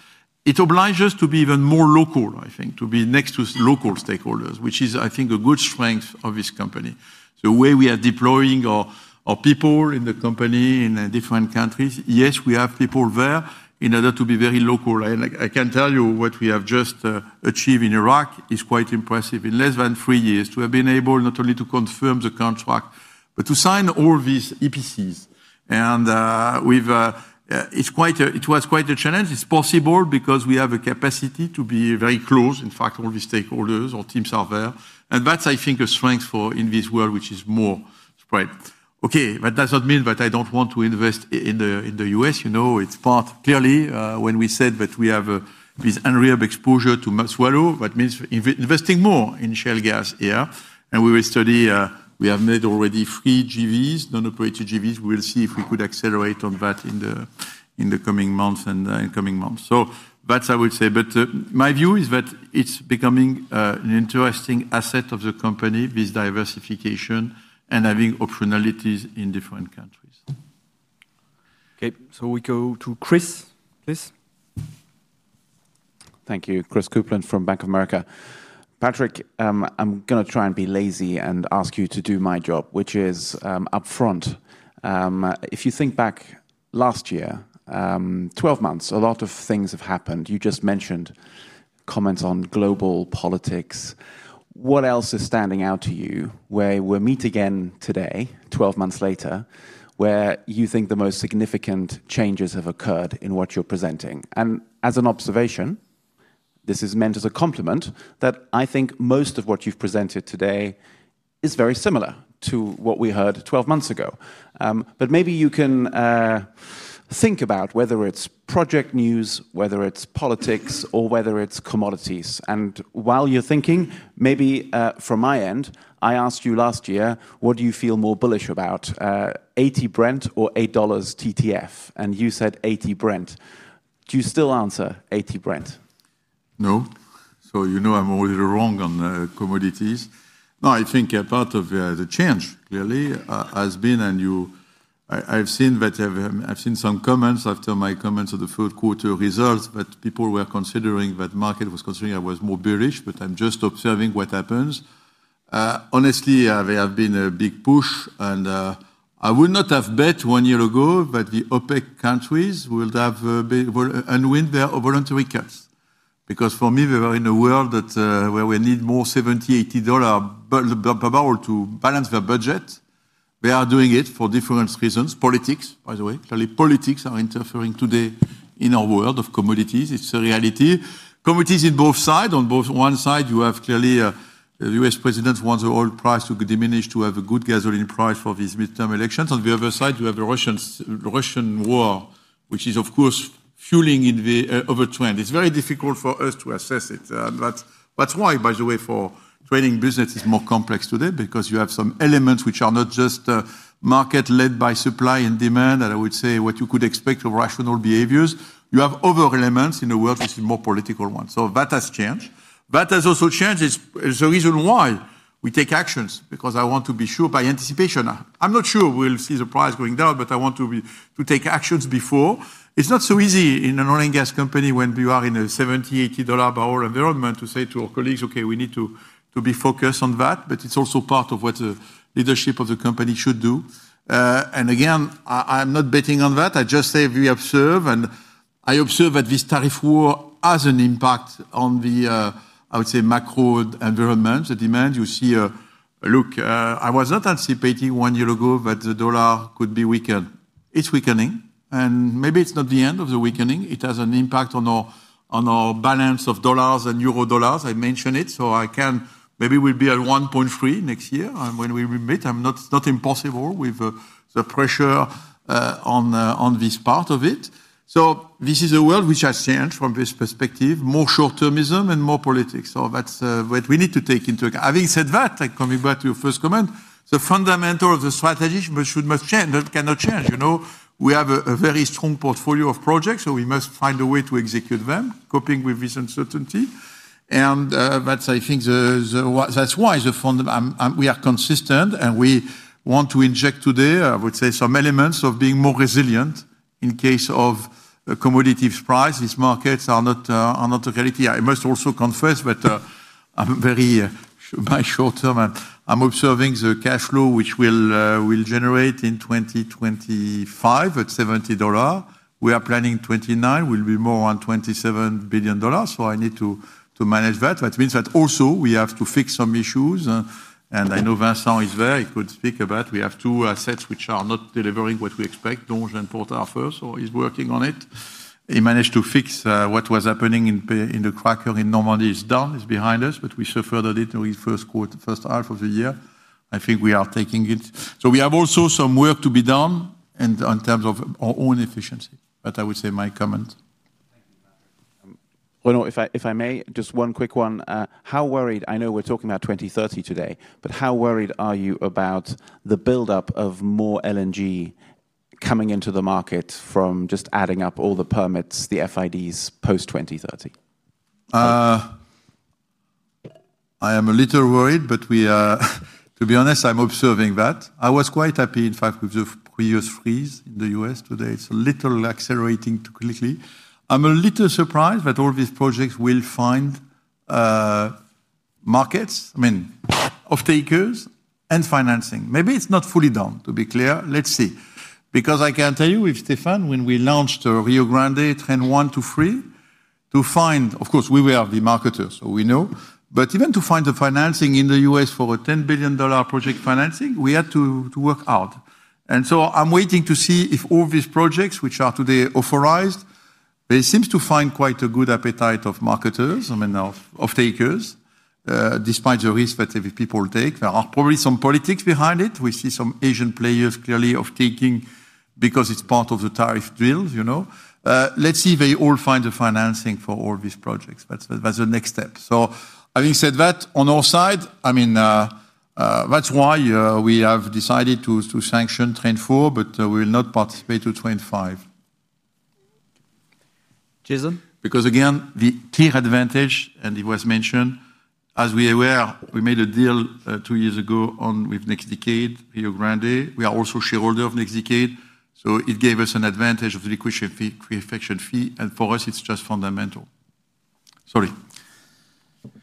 It obliges us to be even more local, to be next to local stakeholders, which is a good strength of this company. The way we are deploying our people in the company in different countries, we have people there in order to be very local. I can tell you what we have just achieved in Iraq is quite impressive. In less than three years, to have been able not only to confirm the contract, but to sign all these EPCs. It was quite a challenge. It's possible because we have a capacity to be very close. In fact, all these stakeholders, our teams are there. That's a strength in this world, which is more spread. That does not mean that I don't want to invest in the U.S. It's part clearly when we said that we have this unreal exposure to Maxwello, that means investing more in shale gas here. We will study, we have made already three JVs, non-operated JVs. We will see if we could accelerate on that in the coming months. I would say my view is that it's becoming an interesting asset of the company, this diversification and having optionalities in different countries. Okay, we go to Chris. Chris. Thank you. Chris Copeland from Bank of America. Patrick, I'm going to try and be lazy and ask you to do my job, which is upfront. If you think back last year, 12 months, a lot of things have happened. You just mentioned comments on global politics. What else is standing out to you where we'll meet again today, 12 months later, where you think the most significant changes have occurred in what you're presenting? As an observation, this is meant as a compliment that I think most of what you've presented today is very similar to what we heard 12 months ago. Maybe you can think about whether it's project news, whether it's politics, or whether it's commodities. While you're thinking, maybe from my end, I asked you last year, what do you feel more bullish about, $80 Brent or $8 TTF? You said $80 Brent. Do you still answer $80 Brent? No. You know I'm always wrong on commodities. I think a part of the change clearly has been, and I've seen some comments after my comments of the fourth quarter results, that people were considering that the market was considering I was more bearish, but I'm just observing what happens. Honestly, there has been a big push, and I would not have bet one year ago that the OPEC countries would have unwound their voluntary cuts. For me, we were in a world where we need more $70 pbbl, $80 pbbl to balance the budget. We are doing it for different reasons. Politics, by the way, clearly politics are interfering today in our world of commodities. It's a reality. Commodities on both sides. On one side, you have clearly the U.S. president wants the oil price to diminish to have a good gasoline price for these midterm elections. On the other side, you have the Russian war, which is, of course, fueling in the overtrend. It's very difficult for us to assess it. That's why, by the way, the trading business is more complex today because you have some elements which are not just market led by supply and demand, and I would say what you could expect of rational behaviors. You have other elements in the world. This is a more political one. That has changed. That has also changed. It's the reason why we take actions, because I want to be sure by anticipation. I'm not sure we'll see the price going down, but I want to take actions before. It's not so easy in an oil and gas company when you are in a $70 pbbl, $80 pbbl environment to say to our colleagues, okay, we need to be focused on that. It's also part of what the leadership of the company should do. Again, I'm not betting on that. I just say we observe, and I observe that this tariff war has an impact on the, I would say, macro environment, the demand. Look, I was not anticipating one year ago that the dollar could be weakened. It's weakening, and maybe it's not the end of the weakening. It has an impact on our balance of dollars and euro dollars. I mentioned it. Maybe we'll be at 1.3 next year when we meet. It's not impossible with the pressure on this part of it. This is a world which has changed from this perspective, more short-termism and more politics. That's what we need to take into account. Having said that, coming back to your first comment, the fundamental of the strategy should not change. That cannot change. You know, we have a very strong portfolio of projects, so we must find a way to execute them, coping with this uncertainty. I think that's why we are consistent, and we want to inject today, I would say, some elements of being more resilient in case of a commodity price. These markets are not a reality. I must also confess that I'm very short-term, and I'm observing the cash flow, which will generate in 2025 at $70. We are planning 2029. We'll be more on $27 billion. I need to manage that. That means that also we have to fix some issues. I know Vincent is there. He could speak about it. We have two assets which are not delivering what we expect. Donge & Porter first. He's working on it. He managed to fix what was happening in the cracker in Normandy. It's done. It's behind us, but we suffered a little in the first quarter, first half of the year. I think we are taking it. We have also some work to be done in terms of our own efficiency. That I would say my comment. Renaud, if I may, just one quick one. How worried, I know we're talking about 2030 today, but how worried are you about the buildup of more LNG coming into the market from just adding up all the permits, the FIDs post-2030? I am a little worried, but to be honest, I'm observing that. I was quite happy, in fact, with the previous freeze in the U.S. today. It's a little accelerating quickly. I'm a little surprised that all these projects will find markets, I mean, off-takers and financing. Maybe it's not fully done, to be clear. Let's see. I can tell you with Stéphane, when we launched Rio Grande Train 1 to 3, to find, of course, we were the marketers, so we know. Even to find the financing in the U.S. for a $10 billion project financing, we had to work hard. I'm waiting to see if all these projects which are today authorized, they seem to find quite a good appetite of marketers, I mean, of off-takers, despite the risk that people take. There are probably some politics behind it. We see some Asian players clearly off-taking because it's part of the tariff drills. Let's see if they all find the financing for all these projects. That's the next step. Having said that, on our side, that's why we have decided to sanction Train 4, but we will not participate in Train 5. Jason? Because again, the clear advantage, and it was mentioned, as we were aware, we made a deal two years ago with Next Decade Rio Grande. We are also a shareholder of Next Decade. It gave us an advantage of the liquidation fee. For us, it's just fundamental. Sorry.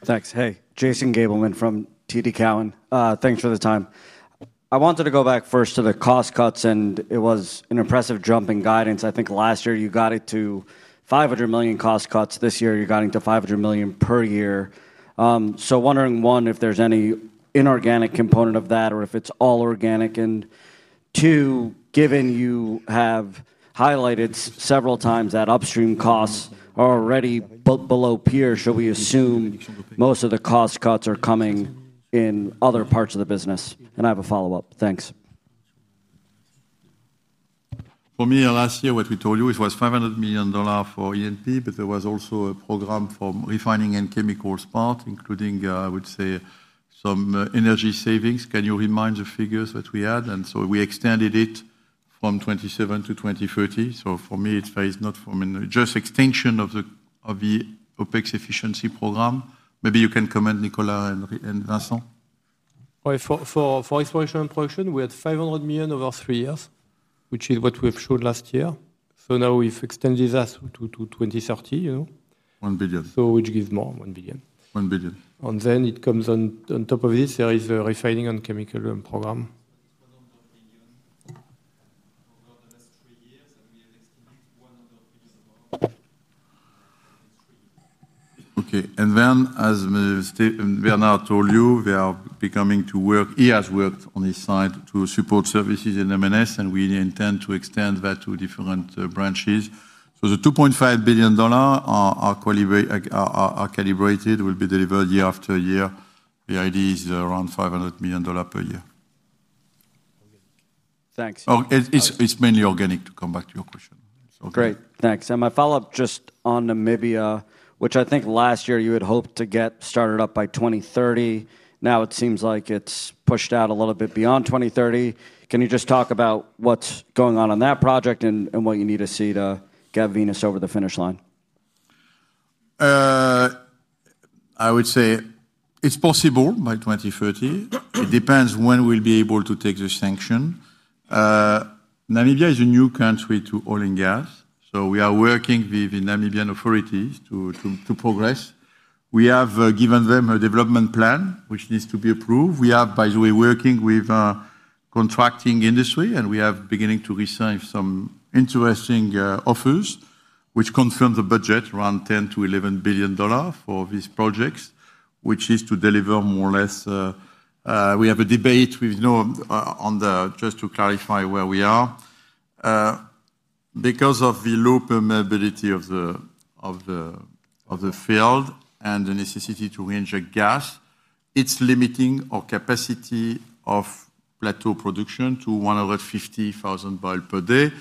Thanks. Hey, Jason Gabelman from TD Cowen. Thanks for the time. I wanted to go back first to the cost cuts, and it was an impressive jump in guidance. I think last year you got it to $500 million cost cuts. This year you're getting to $500 million per year. I'm wondering, one, if there's any inorganic component of that or if it's all organic. Given you have highlighted several times that upstream costs are already below peer, shall we assume most of the cost cuts are coming in other parts of the business? I have a follow-up. Thanks. For me, last year, what we told you, it was $500 million for E&P, but there was also a program for refining and chemicals part, including, I would say, some energy savings. Can you remind the figures that we had? We extended it from 2027 to 2030. For me, it's not just extension of the OpEx efficiency program. Maybe you can comment, Nicolas and Vincent. For exploration and production, we had $500 million over three years, which is what we have showed last year. Now we've extended that to 2030, you know. 1 billion. Which gives more, $1 billion. 1 billion. There is a refining and chemical program. As Bernard Pinatel told you, we are beginning to work, he has worked on his side to support services in M&S, and we intend to extend that to different branches. The $2.5 billion are calibrated, will be delivered year after year. The idea is around $500 million per year. Thanks. It's mainly organic, to come back to your question. Great. Thanks. My follow-up just on Namibia, which I think last year you had hoped to get started up by 2030. Now it seems like it's pushed out a little bit beyond 2030. Can you just talk about what's going on on that project and what you need to see to get Venus over the finish line? I would say it's possible by 2030. It depends when we'll be able to take the sanction. Namibia is a new country to oil and gas. We are working with the Namibian authorities to progress. We have given them a development plan, which needs to be approved. We are, by the way, working with the contracting industry, and we are beginning to receive some interesting offers, which confirm the budget around $10 billion-$11 billion for these projects, which is to deliver more or less. We have a debate with no on the, just to clarify where we are. Because of the low permeability of the field and the necessity to reinject gas, it's limiting our capacity of plateau production to 150,000 bpd,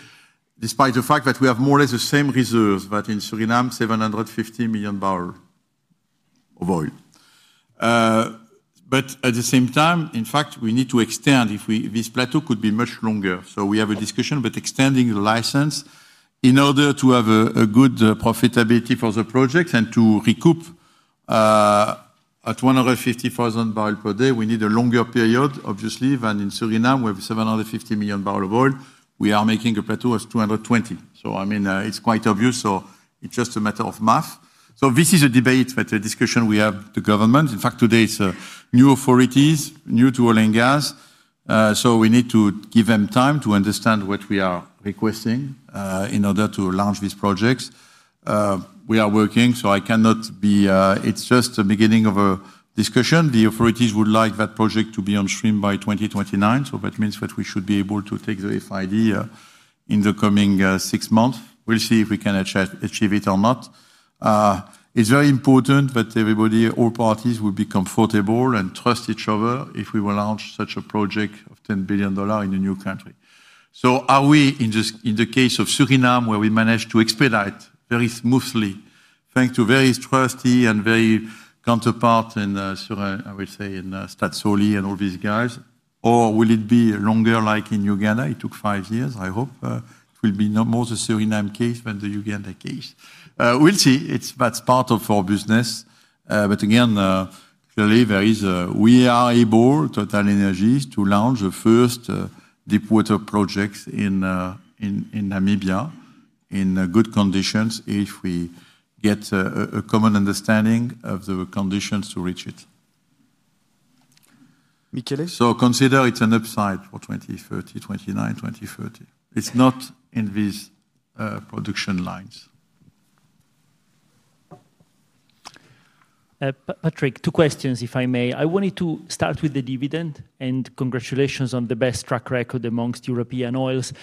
despite the fact that we have more or less the same reserves that in Suriname, 750 million barrels of oil. At the same time, in fact, we need to extend. This plateau could be much longer. We have a discussion about extending the license in order to have a good profitability for the projects and to recoup at 150,000 bpd. We need a longer period, obviously, than in Suriname. We have 750 million barrels of oil. We are making a plateau of 220. I mean, it's quite obvious. It's just a matter of math. This is a debate, but a discussion we have with the government. In fact, today it's new authorities, new to oil and gas. We need to give them time to understand what we are requesting in order to launch these projects. We are working. I cannot be, it's just the beginning of a discussion. The authorities would like that project to be on stream by 2029. That means that we should be able to take the FID in the coming six months. We'll see if we can achieve it or not. It's very important that everybody, all parties will be comfortable and trust each other if we will launch such a project of $10 billion in a new country. Are we in the case of Suriname, where we managed to expedite very smoothly, thanks to very trusty and very counterparts, and I would say in Statsoli and all these guys, or will it be longer like in Uganda? It took five years, I hope. It will be more the Suriname case than the Uganda case. We'll see. That's part of our business. Again, clearly, we are able, TotalEnergies, to launch the first deepwater projects in Namibia in good conditions if we get a common understanding of the conditions to reach it. Michele? Consider it's an upside for 2029, 2030. It's not in these production lines. Patrick, two questions, if I may. I wanted to start with the dividend, and congratulations on the best track record amongst European oils.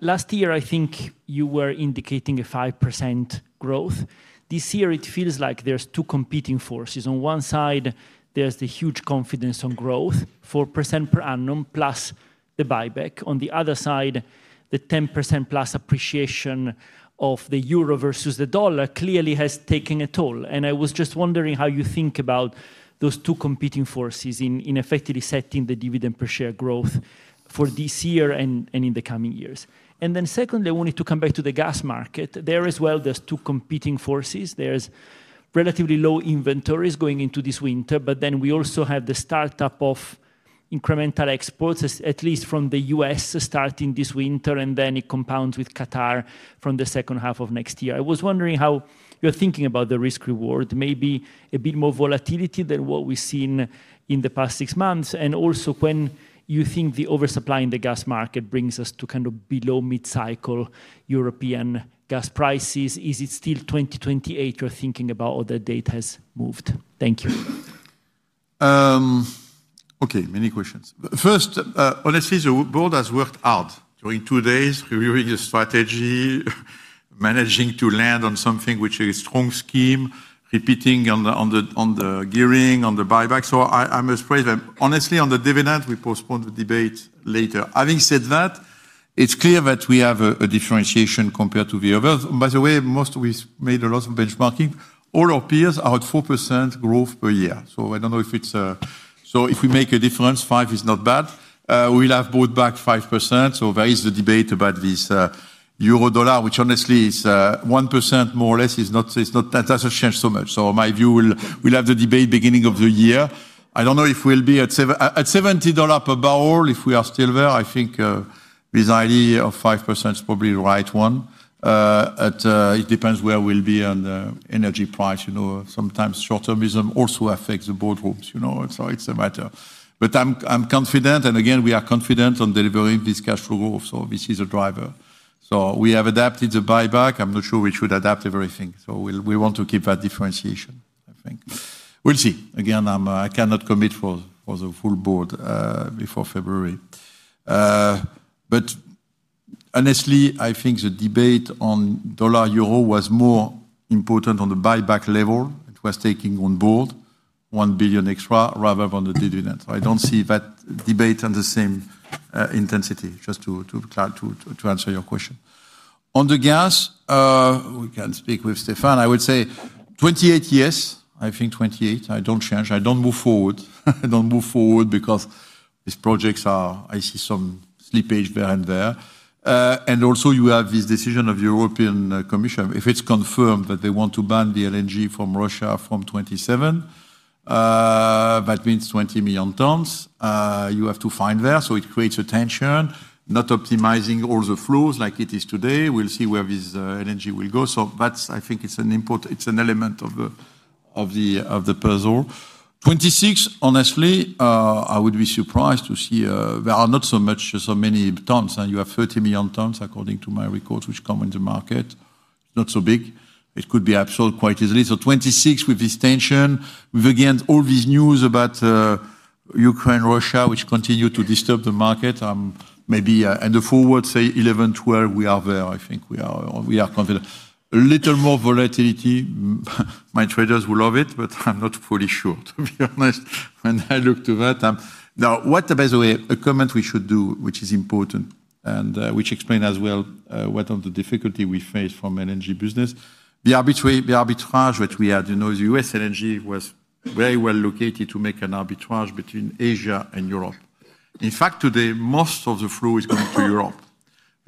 Last year, I think you were indicating a 5% growth. This year, it feels like there's two competing forces. On one side, there's the huge confidence on growth, 4% per annum plus the buyback. On the other side, the 10%+ appreciation of the euro versus the dollar clearly has taken a toll. I was just wondering how you think about those two competing forces in effectively setting the dividend per share growth for this year and in the coming years. Secondly, I wanted to come back to the gas market. There as well, there's two competing forces. There's relatively low inventories going into this winter, but we also have the startup of incremental exports, at least from the U.S., starting this winter, and it compounds with Qatar from the second half of next year. I was wondering how you're thinking about the risk-reward, maybe a bit more volatility than what we've seen in the past six months. Also, when you think the oversupply in the gas market brings us to kind of below mid-cycle European gas prices, is it still 2028 you're thinking about or that date has moved? Thank you. Okay, many questions. First, honestly, the board has worked hard. In two days, reviewing the strategy, managing to land on something which is a strong scheme, repeating on the gearing, on the buyback. I must praise them. Honestly, on the dividend, we postponed the debate later. Having said that, it's clear that we have a differentiation compared to the others. By the way, most of us made a lot of benchmarking. All our peers are at 4% growth per year. I don't know if it's, so if we make a difference, 5% is not bad. We'll have bought back 5%. There is the debate about this euro dollar, which honestly is 1% more or less. It doesn't change so much. My view, we'll have the debate beginning of the year. I don't know if we'll be at $70 pbbl if we are still there. I think this idea of 5% is probably the right one. It depends where we'll be on the energy price. You know, sometimes short-termism also affects the boardrooms. It's a matter. I'm confident, and again, we are confident on delivering this cash flow growth. This is a driver. We have adapted the buyback. I'm not sure we should adapt everything. We want to keep that differentiation, I think. We'll see. I cannot commit for the full board before February. Honestly, I think the debate on dollar euro was more important on the buyback level. It was taking on board $1 billion extra rather than the dividend. I don't see that debate on the same intensity, just to answer your question. On the gas, we can speak with Stéphane. I would say 28 years, I think 28. I don't change. I don't move forward. I don't move forward because these projects are, I see some slippage there and there. Also, you have this decision of the European Commission. If it's confirmed that they want to ban the LNG from Russia from 2027, that means 20 million tons. You have to find there. It creates a tension, not optimizing all the flows like it is today. We'll see where this LNG will go. I think it's an important, it's an element of the puzzle. 2026, honestly, I would be surprised to see there are not so much, so many tons. You have 30 million tons, according to my records, which come in the market. Not so big. It could be absorbed quite easily. 2026 with this tension, with again all these news about Ukraine, Russia, which continue to disturb the market. I'm maybe at the forward, say 2011, 2012, we are there. I think we are a little more volatility. My traders will love it, but I'm not fully sure, to be honest, when I look to that. Now, what the best way, a comment we should do, which is important, and which explains as well one of the difficulties we face from the LNG business, the arbitrage that we had. You know, the U.S. LNG was very well located to make an arbitrage between Asia and Europe. In fact, today, most of the flow is going to Europe.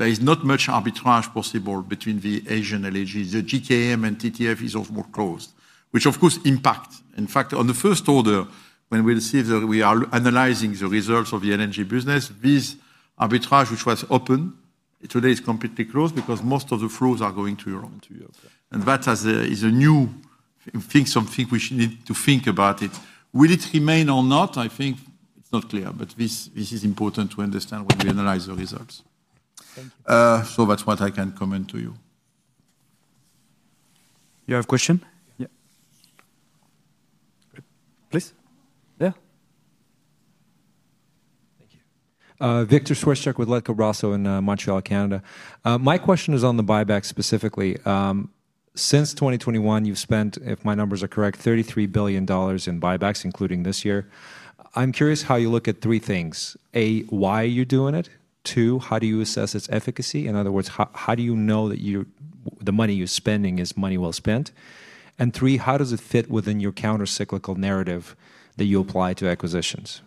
There is not much arbitrage possible between the Asian LNG. The GKM and TTF is often closed, which of course impacts. In fact, on the first order, when we'll see that we are analyzing the results of the LNG business, this arbitrage which was open, today it's completely closed because most of the flows are going to Europe. That is a new thing, something we need to think about. Will it remain or not? I think it's not clear, but this is important to understand when we analyze the results. That's what I can comment to you. You have a question? Yeah. Please. Yeah. Thank you. Victor Swishchuk with Letko Brosseau in Montreal, Canada. My question is on the buybacks specifically. Since 2021, you've spent, if my numbers are correct, $33 billion in buybacks, including this year. I'm curious how you look at three things. A, why are you doing it? Two, how do you assess its efficacy? In other words, how do you know that the money you're spending is money well spent? Three, how does it fit within your countercyclical narrative that you apply to acquisitions?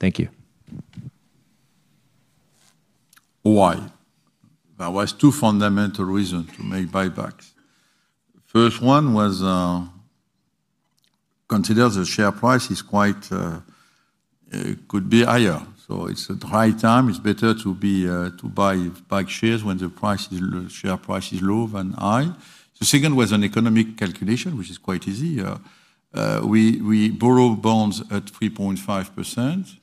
Thank you. Why? There were two fundamental reasons to make buybacks. The first one was, consider the share price is quite, it could be higher. It's a dry time. It's better to buy back shares when the share price is low than high. The second was an economic calculation, which is quite easy. We borrow bonds at 3.5%,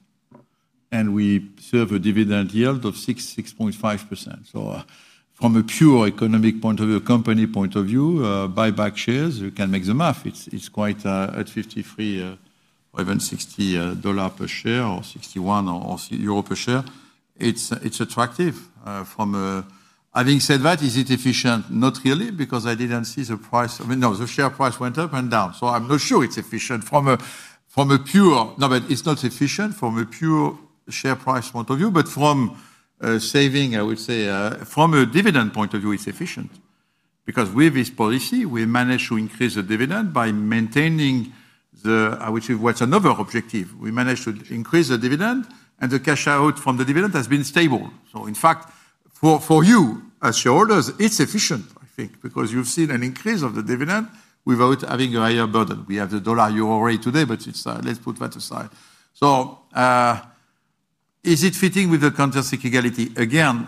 and we serve a dividend yield of 6.5%. From a pure economic point of view, company point of view, buyback shares, you can make the math. It's quite at $53 or even $60 per share or $61 or euro per share. It's attractive. Having said that, is it efficient? Not really, because I didn't see the price. I mean, no, the share price went up and down. I'm not sure it's efficient from a pure, no, but it's not efficient from a pure share price point of view, but from a saving, I would say, from a dividend point of view, it's efficient. Because with this policy, we managed to increase the dividend by maintaining the, I would say, what's another objective? We managed to increase the dividend and the cash out from the dividend has been stable. In fact, for you as shareholders, it's efficient, I think, because you've seen an increase of the dividend without having a higher burden. We have the dollar euro rate today, but let's put that aside. Is it fitting with the contract stick egality? Again,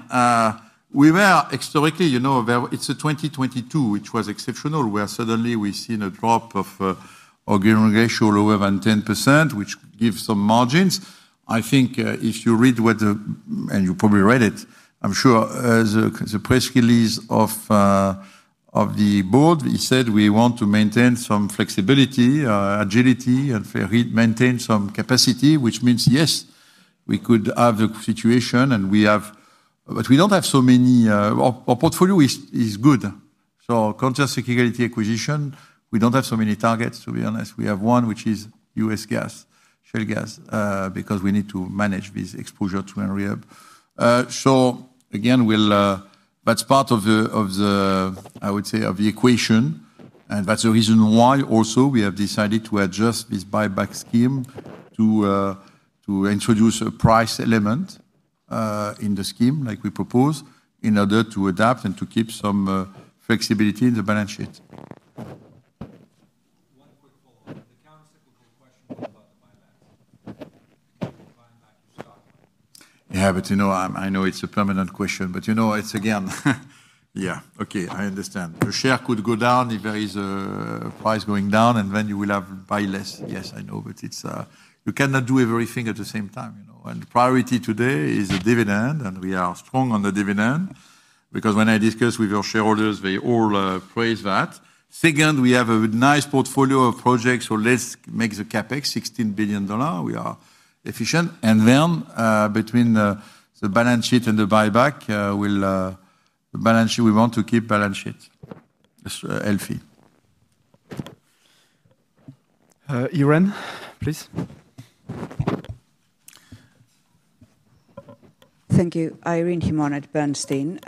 we were historically, you know, it's a 2022 which was exceptional where suddenly we've seen a drop of our giving ratio lower than 10%, which gives some margins. I think if you read what the, and you probably read it, I'm sure, the press release of the board said we want to maintain some flexibility, agility, and maintain some capacity, which means, yes, we could have the situation and we have, but we don't have so many, our portfolio is good. Contract stick egality acquisition, we don't have so many targets, to be honest. We have one, which is U.S. gas, shale gas, because we need to manage this exposure to and rehab. Again, that's part of the, I would say, of the equation. That's the reason why also we have decided to adjust this buyback scheme to introduce a price element in the scheme like we propose in order to adapt and to keep some flexibility in the balance sheet. Yeah, but you know, I know it's a permanent question, but you know, it's again, yeah, okay, I understand. A share could go down if there is a price going down and then you will have to buy less. Yes, I know, but it's, you cannot do everything at the same time, you know. The priority today is the dividend, and we are strong on the dividend because when I discuss with our shareholders, they all praise that. Second, we have a nice portfolio of projects, so let's make the CapEx $16 billion. We are efficient. Between the balance sheet and the buyback, the balance sheet, we want to keep the balance sheet. Irene, please? Thank you. Irene Himona at Bernstein.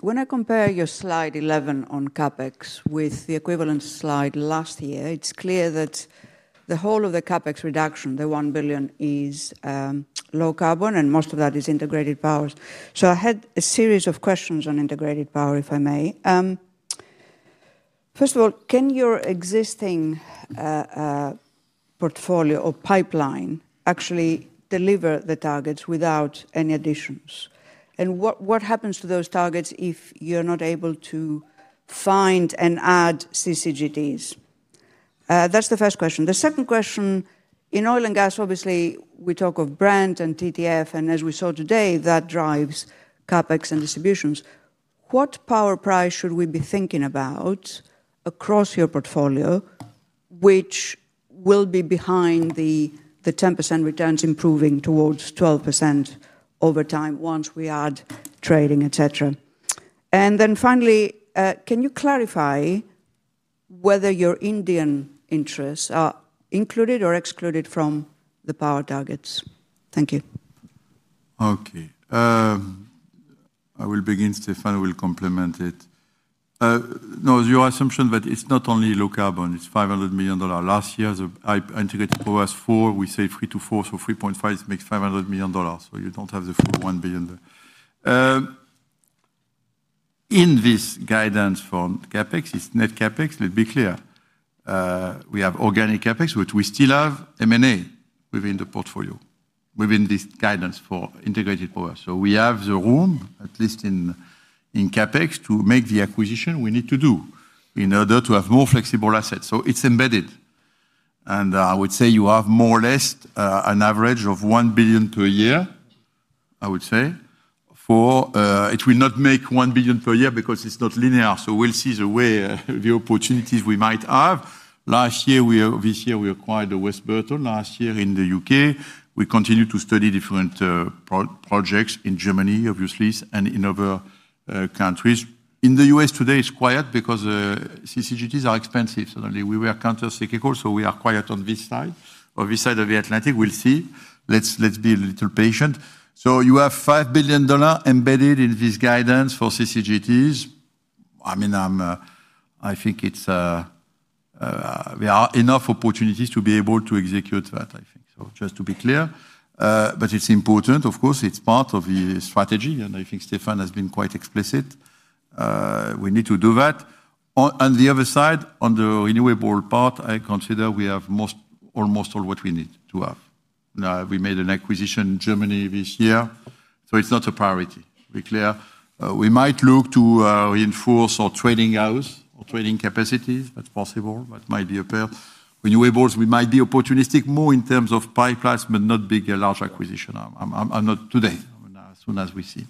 When I compare your slide 11 on CAPEX with the equivalent slide last year, it's clear that the whole of the CAPEX reduction, the $1 billion, is low carbon and most of that is integrated power. I had a series of questions on integrated power, if I may. First of all, can your existing portfolio or pipeline actually deliver the targets without any additions? What happens to those targets if you're not able to find and add CCGDs? That's the first question. The second question, in oil and gas, obviously we talk of Brent and TTF, and as we saw today, that drives CAPEX and distributions. What power price should we be thinking about across your portfolio, which will be behind the 10% returns improving towards 12% over time once we add trading, etc.? Finally, can you clarify whether your Indian interests are included or excluded from the power targets? Thank you. Okay. I will begin. Stéphane will complement it. No, your assumption that it's not only low carbon, it's $500 million. Last year, I integrated Provast 4, we said 3-4, so 3.5, it makes $500 million. You don't have the $1 billion. In this guidance for CapEx, it's net CapEx, let's be clear. We have organic CapEx, but we still have M&A within the portfolio, within this guidance for integrated power. We have the room, at least in CapEx, to make the acquisition we need to do in order to have more flexible assets. It's embedded. I would say you have more or less an average of $1 billion per year, I would say. It will not make $1 billion per year because it's not linear. We will see the way the opportunities we might have. Last year, we are... this year, we acquired the West Burton. Last year in the U.K., we continue to study different projects in Germany, obviously, and in other countries. In the U.S. today, it's quiet because CCGTs are expensive. Suddenly, we were countercyclical, so we are quiet on this side. On this side of the Atlantic, we'll see. Let's be a little patient. You have $5 billion embedded in this guidance for CCGTs. I mean, I think there are enough opportunities to be able to execute that, I think. Just to be clear, it's important, of course, it's part of the strategy, and I think Stéphane has been quite explicit. We need to do that. On the other side, on the renewable part, I consider we have almost all what we need to have. Now, we made an acquisition in Germany this year, so it's not a priority, to be clear. We might look to reinforce our trading house or trading capacities as possible, that might be a pair. Renewables, we might be opportunistic more in terms of pipelines, but not big and large acquisitions. I'm not today. I mean, as soon as we see,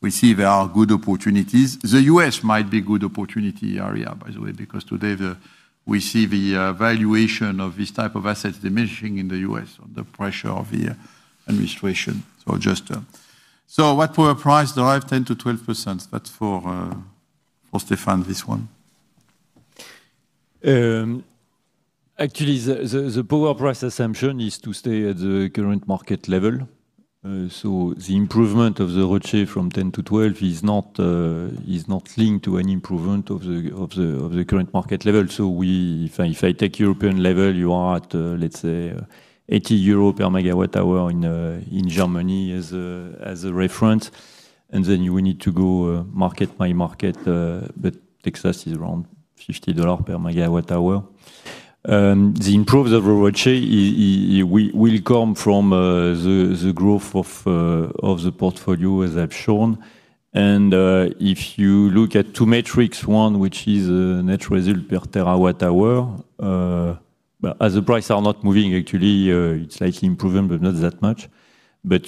we see there are good opportunities. The U.S. might be a good opportunity area, by the way, because today we see the valuation of this type of assets diminishing in the U.S. under pressure of the administration or just... What power price drive 10%-12%? That's for Stéphane this one. Actually, the power price assumption is to stay at the current market level. The improvement of the rotation from 10 to 12 is not linked to any improvement of the current market level. If I take the European level, you are at, let's say, 80 euro per mWh in Germany as a reference. We need to go market by market, but Texas is around $50 per mWh. The improved overall ratio will come from the growth of the portfolio, as I've shown. If you look at two metrics, one which is net result per terawatt hour, as the prices are not moving, actually, it's slightly improving, but not that much.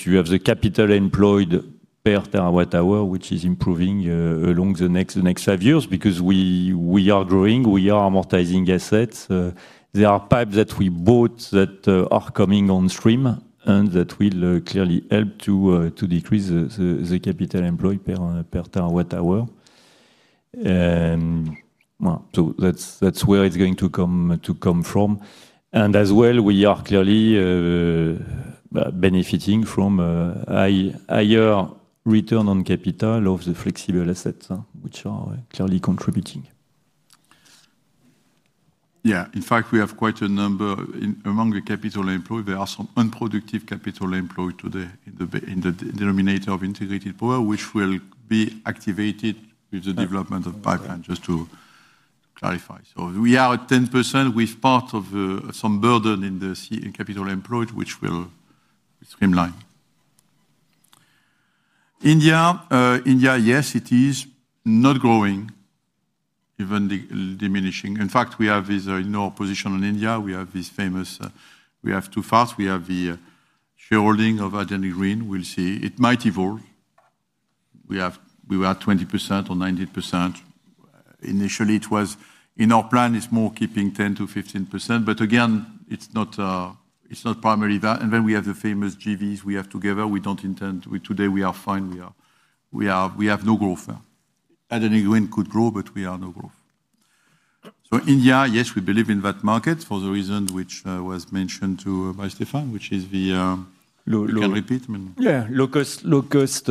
You have the capital employed per terawatt hour, which is improving along the next five years because we are growing, we are amortizing assets. There are pipes that we bought that are coming on stream and that will clearly help to decrease the capital employed per terawatt hour. That's where it's going to come from. We are clearly benefiting from a higher return on capital of the flexible assets, which are clearly contributing. In fact, we have quite a number among the capital employed. There are some unproductive capital employed today in the denominator of integrated power, which will be activated with the development of pipelines, just to clarify. We are at 10% with part of some burden in the capital employed, which will streamline. India, yes, it is not growing, even diminishing. In fact, we have this in our position on India. We have this famous, we have too fast. We have the shareholding of Adani Green. We'll see. It might evolve. We were at 20% or 90%. Initially, it was in our plan, it's more keeping 10%-15%. Again, it's not primarily that. We have the famous JVs we have together. We don't intend, today we are fine. We have no growth there. Adani Green could grow, but we have no growth. India, yes, we believe in that market for the reason which was mentioned by Stéphane, which is the low repeat. Yeah, low cost, low cost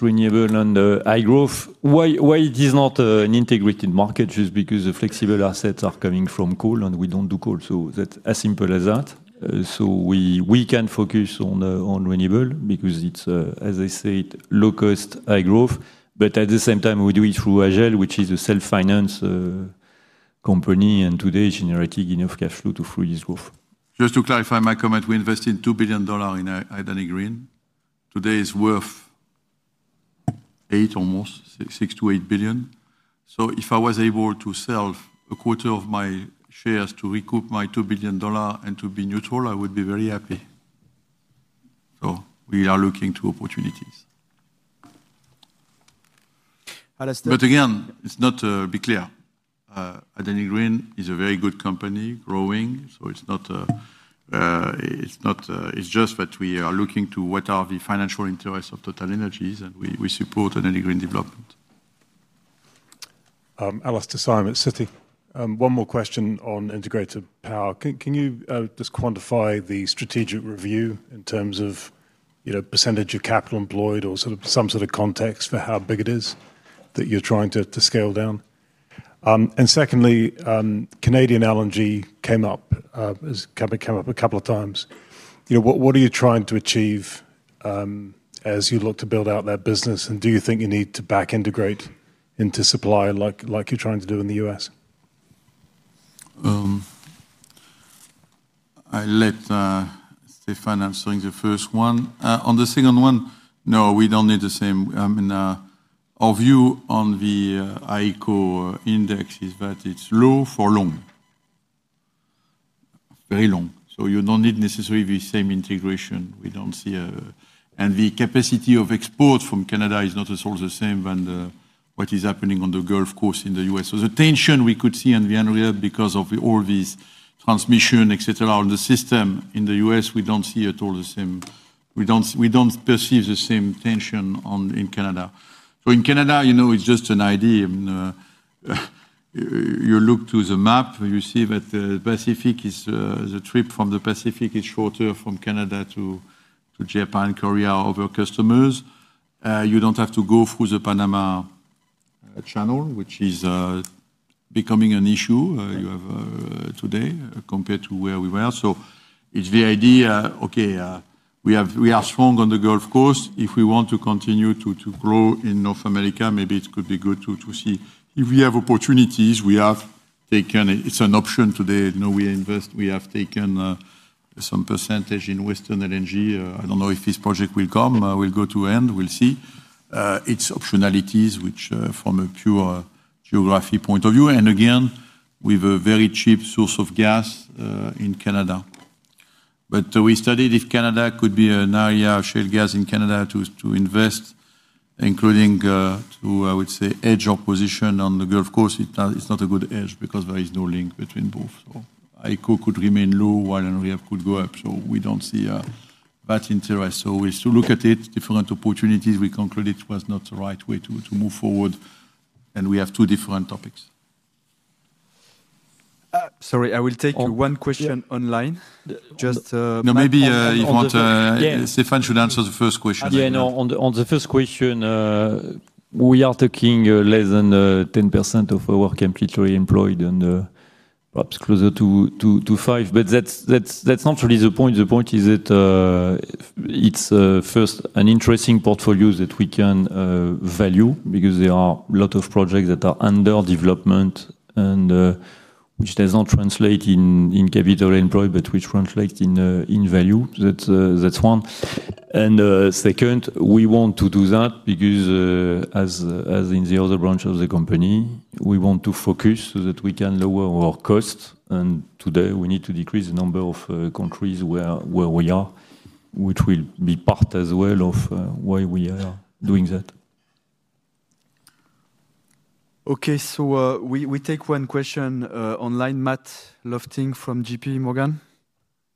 renewable and high growth. Why it is not an integrated market is because the flexible assets are coming from coal and we don't do coal. That's as simple as that. We can focus on renewable because it's, as I said, low cost, high growth. At the same time, we do it through Adani, which is a self-financed company and today generating enough cash flow to free this growth. Just to clarify my comment, we invested $2 billion in Adani Green. Today it's worth $6 billion-8 billion. If I was able to sell a quarter of my shares to recoup my $2 billion and to be neutral, I would be very happy. We are looking to opportunities. Again, let's be clear. Adani Green is a very good company, growing. It is just that we are looking to what are the financial interests of TotalEnergies, and we support Adani Green development. One more question on integrated power. Can you just quantify the strategic review in terms of, you know, percentage of capital employed or sort of some sort of context for how big it is that you're trying to scale down? Secondly, Canadian LNG came up, as CAPEX came up a couple of times. You know, what are you trying to achieve as you look to build out that business? Do you think you need to back integrate into supply like you're trying to do in the U.S.? I let Stéphane answer the first one. On the second one, no, we don't need the same. I mean, our view on the ICO index is that it's low for long. Very long. You don't need necessarily the same integration. We don't see a... and the capacity of export from Canada is not at all the same as what is happening on the Gulf Coast in the U.S. The tension we could see in the unreal because of all these transmissions, et cetera, on the system in the U.S., we don't see at all the same. We don't perceive the same tension in Canada. In Canada, you know, it's just an idea. You look to the map, you see that the Pacific is... the trip from the Pacific is shorter from Canada to Japan, Korea, or other customers. You don't have to go through the Panama Channel, which is becoming an issue, you have, today, compared to where we were. It's the idea, okay, we are strong on the Gulf Coast. If we want to continue to grow in North America, maybe it could be good to see. If we have opportunities, we have taken... it's an option today. No, we invest... we have taken some percentage in Western LNG. I don't know if this project will come, will go to end, we'll see. It's optionalities, which from a pure geography point of view. Again, we have a very cheap source of gas in Canada. We studied if Canada could be an area of shale gas in Canada to invest, including, I would say, edge opposition on the Gulf Coast. It's not a good edge because there is no link between both. ICO could remain low while NREF could go up. We don't see that interest. We still look at it, different opportunities. We concluded it was not the right way to move forward. We have two different topics. Sorry, I will take one question online. No, maybe if you want, Stéphane should answer the first question. Yeah, no. On the first question, we are taking less than 10% of our capital employed and perhaps closer to 5%. That's not really the point. The point is that it's first an interesting portfolio that we can value because there are a lot of projects that are under development and which does not translate in capital employed but which translates in value. That's one. Second, we want to do that because, as in the other branch of the company, we want to focus so that we can lower our costs. Today, we need to decrease the number of countries where we are, which will be part as well of why we are doing that. Okay, we take one question online. Matt Lofting from JP Morgan.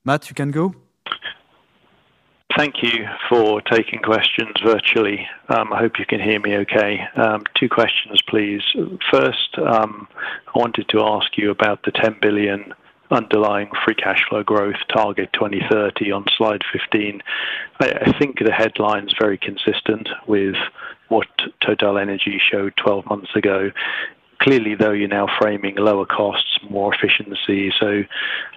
Matt, you can go. Thank you for taking questions virtually. I hope you can hear me okay. Two questions, please. First, I wanted to ask you about the $10 billion underlying free cash flow growth target 2030 on slide 15. I think the headline is very consistent with what TotalEnergies showed 12 months ago. Clearly, though, you're now framing lower costs, more efficiency. I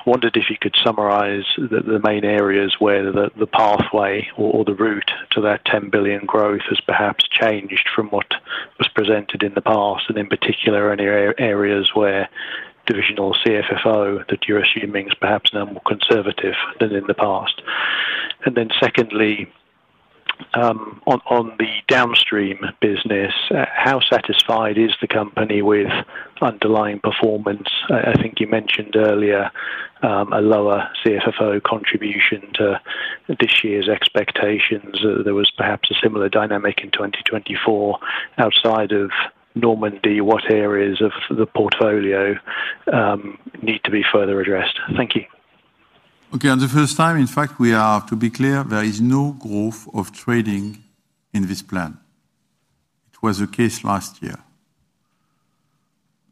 wondered if you could summarize the main areas where the pathway or the route to that $10 billion growth has perhaps changed from what was presented in the past, and in particular, any areas where divisional CFFO that you're assuming is perhaps now more conservative than in the past. Secondly, on the downstream business, how satisfied is the company with underlying performance? I think you mentioned earlier a lower CFFO contribution to this year's expectations. There was perhaps a similar dynamic in 2024. Outside of Normandy, what areas of the portfolio need to be further addressed? Thank you. Okay, on the first time, in fact, we are, to be clear, there is no growth of trading in this plan. It was the case last year.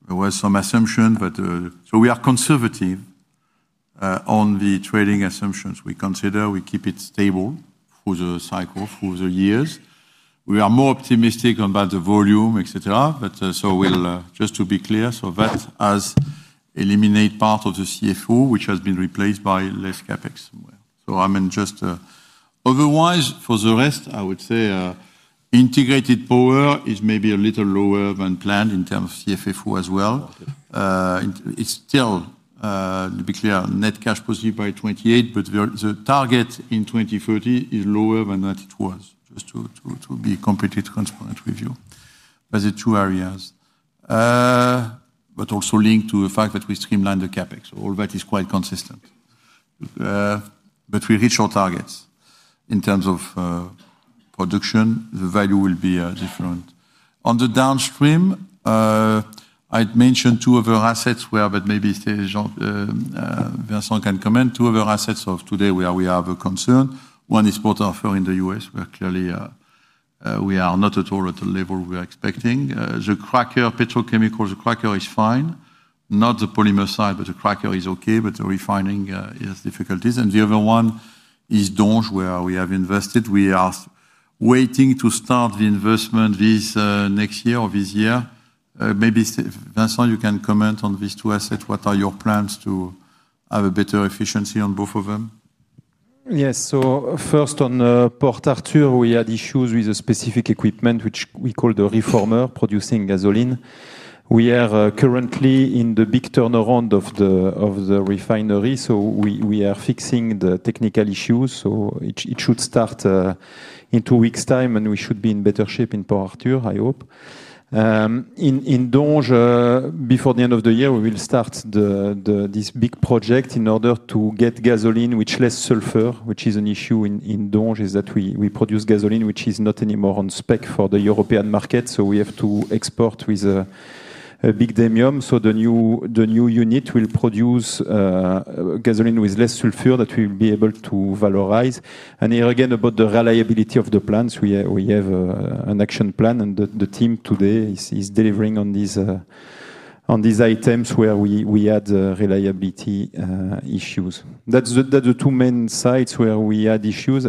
There were some assumptions, but we are conservative on the trading assumptions we consider. We keep it stable through the cycle, through the years. We are more optimistic about the volume, etc. Just to be clear, that has eliminated part of the CFO, which has been replaced by less CapEx somewhere. Otherwise, for the rest, I would say integrated power is maybe a little lower than planned in terms of CFFO as well. It's still, to be clear, net cash positive by 2028, but the target in 2030 is lower than it was, just to be completely transparent with you. That's the two areas. Also linked to the fact that we streamline the CapEx. All that is quite consistent. We reach our targets. In terms of production, the value will be different. On the downstream, I'd mentioned two other assets where maybe Vincent can comment, two other assets of today where we have a concern. One is Port Arthur in the U.S., where clearly we are not at all at the level we were expecting. The cracker, petrochemicals, the cracker is fine. Not the polymer side, but the cracker is okay, but the refining has difficulties. The other one is Donges, where we have invested. We are waiting to start the investment this next year or this year. Maybe Vincent, you can comment on these two assets. What are your plans to have a better efficiency on both of them? Yes, so first on Port Arthur, we had issues with a specific equipment, which we call the reformer, producing gasoline. We are currently in the big turnaround of the refinery, so we are fixing the technical issues. It should start in two weeks' time, and we should be in better shape in Port Arthur, I hope. In Donges, before the end of the year, we will start this big project in order to get gasoline with less sulfur, which is an issue in Donges, that we produce gasoline which is not anymore on spec for the European market. We have to export with a big discount. The new unit will produce gasoline with less sulfur that we will be able to valorize. Here again, about the reliability of the plants, we have an action plan, and the team today is delivering on these items where we had reliability issues. That's the two main sites where we had issues.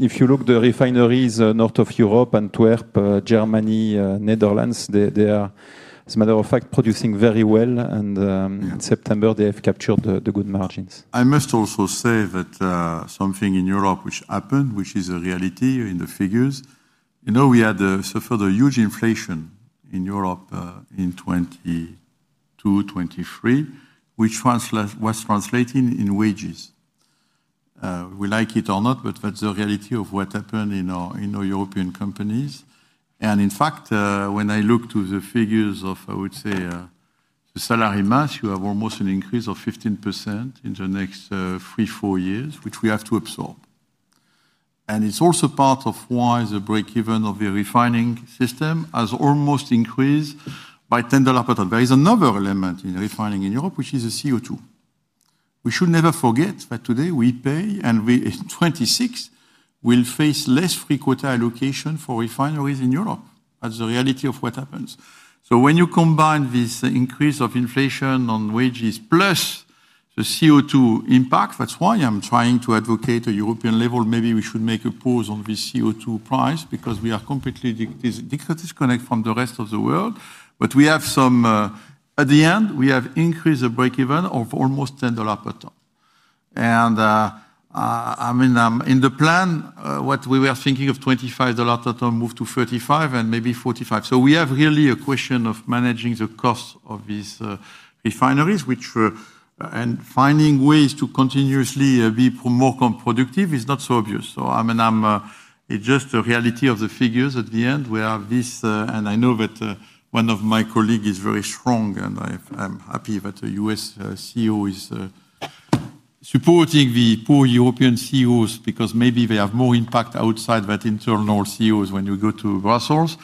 If you look, the refineries north of Europe, Antwerp, Germany, Netherlands, they are, as a matter of fact, producing very well, and in September, they have captured the good margins. I must also say that something in Europe which happened, which is a reality in the figures, you know, we had suffered a huge inflation in Europe in 2022-2023, which was translating in wages. We like it or not, but that's the reality of what happened in our European companies. In fact, when I look to the figures of, I would say, the salary mass, you have almost an increase of 15% in the next three, four years, which we have to absorb. It's also part of why the break-even of the refining system has almost increased by 10%. There is another element in refining in Europe, which is the CO2. We should never forget that today we pay, and in 2026, we'll face less free quota allocation for refineries in Europe. That's the reality of what happens. When you combine this increase of inflation on wages plus the CO2 impact, that's why I'm trying to advocate at a European level, maybe we should make a pause on this CO2 price because we are completely disconnected from the rest of the world. At the end, we have increased the break-even of almost $10 per ton. I mean, in the plan, what we were thinking of $25 per ton moved to $35 and maybe $45. We have really a question of managing the costs of these refineries, and finding ways to continuously be more productive is not so obvious. It's just the reality of the figures at the end. We have this, and I know that one of my colleagues is very strong, and I'm happy that the U.S. CEO is supporting the poor European CEOs because maybe they have more impact outside their internal CEOs when you go to Brussels.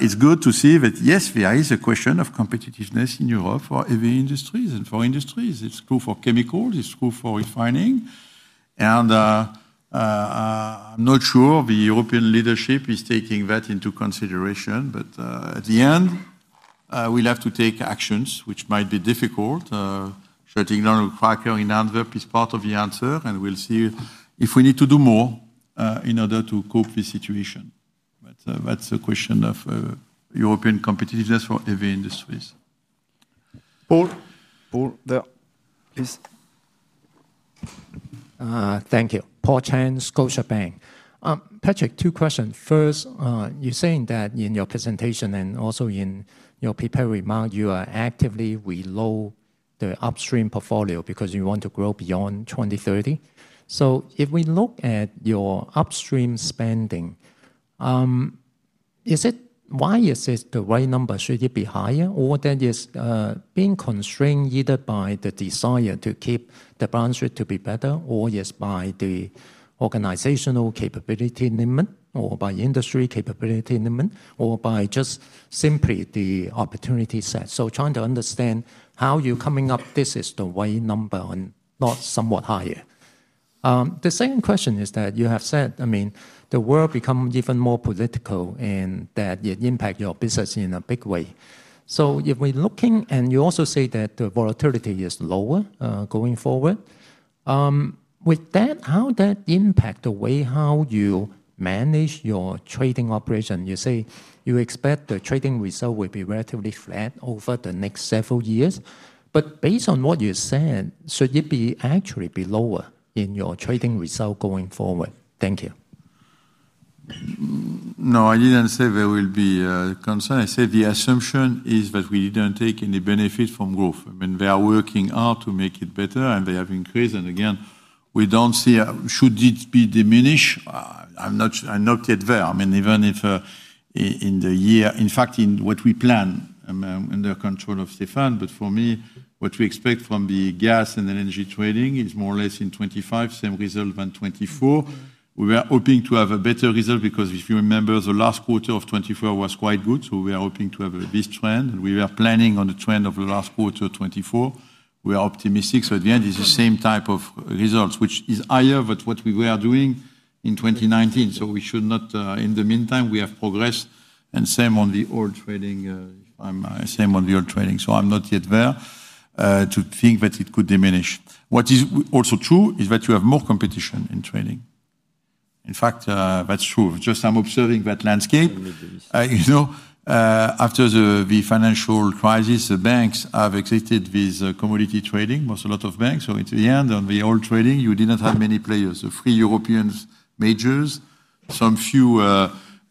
It's good to see that, yes, there is a question of competitiveness in Europe for heavy industries and for industries. It's true for chemicals, it's true for refining. I'm not sure the European leadership is taking that into consideration, but at the end, we'll have to take actions, which might be difficult. Shutting down a cracker in Antwerp is part of the answer, and we'll see if we need to do more in order to cope with the situation. That's a question of European competitiveness for heavy industries. Paul, there is. Thank you. Paul Cheng, Scotiabank. Patrick, two questions. First, you're saying that in your presentation and also in your paper remark, you are actively reloading the upstream portfolio because you want to grow beyond 2030. If we look at your upstream spending, why is this the right number? Should it be higher, or is that being constrained either by the desire to keep the balance sheet to be better, or is it by the organizational capability limit, or by industry capability limit, or by just simply the opportunity set? I'm trying to understand how you're coming up, this is the right number and not somewhat higher. The second question is that you have said, I mean, the world becomes even more political and that it impacts your business in a big way. If we're looking, and you also say that the volatility is lower going forward, with that, how does that impact the way you manage your trading operation? You say you expect the trading result will be relatively flat over the next several years, but based on what you said, should it be actually lower in your trading result going forward? Thank you. No, I didn't say there will be a concern. I said the assumption is that we didn't take any benefit from growth. I mean, they are working hard to make it better and they have increased. Again, we don't see, should it be diminished? I'm not yet there. Even if in the year, in fact, in what we plan, I'm under control of Stéphane, but for me, what we expect from the gas and energy trading is more or less in 2025, same result as 2024. We were hoping to have a better result because if you remember, the last quarter of 2024 was quite good. We are hoping to have this trend. We were planning on the trend of the last quarter of 2024. We are optimistic. At the end, it's the same type of results, which is higher than what we were doing in 2019. We should not, in the meantime, we have progressed and same on the oil trading. I'm same on the oil trading. I'm not yet there to think that it could diminish. What is also true is that you have more competition in trading. In fact, that's true. I'm observing that landscape. After the financial crisis, the banks have exited this commodity trading, most, a lot of banks. At the end, on the oil trading, you didn't have many players. The three European majors, some few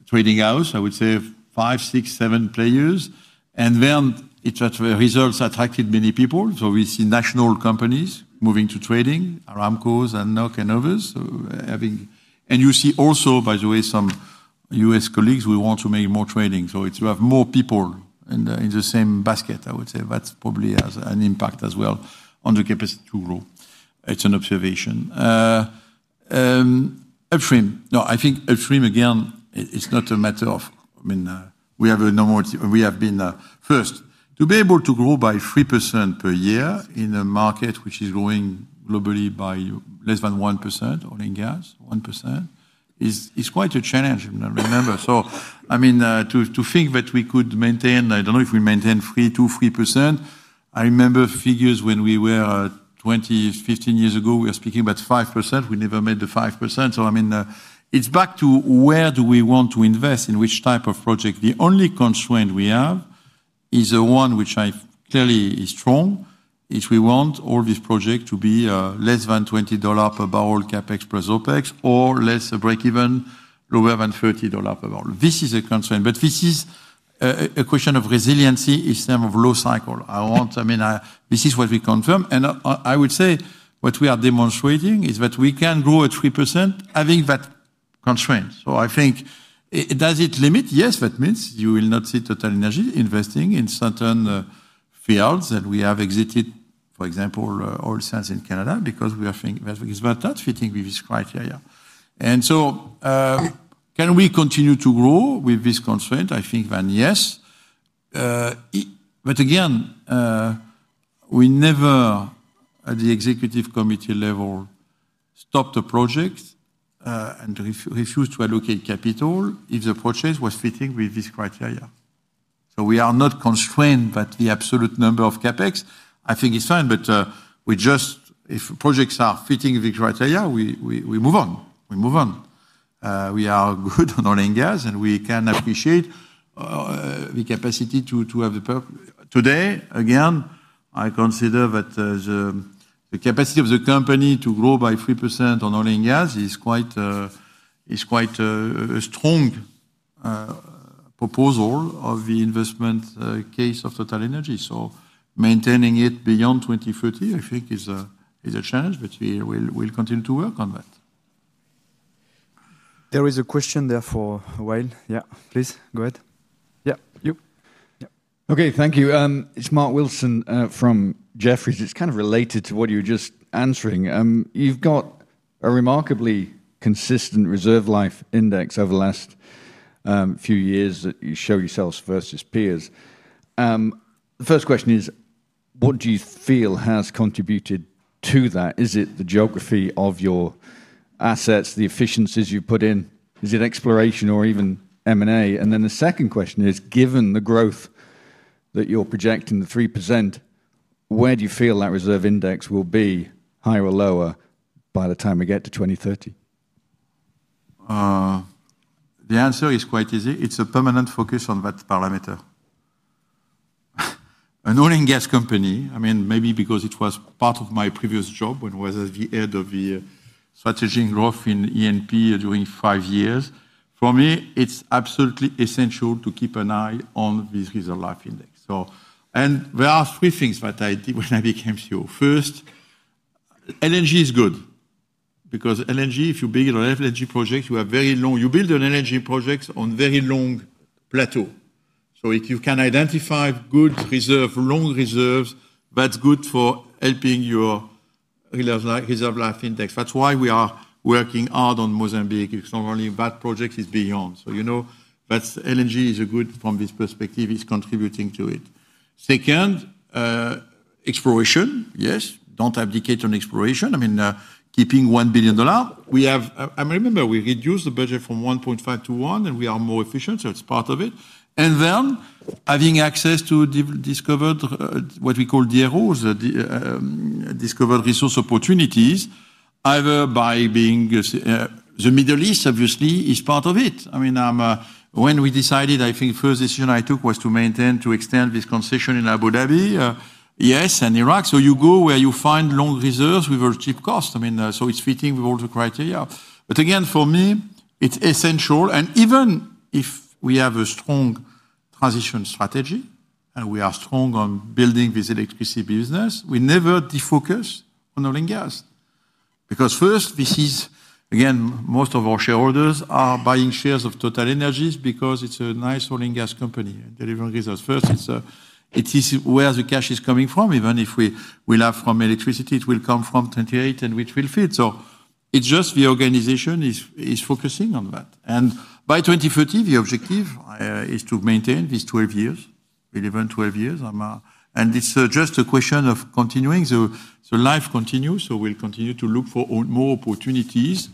trading houses, I would say five, six, seven players. Then the results attracted many people. We see national companies moving to trading, Aramco and NOC and others. You see also, by the way, some U.S. colleagues who want to make more trading. You have more people in the same basket. I would say that's probably an impact as well on the capacity to grow. It's an observation. Upstream. No, I think upstream again, it's not a matter of, I mean, we have a normal... We have been first to be able to grow by 3% per year in a market which is growing globally by less than 1%. Oil and gas, 1% is quite a challenge. I remember. To think that we could maintain, I don't know if we maintain 3%-3%. I remember figures when we were 20, 15 years ago, we were speaking about 5%. We never made the 5%. It's back to where do we want to invest in which type of project. The only constraint we have is the one which I tell you is strong. If we want all these projects to be less than $20 pbbl CapEx plus OpEx or less break-even, lower than $30 pbbl. This is a constraint. This is a question of resiliency in terms of low cycle. This is what we confirm. I would say what we are demonstrating is that we can grow at 3% having that constraint. I think, does it limit? Yes, that means you will not see TotalEnergies investing in certain fields. We have exited, for example, oil sales in Canada because we are thinking it's not fitting with this criteria. Can we continue to grow with this constraint? I think, yes. Again, we never, at the Executive Committee level, stopped a project and refused to allocate capital if the project was fitting with this criteria. We are not constrained by the absolute number of CAPEX. I think it's fine, but we just, if projects are fitting the criteria, we move on. We move on. We are good on oil and gas, and we can appreciate the capacity to have the... Today, again, I consider that the capacity of the company to grow by 3% on oil and gas is quite a strong proposal of the investment case of TotalEnergies. Maintaining it beyond 2030, I think, is a challenge, but we'll continue to work on that. There is a question there for a while. Please, go ahead. Yeah, yep. Okay, thank you. It's Mark Wilson from Jefferies. It's kind of related to what you were just answering. You've got a remarkably consistent reserve life index over the last few years that you show yourselves versus peers. The first question is, what do you feel has contributed to that? Is it the geography of your assets, the efficiencies you put in? Is it exploration or even M&A? The second question is, given the growth that you're projecting, the 3%, where do you feel that reserve index will be higher or lower by the time we get to 2030? The answer is quite easy. It's a permanent focus on that parameter. An oil and gas company, I mean, maybe because it was part of my previous job when I was at the head of the strategic growth in E&P during five years. For me, it's absolutely essential to keep an eye on this reserve life index. There are three things that I did when I became CEO. First, LNG is good because LNG, if you build an LNG project, you have very long, you build an LNG project on a very long plateau. If you can identify good reserves, long reserves, that's good for helping your reserve life index. That's why we are working hard on Mozambique. It's not only that project is beyond. LNG is a good, from this perspective, it's contributing to it. Second, exploration, yes, don't abdicate on exploration. I mean, keeping $1 billion. I remember we reduced the budget from $1.5 billion to $1 billion and we are more efficient, so it's part of it. Then having access to discovered, what we call DROs, discovered resource opportunities, either by being the Middle East, obviously, is part of it. When we decided, I think the first decision I took was to maintain, to extend this concession in Abu Dhabi, yes, and Iraq. You go where you find long reserves with a cheap cost. It's fitting with all the criteria. For me, it's essential. Even if we have a strong transition strategy and we are strong on building this electricity business, we never defocus on oil and gas. First, this is, again, most of our shareholders are buying shares of TotalEnergies because it's a nice oil and gas company. Delivering results. First, it's where the cash is coming from. Even if we laugh from electricity, it will come from 2028 and which will fit. The organization is focusing on that. By 2030, the objective is to maintain these 12 years, 11, 12 years. It's just a question of continuing. The life continues. We'll continue to look for more opportunities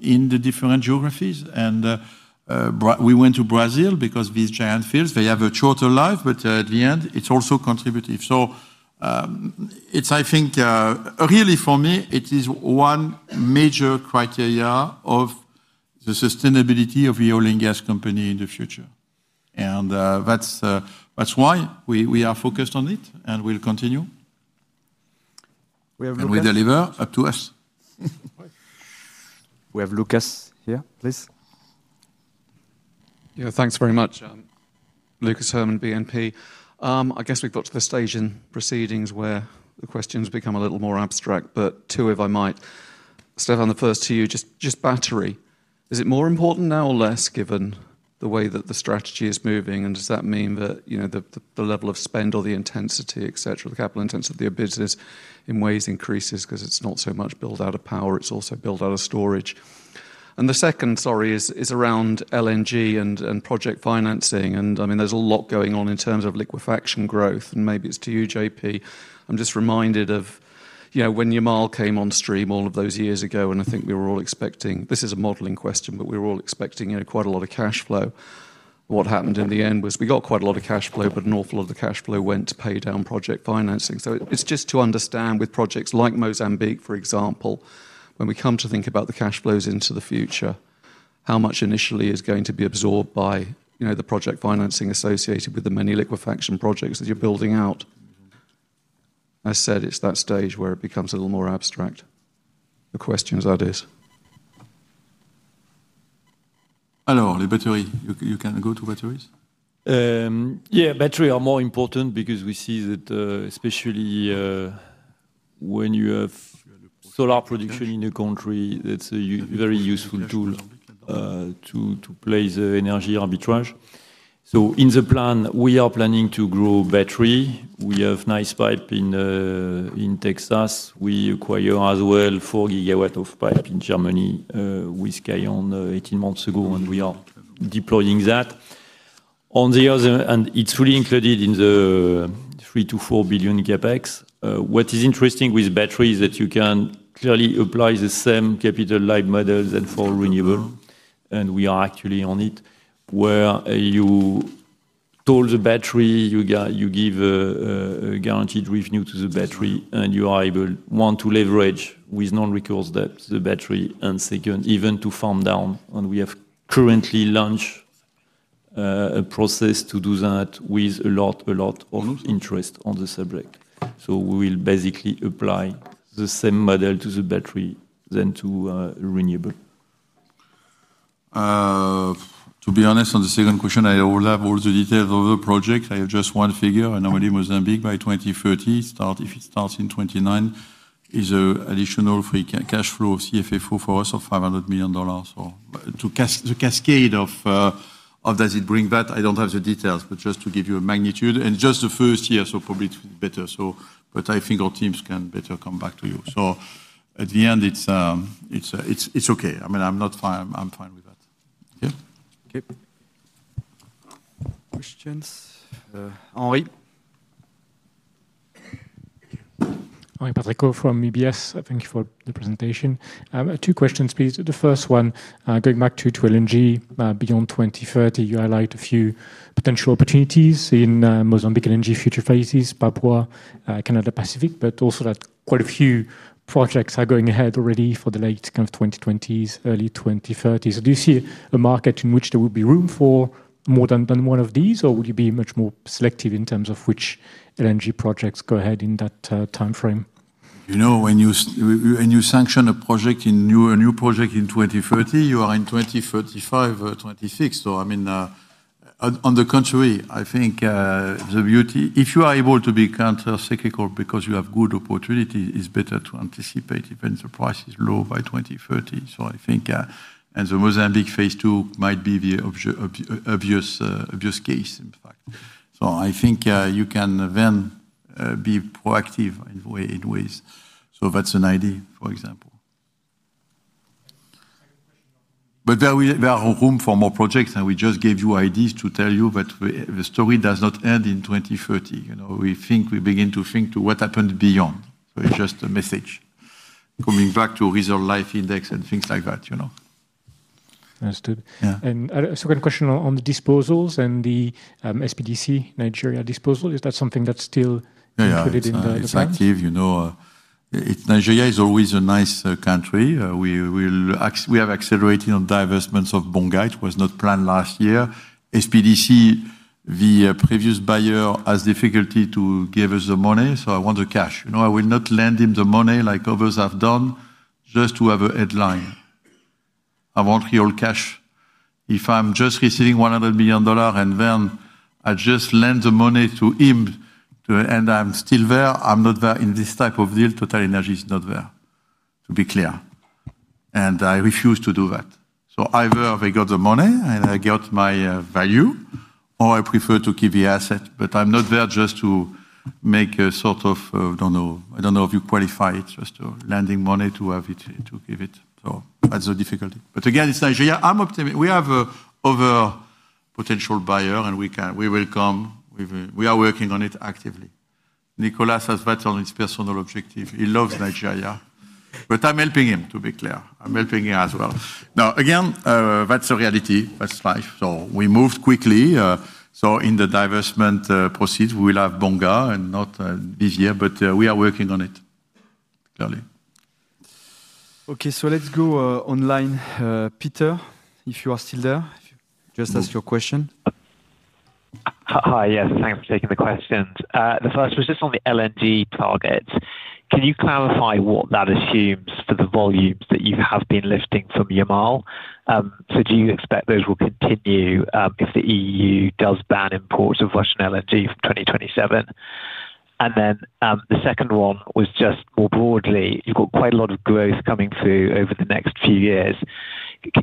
in the different geographies. We went to Brazil because these giant fields, they have a shorter life, but at the end, it's also contributing. I think really for me, it is one major criteria of the sustainability of the oil and gas company in the future. That's why we are focused on it and we'll continue. We have Lucas. We deliver, up to us. We have Lucas here, please. Yeah, thanks very much, Lucas Hermann, BNP. I guess we've got to the stage in proceedings where the questions become a little more abstract, but two, if I might. Stéphane, the first to you, just battery. Is it more important now or less given the way that the strategy is moving? Does that mean that, you know, the level of spend or the intensity, etc., the capital intensity of the business in ways increases because it's not so much built out of power, it's also built out of storage? The second, sorry, is around LNG and project financing. I mean, there's a lot going on in terms of liquefaction growth, and maybe it's to you, JP. I'm just reminded of, you know, when Yamal came on stream all of those years ago, and I think we were all expecting, this is a modeling question, but we were all expecting, you know, quite a lot of cash flow. What happened in the end was we got quite a lot of cash flow, but an awful lot of the cash flow went to pay down project financing. It's just to understand with projects like Mozambique, for example, when we come to think about the cash flows into the future, how much initially is going to be absorbed by, you know, the project financing associated with the many liquefaction projects that you're building out. I said it's that stage where it becomes a little more abstract, the questions that is. Alors, the batteries, you can go to batteries? Yeah, batteries are more important because we see that especially when you have solar production in a country, that's a very useful tool to play the energy arbitrage. In the plan, we are planning to grow battery. We have a nice pipe in Texas. We acquire as well 4 GW of pipe in Germany. We scaled 18 months ago and we are deploying that. On the other, and it's really included in the $3 billion-$4 billion CAPEX. What is interesting with batteries is that you can clearly apply the same capital-light models and for renewable. We are actually on it where you told the battery, you give a guaranteed revenue to the battery and you are able, one, to leverage with non-recourse debts the battery and, second, even to farm down. We have currently launched a process to do that with a lot, a lot of interest on the subject. We will basically apply the same model to the battery than to renewable. To be honest, on the second question, I overlap all the details of the project. I have just one figure. Normally, Mozambique by 2030, if it starts in 2029, is an additional free cash flow of CFFO for us of $500 million. The cascade of, does it bring that? I don't have the details, but just to give you a magnitude. Just the first year, so probably it's better. I think our teams can better come back to you. At the end, it's okay. I mean, I'm not fine. I'm fine with that. Okay. Questions? Henri? Thank you for the presentation. Two questions, please. The first one, going back to LNG beyond 2030, you highlight a few potential opportunities in Mozambique LNG future phases, Papua, Canada Pacific, but also that quite a few projects are going ahead already for the late 2020s, early 2030s. Do you see a market in which there will be room for more than one of these, or will you be much more selective in terms of which LNG projects go ahead in that timeframe? You know, when you sanction a project, a new project in 2030, you are in 2035, 2026. I mean, on the contrary, I think the beauty, if you are able to be countercyclical because you have good opportunities, it's better to anticipate if the price is low by 2030. I think the Mozambique phase II might be the obvious case, in fact. You can then be proactive in ways. That's an idea, for example. There are room for more projects, and we just gave you ideas to tell you that the story does not end in 2030. We think we begin to think to what happened beyond. It's just a message. Coming back to a reserve life index and things like that, you know. Understood. A second question on the disposals and the SPDC Nigeria disposal. Is that something that's still included in the plan? Yeah, it's active. You know, Nigeria is always a nice country. We have accelerated on divestments of Bongai. It was not planned last year. SPDC, the previous buyer, has difficulty to give us the money. I want the cash. I will not lend him the money like others have done, just to have a headline. I want real cash. If I'm just receiving $100 million and then I just lend the money to him and I'm still there, I'm not there in this type of deal. TotalEnergies is not there, to be clear. I refuse to do that. Either they got the money and I got my value, or I prefer to keep the asset. I'm not there just to make a sort of, I don't know if you qualify it, just to lending money to have it, to keep it. That's the difficulty. Again, it's Nigeria. We have another potential buyer and we can, we will come. We are working on it actively. Nicolas has that on his personal objective. He loves Nigeria. I'm helping him, to be clear. I'm helping him as well. Again, that's a reality. That's life. We moved quickly. In the divestment proceeds, we will have Bongai and not this year, but we are working on it. Okay, let's go online. Peter, if you are still there, just ask your question. Hi, yes, thanks for taking the questions. The first was just on the LNG targets. Can you clarify what that assumes for the volumes that you have been lifting from Yamal? Do you expect those will continue if the EU does ban imports of Russian LNG for 2027? The second one was just more broadly, you've got quite a lot of growth coming through over the next few years.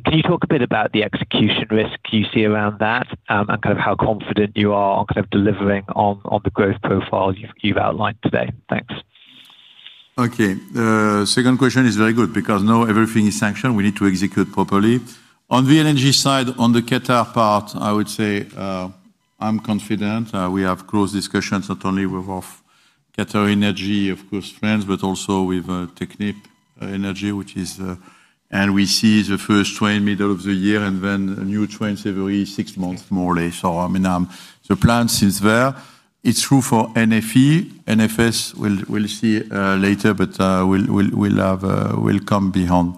Can you talk a bit about the execution risk you see around that and how confident you are on delivering on the growth profile you've outlined today? Thanks. Okay. The second question is very good because now everything is sanctioned. We need to execute properly. On the energy side, on the Qatar part, I would say I'm confident. We have closed discussions not only with QatarEnergy, of course, friends, but also with Technip Energies, which is, and we see the first train middle of the year and then new trains every six months, more or less. I mean, the plan seems there. It's true for NFE. NFS we'll see later, but we'll come beyond.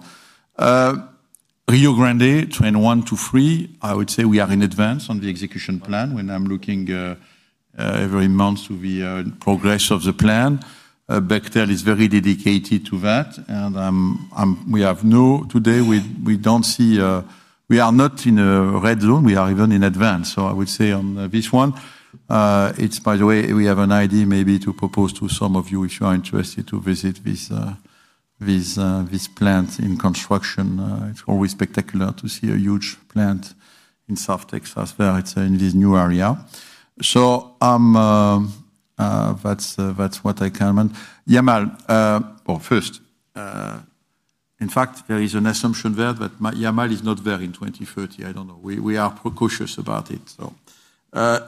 Rio Grande, train one to three, I would say we are in advance on the execution plan when I'm looking every month to the progress of the plan. Bechtel is very dedicated to that and we have no, today we don't see, we are not in a red zone, we are even in advance. I would say on this one, it's, by the way, we have an idea maybe to propose to some of you if you are interested to visit this plant in construction. It's always spectacular to see a huge plant in South Texas there, it's in this new area. That's what I can... Yamal, first, in fact, there is an assumption there that Yamal is not there in 2030, I don't know. We are cautious about it.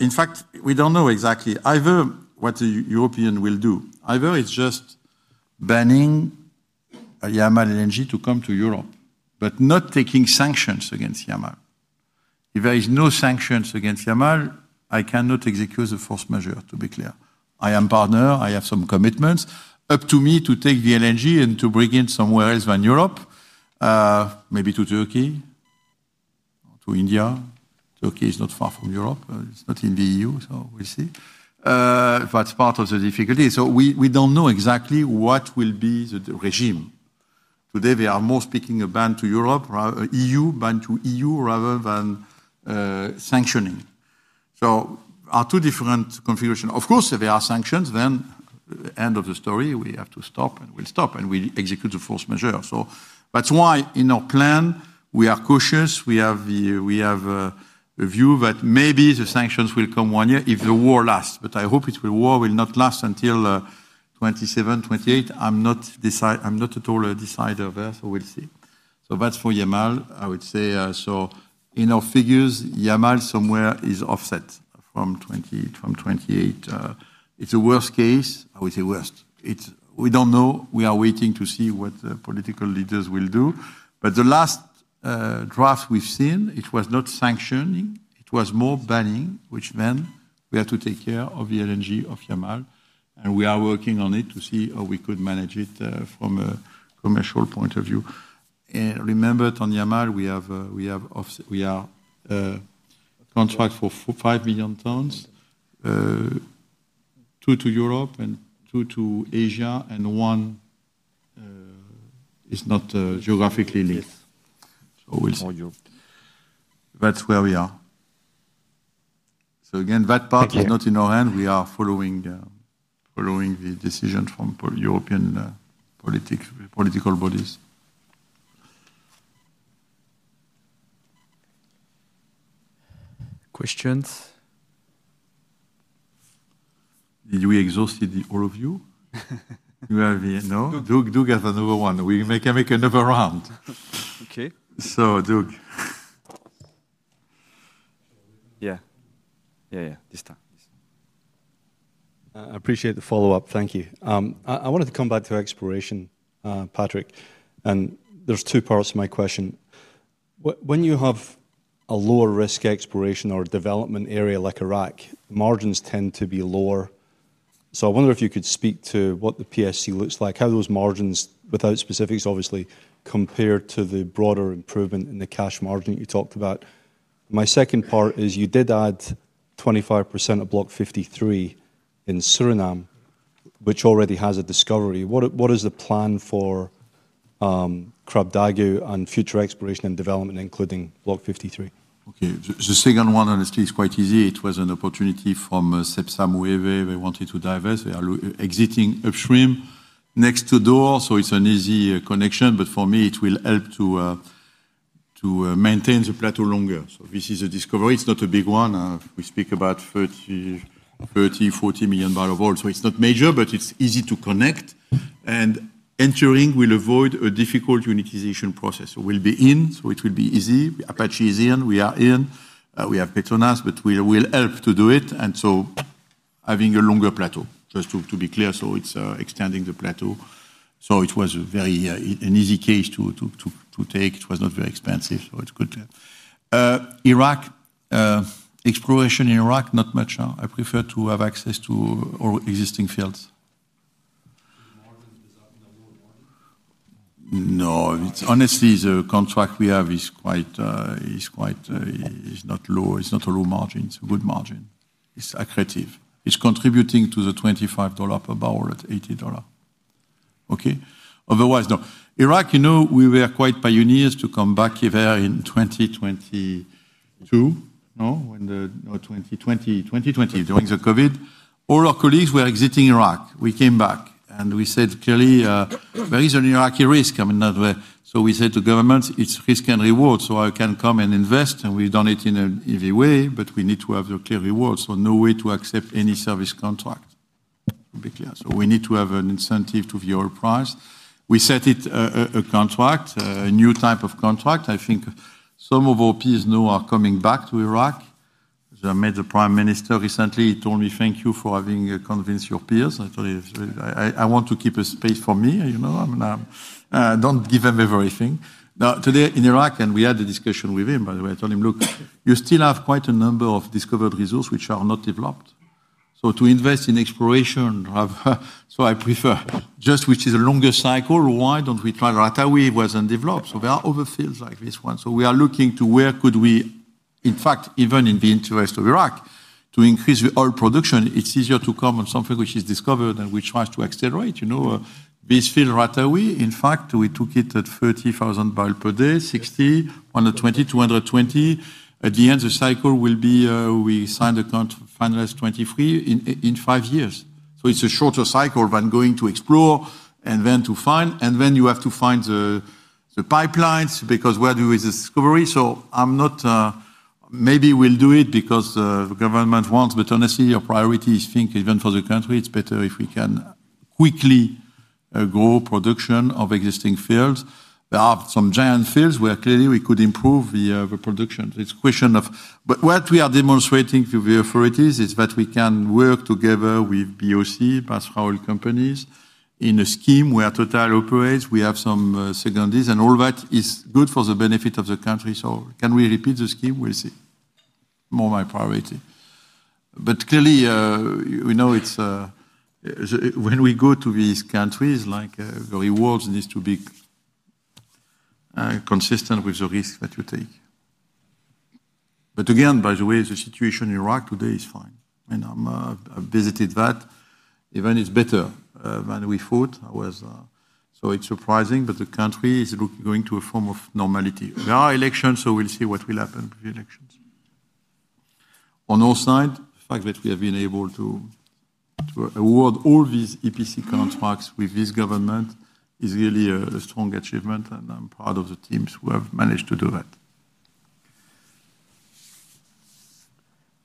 In fact, we don't know exactly either what the European will do. Either it's just banning Yamal LNG to come to Europe, but not taking sanctions against Yamal. If there are no sanctions against Yamal, I cannot execute the force majeure, to be clear. I am partner, I have some commitments, up to me to take the LNG and to bring it somewhere else than Europe, maybe to Turkey, to India. Turkey is not far from Europe, it's not in the EU, we'll see. That's part of the difficulty. We don't know exactly what will be the regime. Today, they are more speaking a ban to Europe, EU ban to EU rather than sanctioning. There are two different configurations. Of course, if there are sanctions, then the end of the story, we have to stop and we'll stop and we'll execute the force majeure. That's why in our plan, we are cautious. We have a view that maybe the sanctions will come one year if the war lasts, but I hope the war will not last until 2027, 2028. I'm not at all a decider there, we'll see. That's for Yamal, I would say. In our figures, Yamal somewhere is offset from 2028. It's a worst case, I would say worst. We don't know, we are waiting to see what the political leaders will do. The last draft we've seen, it was not sanctioning, it was more banning, which meant we had to take care of the LNG of Yamal and we are working on it to see how we could manage it from a commercial point of view. Remember, on Yamal, we have a contract for 5 million tons, two to Europe and two to Asia and one is not geographically linked. We'll see, that's where we are. That part is not in our hand. We are following the decision from European political bodies. Questions? Did we exhaust all of you? You have the... No, Doug has another one. We can make another round. Okay. So Doug. Yeah, this time. I appreciate the follow-up. Thank you. I wanted to come back to exploration, Patrick, and there's two parts to my question. When you have a lower risk exploration or a development area like Iraq, margins tend to be lower. I wonder if you could speak to what the PSC looks like, how those margins, without specifics, obviously, compared to the broader improvement in the cash margin that you talked about. My second part is you did add 25% of Block 53 in Suriname, which already has a discovery. What is the plan for Krabdagu and future exploration and development, including Block 53? Okay, the second one is quite easy. It was an opportunity from Sepsam, whoever they wanted to divest. They are exiting upstream next to the door, so it's an easy connection. For me, it will help to maintain the plateau longer. This is a discovery. It's not a big one. We speak about 30 million bbl, 40 million bbl of oil. It's not major, but it's easy to connect. Entering will avoid a difficult unitization process. We'll be in, so it will be easy. Apache is in, we are in, we have Petronas, but we'll help to do it. Having a longer plateau, just to be clear, it's extending the plateau. It was a very easy case to take. It was not very expensive, so it's good. Iraq, exploration in Iraq, not much. I prefer to have access to all existing fields. Honestly, the contract we have is not low. It's not a low margin. It's a good margin. It's accretive. It's contributing to the $25 pbbl at $80. Otherwise, no. Iraq, you know, we were quite pioneers to come back there in 2022. In 2020, during the COVID, all our colleagues were exiting Iraq. We came back and we said clearly, there is an Iraqi risk. I mean, not there. We said to the government, it's risk and reward. I can come and invest and we've done it in an easy way, but we need to have a clear reward. No way to accept any service contract, to be clear. We need to have an incentive to the oil price. We set a contract, a new type of contract. I think some of our peers now are coming back to Iraq. I met the Prime Minister recently. He told me, thank you for having convinced your peers. I told him, I want to keep a space for me. I don't give him everything. Now, today in Iraq, and we had a discussion with him, by the way, I told him, look, you still have quite a number of discovered resources which are not developed. To invest in exploration, I prefer just which is a longer cycle. Why don't we try? Ratawi wasn't developed. There are other fields like this one. We are looking to where could we, in fact, even in the interest of Iraq, to increase the oil production. It's easier to come on something which is discovered and we try to accelerate. This field Ratawi, in fact, we took it at 30,000 bpd, 60, 120, 220. At the end, the cycle will be, we signed the contract, finalized 2023 in five years. It's a shorter cycle than going to explore and then to find. You have to find the pipelines because where do we do the discovery? Maybe we'll do it because the government wants, but honestly, our priority is, I think, even for the country, it's better if we can quickly grow production of existing fields. There are some giant fields where clearly we could improve the production. It's a question of what we are demonstrating to the authorities, that we can work together with POC, Basra Oil Companies, in a scheme where TotalEnergies operates. We have some secondaries and all that is good for the benefit of the country. Can we repeat the scheme? We'll see. More my priority. Clearly, when we go to these countries, the rewards need to be consistent with the risks that you take. By the way, the situation in Iraq today is fine. I visited that. Even it's better than we thought. I was, it's surprising, but the country is looking, going to a form of normality. There are elections, we'll see what will happen with the elections. On all sides, the fact that we have been able to award all these EPC contracts with this government is really a strong achievement and I'm proud of the teams who have managed to do that.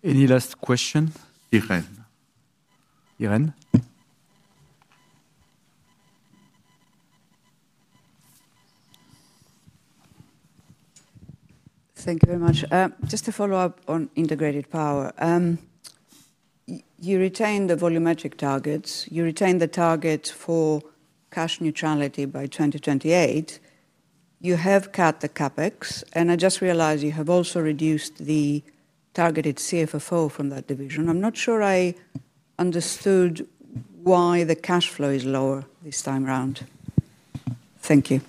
Any last question? Irene. Irene? Thank you very much. Just to follow up on integrated power. You retained the volumetric targets. You retained the target for cash neutrality by 2028. You have cut the CAPEX, and I just realized you have also reduced the targeted CFFO from that division. I'm not sure I understood why the cash flow is lower this time around. Thank you.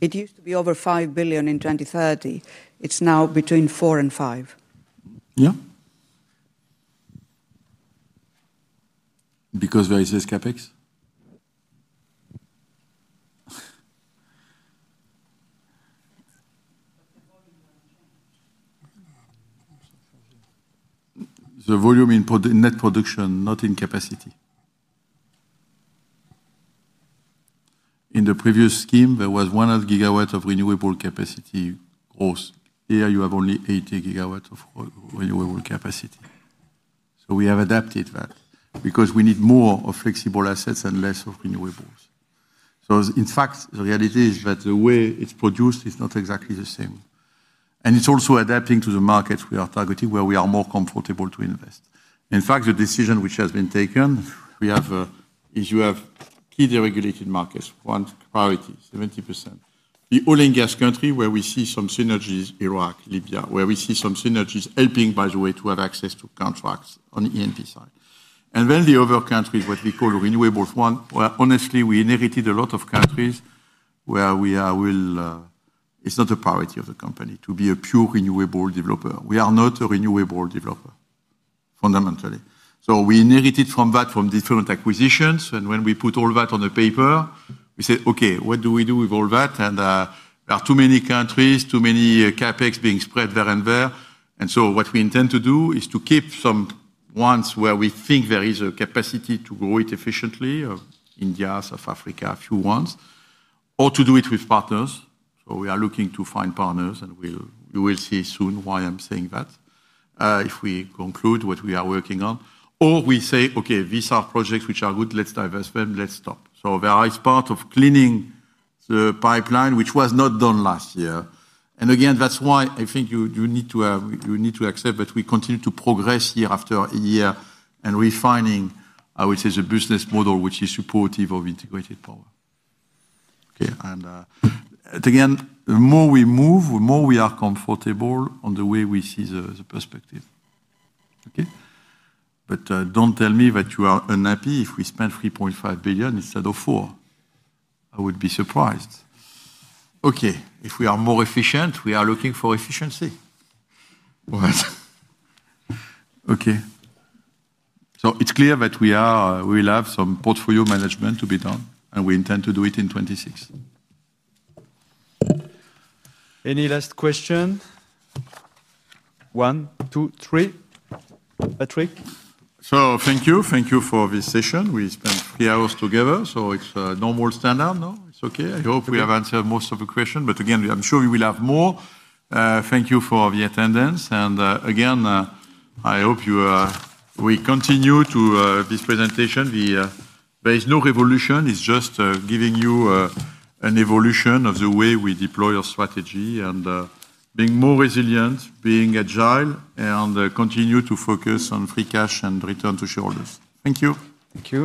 It used to be over $5 billion in 2030. It's now between $4 billion and $5 billion. Yeah. Because there is less CAPEX. The volume in net production, not in capacity. In the previous scheme, there was 100 GW of renewable capacity. Here you have only 80 GW of renewable capacity. We have adapted that because we need more flexible assets and less renewables. In fact, the reality is that the way it's produced is not exactly the same. It's also adapting to the markets we are targeting where we are more comfortable to invest. The decision which has been taken, we have, if you have either regulated markets, one priority, 70%. The oil and gas country where we see some synergies, Iraq, Libya, where we see some synergies helping, by the way, to have access to contracts on the ENP side. The other countries, what we call renewables, one, where honestly we inherited a lot of countries where we are, it's not a priority of the company to be a pure renewable developer. We are not a renewable developer fundamentally. We inherited that from different acquisitions. When we put all that on the paper, we said, okay, what do we do with all that? There are too many countries, too many CAPEX being spread there and there. What we intend to do is to keep some ones where we think there is a capacity to grow it efficiently, of India, South Africa, a few ones, or to do it with partners. We are looking to find partners and you will see soon why I'm saying that. If we conclude what we are working on, or we say, okay, these are projects which are good, let's divest them, let's stop. There is part of cleaning the pipeline, which was not done last year. That's why I think you need to accept that we continue to progress year after year and refining, I would say, the business model which is supportive of integrated power. The more we move, the more we are comfortable on the way we see the perspective. Don't tell me that you are unhappy if we spent $3.5 billion instead of $4 billion. I would be surprised. If we are more efficient, we are looking for efficiency. It's clear that we will have some portfolio management to be done, and we intend to do it in 2026. Any last question? One, two, three. Patrick? Thank you for this session. We spent three hours together, so it's a normal standard. It's okay. I hope we have answered most of the questions, but again, I'm sure we will have more. Thank you for the attendance, and again, I hope we continue to this presentation. There is no revolution, it's just giving you an evolution of the way we deploy our strategy and being more resilient, being agile, and continue to focus on free cash and return to shareholders. Thank you. Thank you.